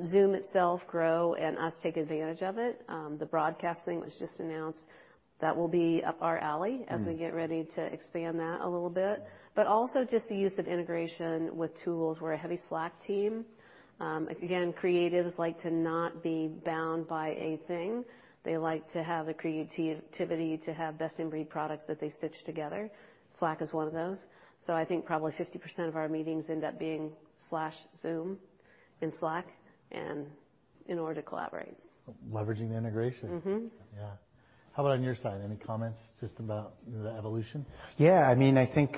Zoom itself grow and us take advantage of it, the broadcasting was just announced. That will be up our alley. Mm. As we get ready to expand that a little bit. Also just the use of integration with tools. We're a heavy Slack team. Again, creatives like to not be bound by a thing. They like to have the creativity to have best-in-breed products that they stitch together. Slack is one of those. I think probably 50% of our meetings end up being Slack Zoom in Slack and in order to collaborate. Leveraging the integration. Mm-hmm. Yeah. How about on your side? Any comments just about the evolution? Yeah. I mean, I think,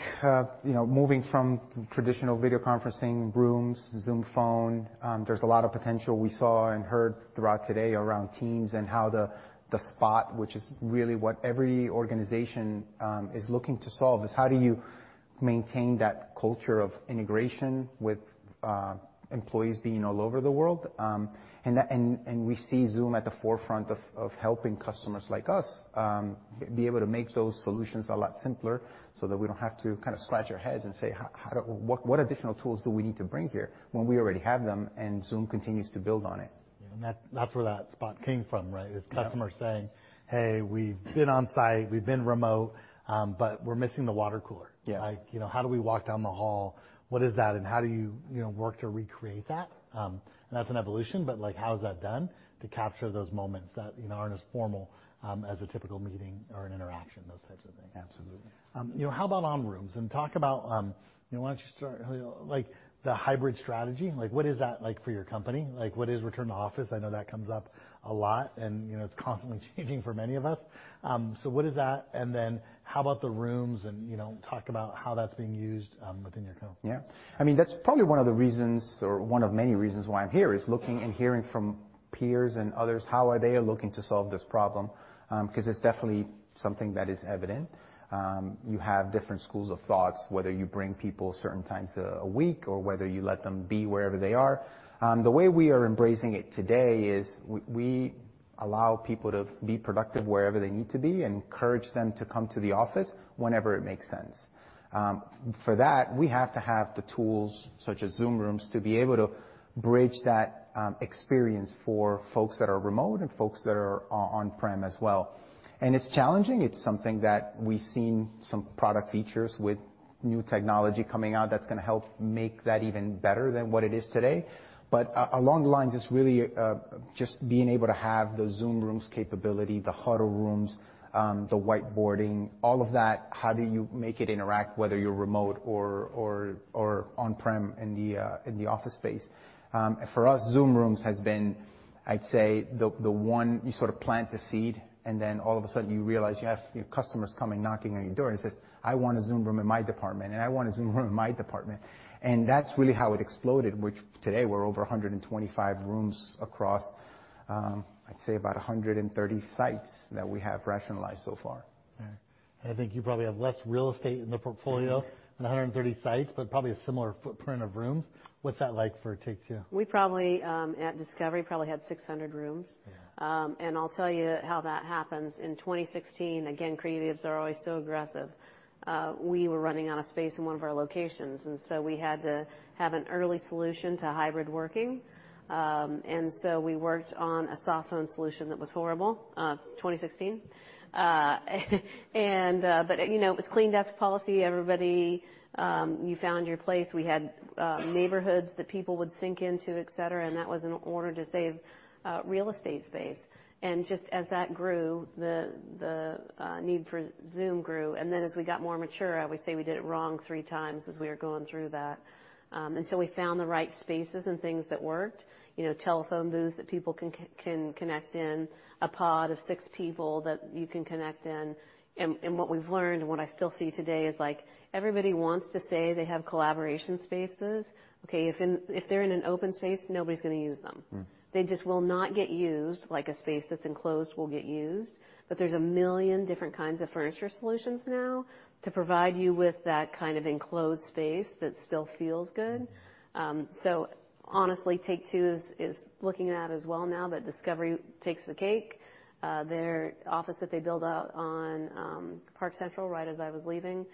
you know, moving from traditional video conferencing rooms, Zoom Phone, there's a lot of potential we saw and heard throughout today around Teams and how the Zoom Spots, which is really what every organization is looking to solve is how do you maintain that culture of integration with employees being all over the world. And we see Zoom at the forefront of helping customers like us be able to make those solutions a lot simpler so that we don't have to kind of scratch our heads and say, "What additional tools do we need to bring here when we already have them?" Zoom continues to build on it. That, that's where that spot came from, right? Yeah. Customers saying, "Hey, we've been on site, we've been remote, but we're missing the water cooler. Yeah. Like, you know, how do we walk down the hall? What is that, and how do you know, work to recreate that? That's an evolution, but like, how is that done to capture those moments that, you know, aren't as formal, as a typical meeting or an interaction, those types of things. Absolutely. You know, how about on rooms? Talk about, you know, why don't you start, like, the hybrid strategy, like what is that like for your company? Like what is return to office? I know that comes up a lot and, you know, it's constantly changing for many of us. What is that? How about the rooms and, you know, talk about how that's being used within your company. Yeah. I mean, that's probably one of the reasons or one of many reasons why I'm here, is looking and hearing from peers and others, how are they looking to solve this problem? 'Cause it's definitely something that is evident. You have different schools of thought, whether you bring people certain times a week or whether you let them be wherever they are. The way we are embracing it today is we allow people to be productive wherever they need to be and encourage them to come to the office whenever it makes sense. For that, we have to have the tools such as Zoom Rooms to be able to bridge that experience for folks that are remote and folks that are on-prem as well. It's challenging. It's something that we've seen some product features with new technology coming out that's gonna help make that even better than what it is today. Along the lines, it's really just being able to have the Zoom Rooms capability, the huddle rooms, the whiteboarding, all of that, how do you make it interact, whether you're remote or on-prem in the office space? For us, Zoom Rooms has been, I'd say, the one... You sort of plant the seed, and then all of a sudden you realize you have your customers coming, knocking on your door and saying, "I want a Zoom Room in my department, and I want a Zoom Room in my department." That's really how it exploded, which today we're over 125 rooms across, I'd say about 130 sites that we have rationalized so far. All right. I think you probably have less real estate in the portfolio on 130 sites, but probably a similar footprint of rooms. What's that like for Take-Two? We probably at Discovery probably had 600 rooms. Yeah. I'll tell you how that happens. In 2016, again, creatives are always so aggressive, we were running out of space in one of our locations, and so we had to have an early solution to hybrid working. We worked on a soft phone solution that was horrible, 2016. You know, it was clean desk policy. Everybody. You found your place. We had neighborhoods that people would sync into, et cetera, and that was in order to save real estate space. Just as that grew, the need for Zoom grew. As we got more mature, I would say we did it wrong three times as we were going through that until we found the right spaces and things that worked. You know, telephone booths that people can connect in, a pod of six people that you can connect in. What we've learned and what I still see today is, like, everybody wants to say they have collaboration spaces. Okay, if they're in an open space, nobody's gonna use them. Mm. They just will not get used like a space that's enclosed will get used. There's a million different kinds of furniture solutions now to provide you with that kind of enclosed space that still feels good. Honestly, Take-Two is looking at as well now, but Discovery takes the cake. Their office that they build out on Park Central right as I was leaving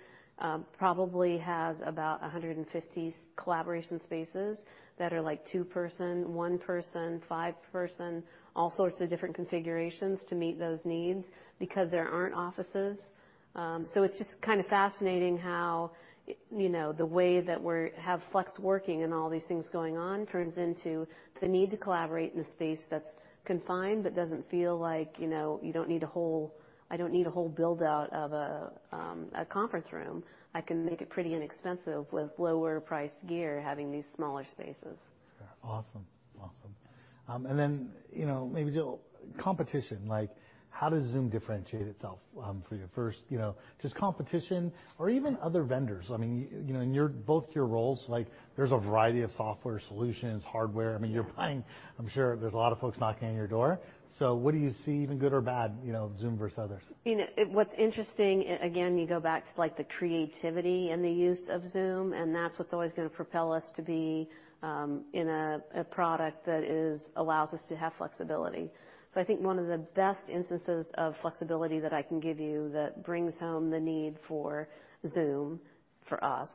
probably has about 150 collaboration spaces that are like 2-person, 1-person, 5-person, all sorts of different configurations to meet those needs because there aren't offices. It's just kind of fascinating how, you know, the way that we have flex working and all these things going on turns into the need to collaborate in a space that's confined but doesn't feel like, you know, you don't need a whole. I don't need a whole build-out of a conference room. I can make it pretty inexpensive with lower priced gear, having these smaller spaces. Yeah. Awesome. You know, maybe Jill, competition, like, how does Zoom differentiate itself for you? First, you know, just competition or even other vendors. I mean, you know, in both your roles, like, there's a variety of software solutions, hardware. Yeah. I mean, you're buying, I'm sure there's a lot of folks knocking on your door. What do you see even good or bad, you know, Zoom versus others? You know, it's interesting, again, you go back to, like, the creativity and the use of Zoom, and that's what's always gonna propel us to be in a product that allows us to have flexibility. I think one of the best instances of flexibility that I can give you that brings home the need for Zoom for us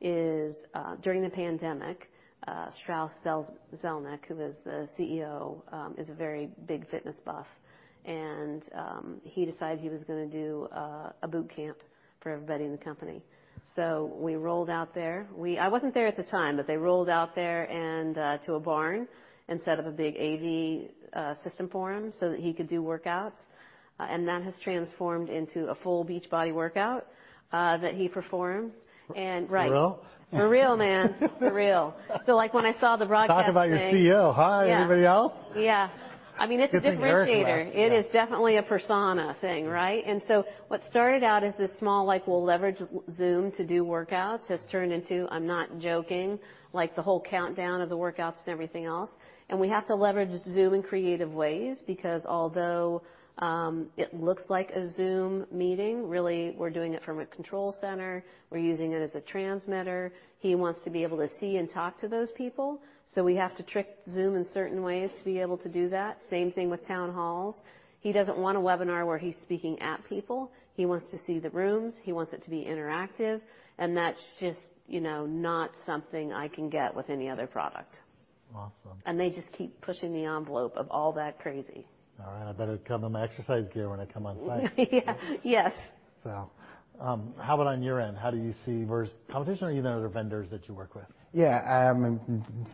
is during the pandemic, Strauss Zelnick, who is the CEO, is a very big fitness buff, and he decided he was gonna do a boot camp for everybody in the company. We rolled out there. I wasn't there at the time, but they rolled out there and to a barn and set up a big AV system for him so that he could do workouts. That has transformed into a full Beachbody workout that he performs. Right. For real? For real, man. For real. Like, when I saw the broadcasting- Talk about your CEO. Hi, everybody else. Yeah. Yeah. Good thing Eric's not here. Yeah. I mean, it's a differentiator. It is definitely a persona thing, right? What started out as this small, like, we'll leverage Zoom to do workouts has turned into, I'm not joking, like, the whole countdown of the workouts and everything else. We have to leverage Zoom in creative ways because although it looks like a Zoom meeting, really, we're doing it from a control center. We're using it as a transmitter. He wants to be able to see and talk to those people, so we have to trick Zoom in certain ways to be able to do that. Same thing with town halls. He doesn't want a webinar where he's speaking at people. He wants to see the rooms. He wants it to be interactive, and that's just, you know, not something I can get with any other product. Awesome. They just keep pushing the envelope of all that crazy. All right. I better come in my exercise gear when I come on site. Yeah. Yes. How about on your end? How do you see the competition or even other vendors that you work with? Yeah.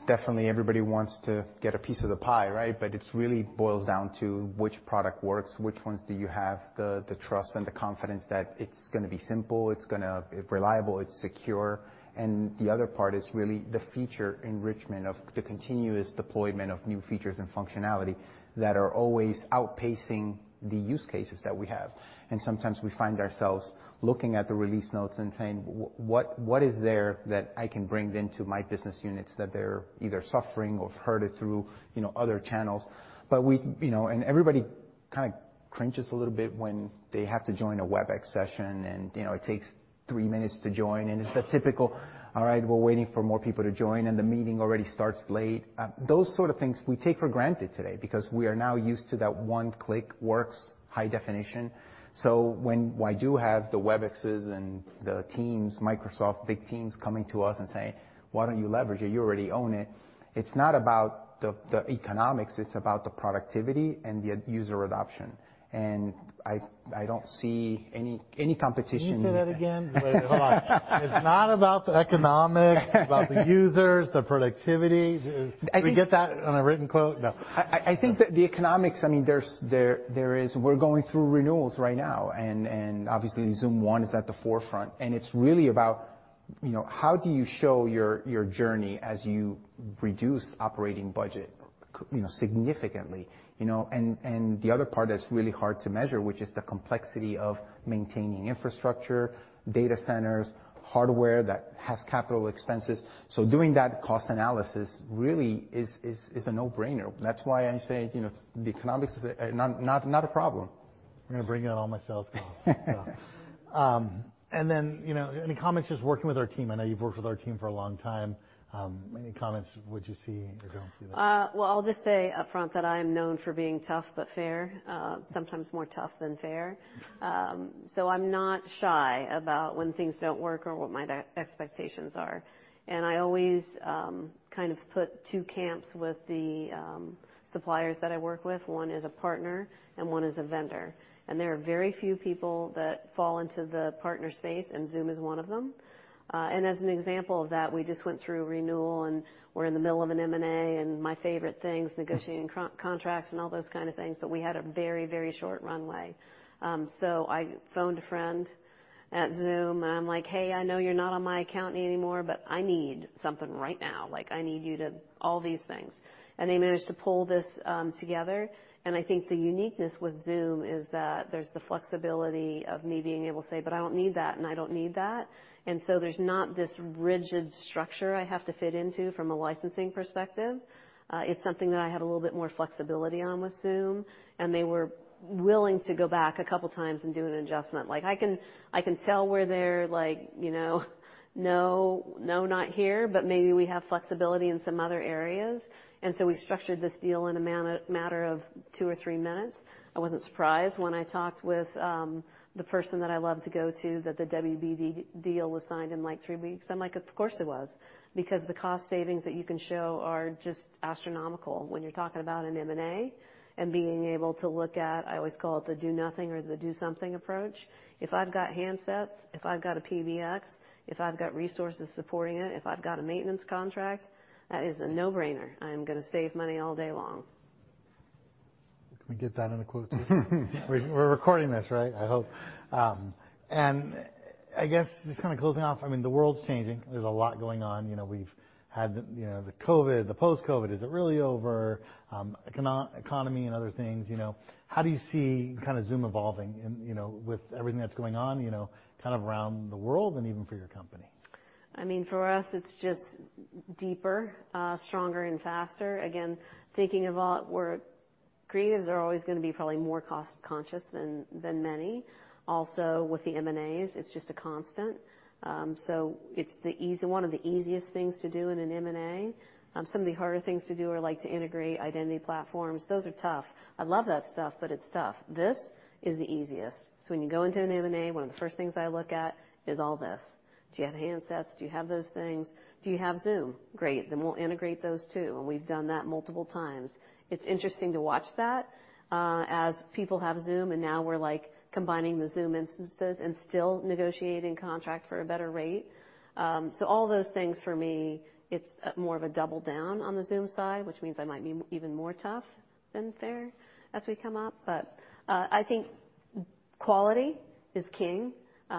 Definitely everybody wants to get a piece of the pie, right? It really boils down to which product works, which ones do you have the trust and the confidence that it's gonna be simple, it's gonna be reliable, it's secure. The other part is really the feature enrichment of the continuous deployment of new features and functionality that are always outpacing the use cases that we have. Sometimes we find ourselves looking at the release notes and saying, "What is there that I can bring into my business units that they're either suffering or have heard it through, you know, other channels?" We, you know, and everybody kinda cringes a little bit when they have to join a Webex session and, you know, it takes 3 minutes to join, and it's the typical, "All right, we're waiting for more people to join," and the meeting already starts late. Those sort of things we take for granted today because we are now used to that 1 click works high definition. When I do have the Webexes and the Teams, Microsoft Teams coming to us and saying, "Why don't you leverage it? You already own it," it's not about the economics, it's about the productivity and the user adoption. I don't see any competition. Can you say that again? Wait. Hold on. It's not about the economics, about the users, the productivity. I think. Can we get that on a written quote? No. I think that the economics, I mean, there is. We're going through renewals right now and obviously Zoom One is at the forefront, and it's really about, you know, how do you show your journey as you reduce operating budget significantly. You know, and the other part that's really hard to measure, which is the complexity of maintaining infrastructure, data centers, hardware that has capital expenses. So doing that cost analysis really is a no-brainer. That's why I say, you know, it's the economics is not a problem. You're gonna bring out all my sales calls. You know, any comments just working with our team? I know you've worked with our team for a long time, any comments what you see or don't see there? Well, I'll just say up front that I am known for being tough but fair, sometimes more tough than fair. I'm not shy about when things don't work or what my expectations are. I always kind of put two camps with the suppliers that I work with, one is a partner and one is a vendor. There are very few people that fall into the partner space, and Zoom is one of them. As an example of that, we just went through renewal, and we're in the middle of an M&A, and my favorite thing is negotiating contracts and all those kind of things. We had a very, very short runway. I phoned a friend at Zoom, and I'm like, "Hey, I know you're not on my account anymore, but I need something right now. Like, I need you to..." all these things. They managed to pull this together, and I think the uniqueness with Zoom is that there's the flexibility of me being able to say, "But I don't need that, and I don't need that." There's not this rigid structure I have to fit into from a licensing perspective. It's something that I have a little bit more flexibility on with Zoom, and they were willing to go back a couple times and do an adjustment. Like, I can tell where they're like, "No, no, not here," but maybe we have flexibility in some other areas. We structured this deal in a matter of two or three minutes. I wasn't surprised when I talked with the person that I love to go to that the WBD deal was signed in, like, three weeks. I'm like, "Of course it was." Because the cost savings that you can show are just astronomical when you're talking about an M&A and being able to look at, I always call it the do nothing or the do something approach. If I've got handsets, if I've got a PBX, if I've got resources supporting it, if I've got a maintenance contract, that is a no-brainer. I am gonna save money all day long. Can we get that in a quote too? We're recording this, right? I hope. I guess just kinda closing off, I mean, the world's changing. There's a lot going on. You know, we've had the COVID, the post-COVID. Is it really over? Economy and other things, you know. How do you see kinda Zoom evolving in, you know, with everything that's going on, you know, kind of around the world and even for your company? I mean, for us, it's just deeper, stronger and faster. Again, thinking about creatives are always gonna be probably more cost-conscious than many. Also, with the M&As, it's just a constant. It's one of the easiest things to do in an M&A. Some of the harder things to do are, like, to integrate identity platforms. Those are tough. I love that stuff, but it's tough. This is the easiest. When you go into an M&A, one of the first things I look at is all this. Do you have handsets? Do you have those things? Do you have Zoom? Great, then we'll integrate those two, and we've done that multiple times. It's interesting to watch that, as people have Zoom and now we're, like, combining the Zoom instances and still negotiating contract for a better rate. All those things for me, it's more of a double down on the Zoom side, which means I might be even more tough than fair as we come up. I think quality is king,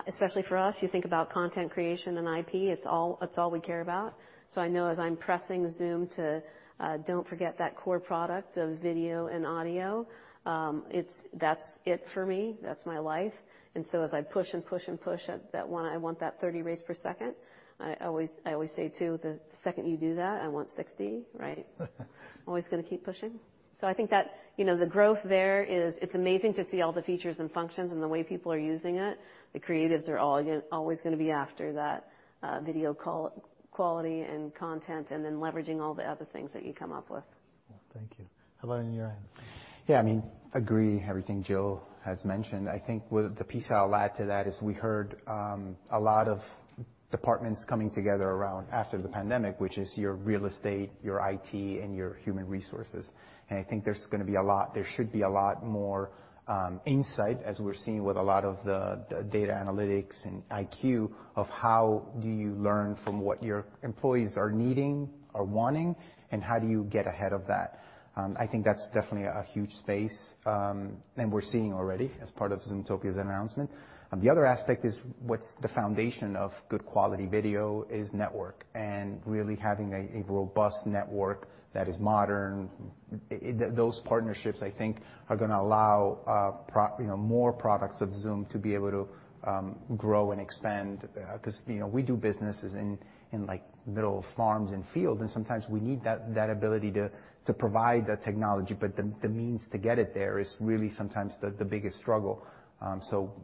especially for us. You think about content creation and IP, it's all we care about. I know as I'm pressing Zoom to don't forget that core product of video and audio, that's it for me. That's my life. As I push and push and push at that one, I want that 30 frames per second. I always say, too, "The second you do that, I want 60," right? Always gonna keep pushing. I think that, you know, the growth there is it's amazing to see all the features and functions and the way people are using it. The creatives are all always gonna be after that, video quality and content and then leveraging all the other things that you come up with. Thank you. How about on your end? I mean, I agree with everything Jill has mentioned. I think the piece I'll add to that is we heard a lot of departments coming together around after the pandemic, which is your real estate, your IT, and your human resources. I think there should be a lot more insight as we're seeing with a lot of the data analytics and AI of how do you learn from what your employees are needing or wanting, and how do you get ahead of that. I think that's definitely a huge space, and we're seeing already as part of Zoomtopia's announcement. The other aspect is what's the foundation of good quality video is network and really having a robust network that is modern. Those partnerships, I think, are gonna allow, you know, more products of Zoom to be able to grow and expand, 'cause, you know, we do businesses in like little farms and fields, and sometimes we need that ability to provide the technology, but the means to get it there is really sometimes the biggest struggle.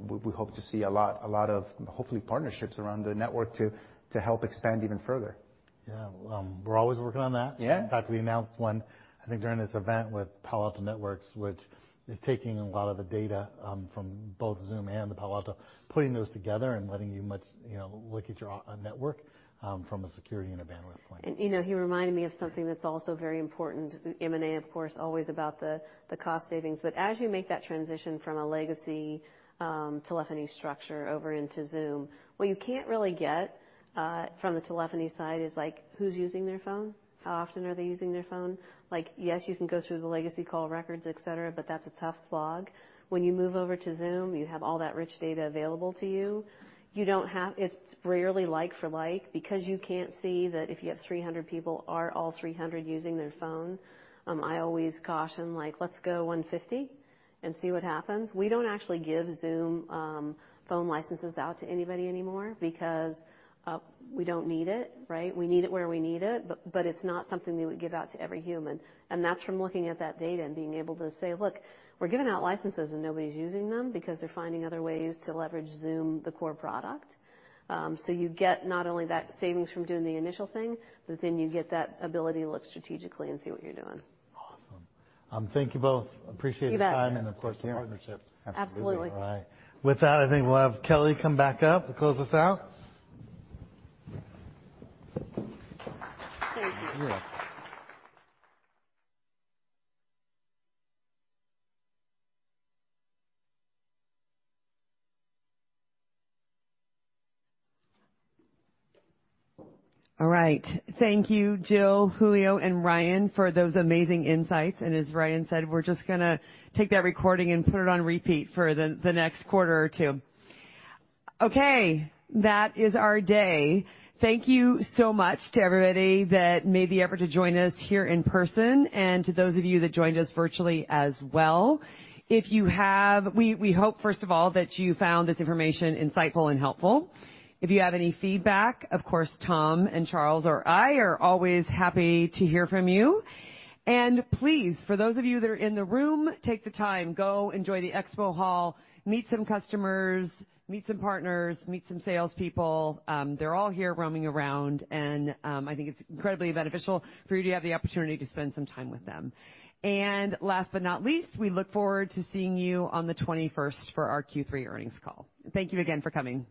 We hope to see a lot of, hopefully, partnerships around the network to help expand even further. Yeah. We're always working on that. Yeah. In fact, we announced one, I think, during this event with Palo Alto Networks, which is taking a lot of the data from both Zoom and the Palo Alto, putting those together and letting you much, you know, look at your network from a security and a bandwidth point. You know, he reminded me of something that's also very important. M&A, of course, always about the cost savings, but as you make that transition from a legacy telephony structure over into Zoom, what you can't really get from the telephony side is, like, who's using their phone? How often are they using their phone? Like, yes, you can go through the legacy call records, et cetera, but that's a tough slog. When you move over to Zoom, you have all that rich data available to you. You don't have. It's rarely like for like, because you can't see that if you have 300 people, are all 300 using their phone? I always caution, like, "Let's go 150 and see what happens." We don't actually give Zoom Phone licenses out to anybody anymore because we don't need it, right? We need it where we need it, but it's not something we would give out to every human. That's from looking at that data and being able to say, "Look, we're giving out licenses and nobody's using them because they're finding other ways to leverage Zoom, the core product." You get not only that savings from doing the initial thing, but then you get that ability to look strategically and see what you're doing. Thank you both. Appreciate your time. You bet. of course, your partnership. Absolutely. All right. With that, I think we'll have Kelly come back up to close us out. Thank you. You're welcome. All right. Thank you, Jill, Julio, and Ryan for those amazing insights. As Ryan said, we're just gonna take that recording and put it on repeat for the next quarter or two. Okay. That is our day. Thank you so much to everybody that made the effort to join us here in person and to those of you that joined us virtually as well. We hope first of all that you found this information insightful and helpful. If you have any feedback, of course, Tom and Charles or I are always happy to hear from you. Please, for those of you that are in the room, take the time, go enjoy the expo hall, meet some customers, meet some partners, meet some salespeople. They're all here roaming around, and I think it's incredibly beneficial for you to have the opportunity to spend some time with them. Last but not least, we look forward to seeing you on the 21st for our Q3 earnings call. Thank you again for coming.